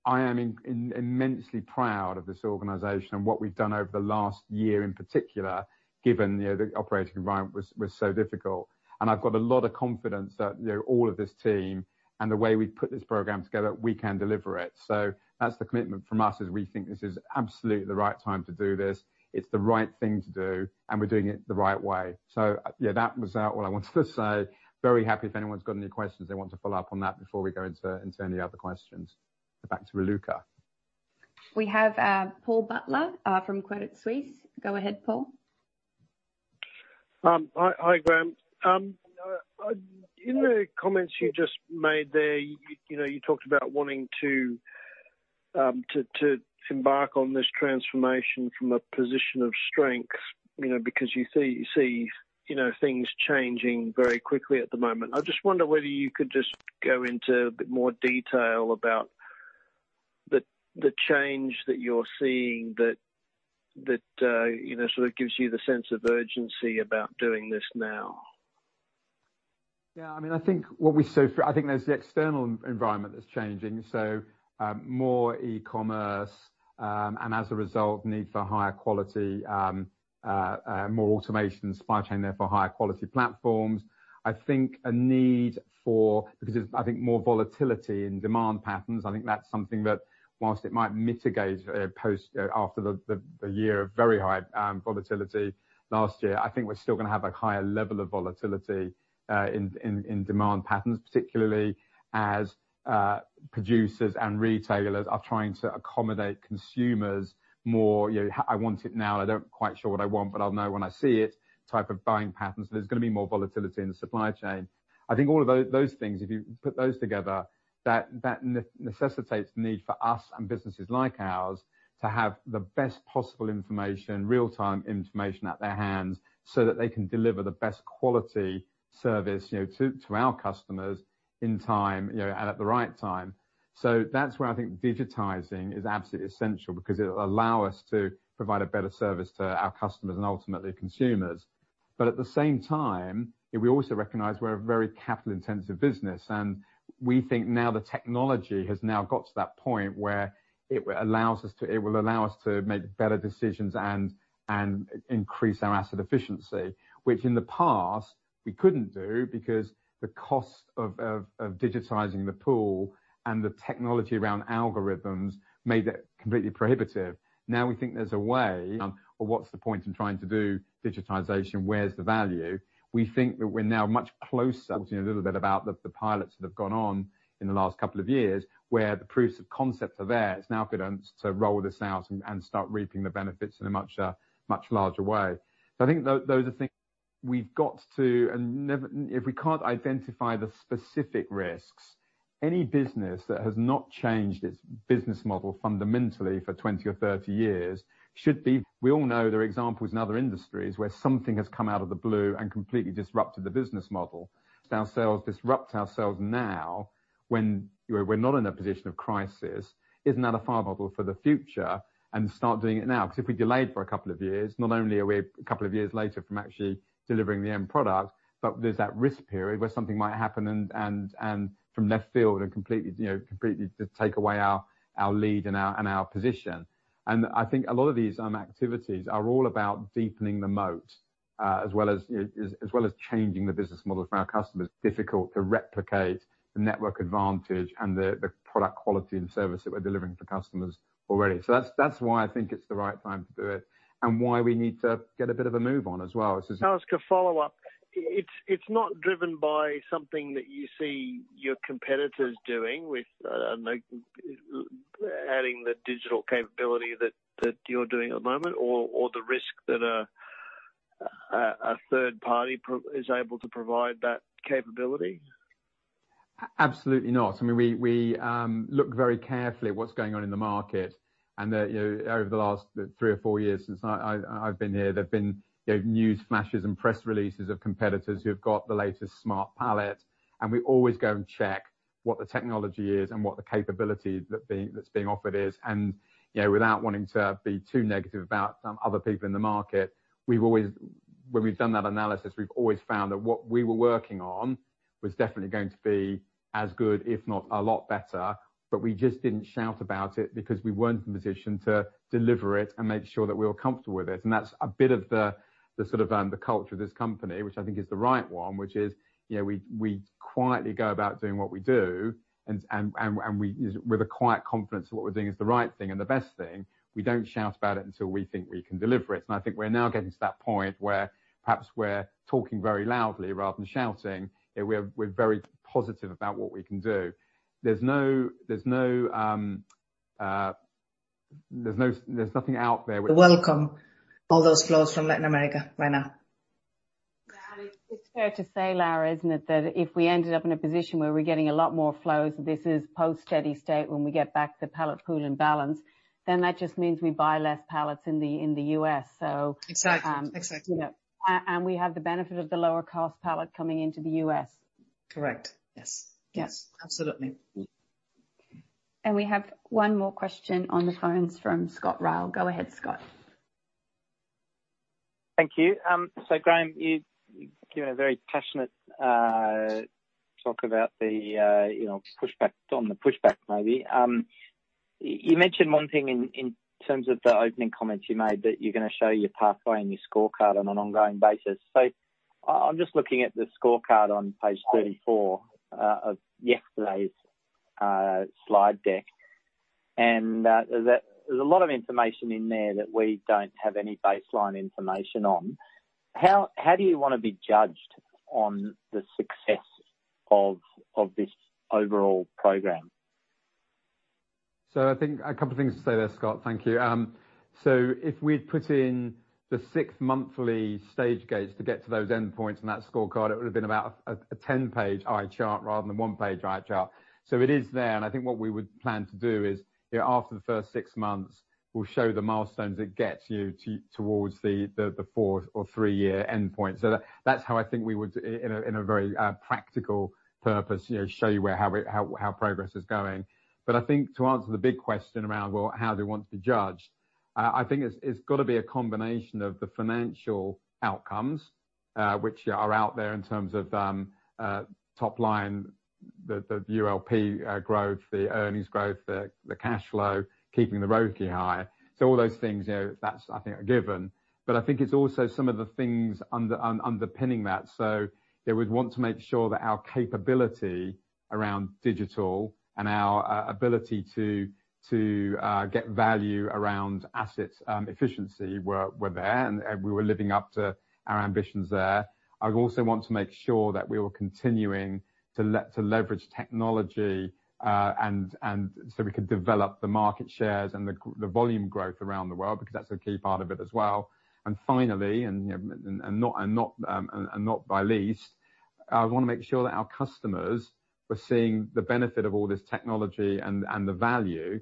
I am immensely proud of this organization and what we've done over the last year in particular, given the operating environment was so difficult. I've got a lot of confidence that all of this team and the way we've put this program together, we can deliver it. That's the commitment from us is we think this is absolutely the right time to do this. It's the right thing to do, and we're doing it the right way. That was all I wanted to say. Very happy if anyone's got any questions they want to follow up on that before we go into any other questions. Back to Luca. We have Paul Butler from Credit Suisse. Go ahead, Paul. Hi, Graham. In the comments you just made there, you talked about wanting to embark on this transformation from a position of strength, because you see things changing very quickly at the moment. I just wonder whether you could just go into a bit more detail about the change that you're seeing that sort of gives you the sense of urgency about doing this now. Yeah, I think there's the external environment that's changing. More e-commerce, and as a result, need for higher quality, more automation supply chain, therefore higher quality platforms. I think a need for, because there's, I think, more volatility in demand patterns. I think that's something that whilst it might mitigate after the year of very high volatility last year, I think we're still going to have a higher level of volatility in demand patterns, particularly as producers and retailers are trying to accommodate consumers more. I want it now. I don't quite sure what I want, but I'll know when I see it, type of buying patterns. There's going to be more volatility in the supply chain. I think all of those things, if you put those together, that necessitates the need for us and businesses like ours to have the best possible information, real-time information at their hands so that they can deliver the best quality service to our customers in time, and at the right time. That's where I think digitizing is absolutely essential because it'll allow us to provide a better service to our customers and ultimately consumers. At the same time, we also recognize we're a very capital-intensive business, and we think now the technology has now got to that point where it will allow us to make better decisions and increase our asset efficiency, which in the past we couldn't do because the cost of digitizing the pool and the technology around algorithms made it completely prohibitive. Now we think there's a way or what's the point in trying to do digitization? Where's the value? We think that we're now much closer, talking a little bit about the pilots that have gone on in the last two years, where the proofs of concept are there. It's now good to roll this out and start reaping the benefits in a much larger way. I think those are things we've got to and if we can't identify the specific risks, any business that has not changed its business model fundamentally for 20 or 30 years should be. We all know there are examples in other industries where something has come out of the blue and completely disrupted the business model. Ourselves, disrupt ourselves now when we're not in a position of crisis, isn't that a favorable for the future and start doing it now? If we delayed for a couple of years, not only are we a couple of years later from actually delivering the end product, but there's that risk period where something might happen and from left field and completely take away our lead and our position. I think a lot of these activities are all about deepening the moat, as well as changing the business model for our customers. Difficult to replicate the network advantage and the product quality and service that we're delivering for customers already. That's why I think it's the right time to do it and why we need to get a bit of a move on as well. Can I ask a follow-up? It's not driven by something that you see your competitors doing with adding the digital capability that you're doing at the moment or the risk that a third party is able to provide that capability? Absolutely not. We look very carefully at what's going on in the market, and over the last three or four years since I've been here, there have been news flashes and press releases of competitors who've got the latest smart pallet, and we always go and check what the technology is and what the capability that's being offered is. Without wanting to be too negative about other people in the market, when we've done that analysis, we've always found that what we were working on was definitely going to be as good, if not a lot better, but we just didn't shout about it because we weren't in a position to deliver it and make sure that we were comfortable with it. That's a bit of the culture of this company, which I think is the right one, which is we quietly go about doing what we do and with a quiet confidence that what we're doing is the right thing and the best thing. We don't shout about it until we think we can deliver it. I think we're now getting to that point where perhaps we're talking very loudly rather than shouting, we're very positive about what we can do. There's nothing out there. We welcome all those flows from Latin America right now. It's fair to say, Laura, isn't it, that if we ended up in a position where we're getting a lot more flows, this is post steady state, when we get back to pallet pool and balance, then that just means we buy less pallets in the U.S. Exactly. We have the benefit of the lower cost pallet coming into the U.S. Correct. Yes. Yes. Absolutely. We have one more question on the phones from Scott Ryall. Go ahead, Scott. Thank you. Graham, you've given a very passionate talk about on the pushback maybe. You mentioned one thing in terms of the opening comments you made, that you're going to show your pathway and your scorecard on an ongoing basis. I'm just looking at the scorecard on page 34 of yesterday's slide deck, and there's a lot of information in there that we don't have any baseline information on. How do you want to be judged on the success of this overall program? I think a couple of things to say there, Scott. Thank you. If we'd put in the six monthly stage gates to get to those endpoints and that scorecard, it would have been about a 10-page eye chart rather than a 1-page eye chart. It is there, and I think what we would plan to do is after the first six months, we'll show the milestones that gets you towards the four or three-year endpoint. That's how I think we would, in a very practical purpose, show you how progress is going. I think to answer the big question around, well, how do we want to be judged? I think it's got to be a combination of the financial outcomes, which are out there in terms of top line, the ULP growth, the earnings growth, the cash flow, keeping the ROCE high. All those things, that's, I think, a given. I think it's also some of the things underpinning that. They would want to make sure that our capability around digital and our ability to get value around asset efficiency were there and we were living up to our ambitions there. I would also want to make sure that we were continuing to leverage technology so we could develop the market shares and the volume growth around the world, because that's a key part of it as well. Finally, and not by least, I want to make sure that our customers are seeing the benefit of all this technology and the value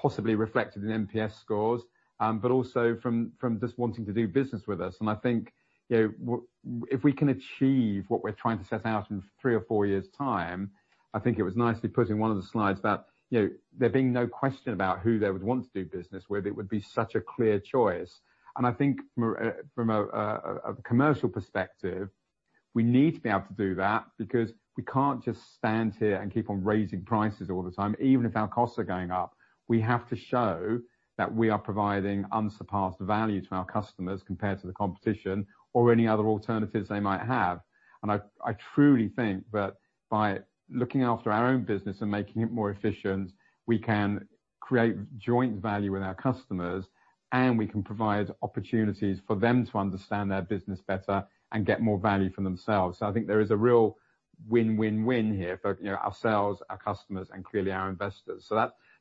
possibly reflected in NPS scores, but also from just wanting to do business with us. I think if we can achieve what we're trying to set out in three or four years' time, I think it was nicely put in one of the slides about there being no question about who they would want to do business with. It would be such a clear choice. I think from a commercial perspective, we need to be able to do that because we can't just stand here and keep on raising prices all the time, even if our costs are going up. We have to show that we are providing unsurpassed value to our customers compared to the competition or any other alternatives they might have. I truly think that by looking after our own business and making it more efficient, we can create joint value with our customers, and we can provide opportunities for them to understand their business better and get more value for themselves. I think there is a real win-win-win here for ourselves, our customers, and clearly our investors.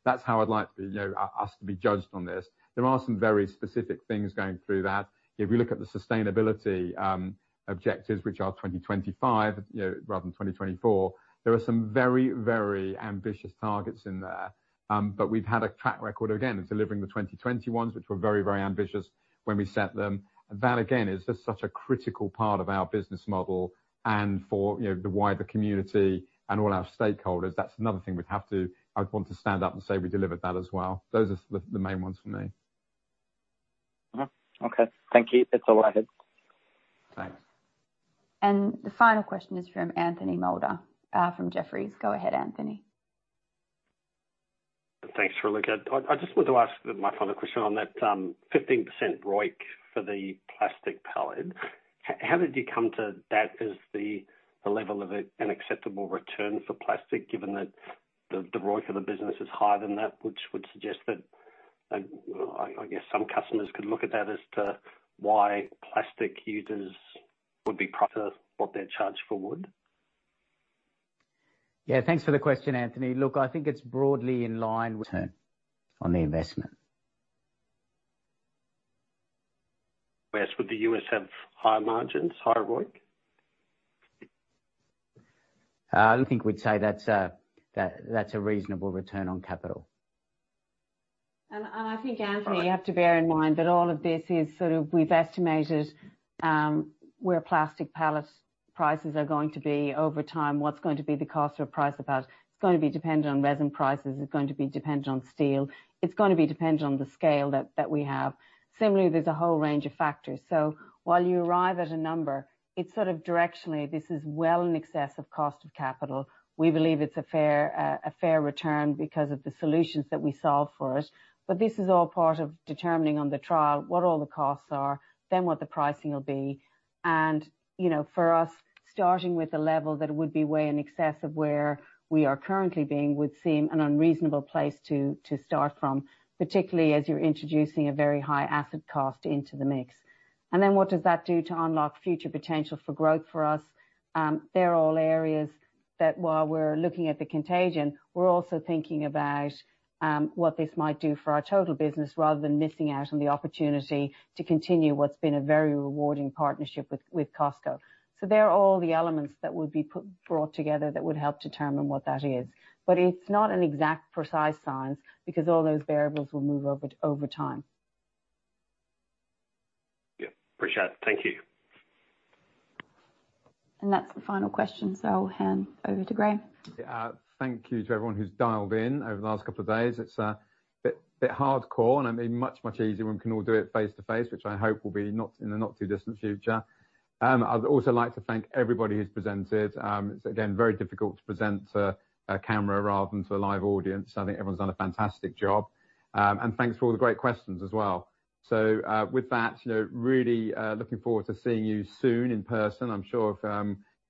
That's how I'd like us to be judged on this. There are some very specific things going through that. If you look at the sustainability objectives, which are 2025 rather than 2024, there are some very ambitious targets in there. We've had a track record, again, of delivering the 2020 ones, which were very ambitious when we set them. That, again, is just such a critical part of our business model and for the wider community and all our stakeholders. That's another thing I'd want to stand up and say we delivered that as well. Those are the main ones for me. Okay. Thank you. That's all I had. Thanks. The final question is from Anthony Moulder from Jefferies. Go ahead, Anthony. Thanks, Raluca. I just want to ask my final question on that 15% ROIC for the plastic pallet. How did you come to that as the level of an acceptable return for plastic, given that the ROIC of the business is higher than that, which would suggest that, I guess some customers could look at that as to why plastic users would be priced what they're charged for wood? Yeah, thanks for the question, Anthony. Look, I think it's broadly in line with return on the investment. Would the U.S. have higher margins, higher ROIC? I think we'd say that's a reasonable return on capital. I think, Anthony, you have to bear in mind that all of this is sort of, we've estimated where plastic pallet prices are going to be over time. What's going to be the cost or price of that? It's going to be dependent on resin prices. It's going to be dependent on steel. It's going to be dependent on the scale that we have. Similarly, there's a whole range of factors. While you arrive at a number, it's sort of directionally, this is well in excess of cost of capital. We believe it's a fair return because of the solutions that we solve for it. This is all part of determining on the trial what all the costs are, then what the pricing will be. For us, starting with a level that would be way in excess of where we are currently being would seem an unreasonable place to start from, particularly as you're introducing a very high asset cost into the mix. What does that do to unlock future potential for growth for us? They're all areas that while we're looking at the contagion, we're also thinking about what this might do for our total business rather than missing out on the opportunity to continue what's been a very rewarding partnership with Costco. They're all the elements that would be brought together that would help determine what that is. It's not an exact precise science, because all those variables will move over time. Yeah, appreciate it. Thank you. That's the final question, so I'll hand over to Graham. Thank you to everyone who's dialed in over the last couple of days. It's a bit hardcore, and it'd be much easier when we can all do it face to face, which I hope will be in the not too distant future. I'd also like to thank everybody who's presented. It's, again, very difficult to present to a camera rather than to a live audience. I think everyone's done a fantastic job. Thanks for all the great questions as well. With that, really looking forward to seeing you soon in person. I'm sure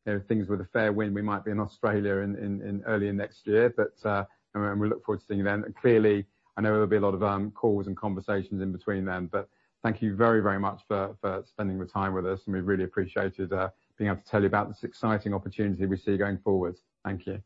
if things with a fair wind, we might be in Australia early next year. We look forward to seeing you then. Clearly, I know there'll be a lot of calls and conversations in between then. Thank you very, very much for spending the time with us, and we really appreciate it, being able to tell you about this exciting opportunity we see going forward. Thank you.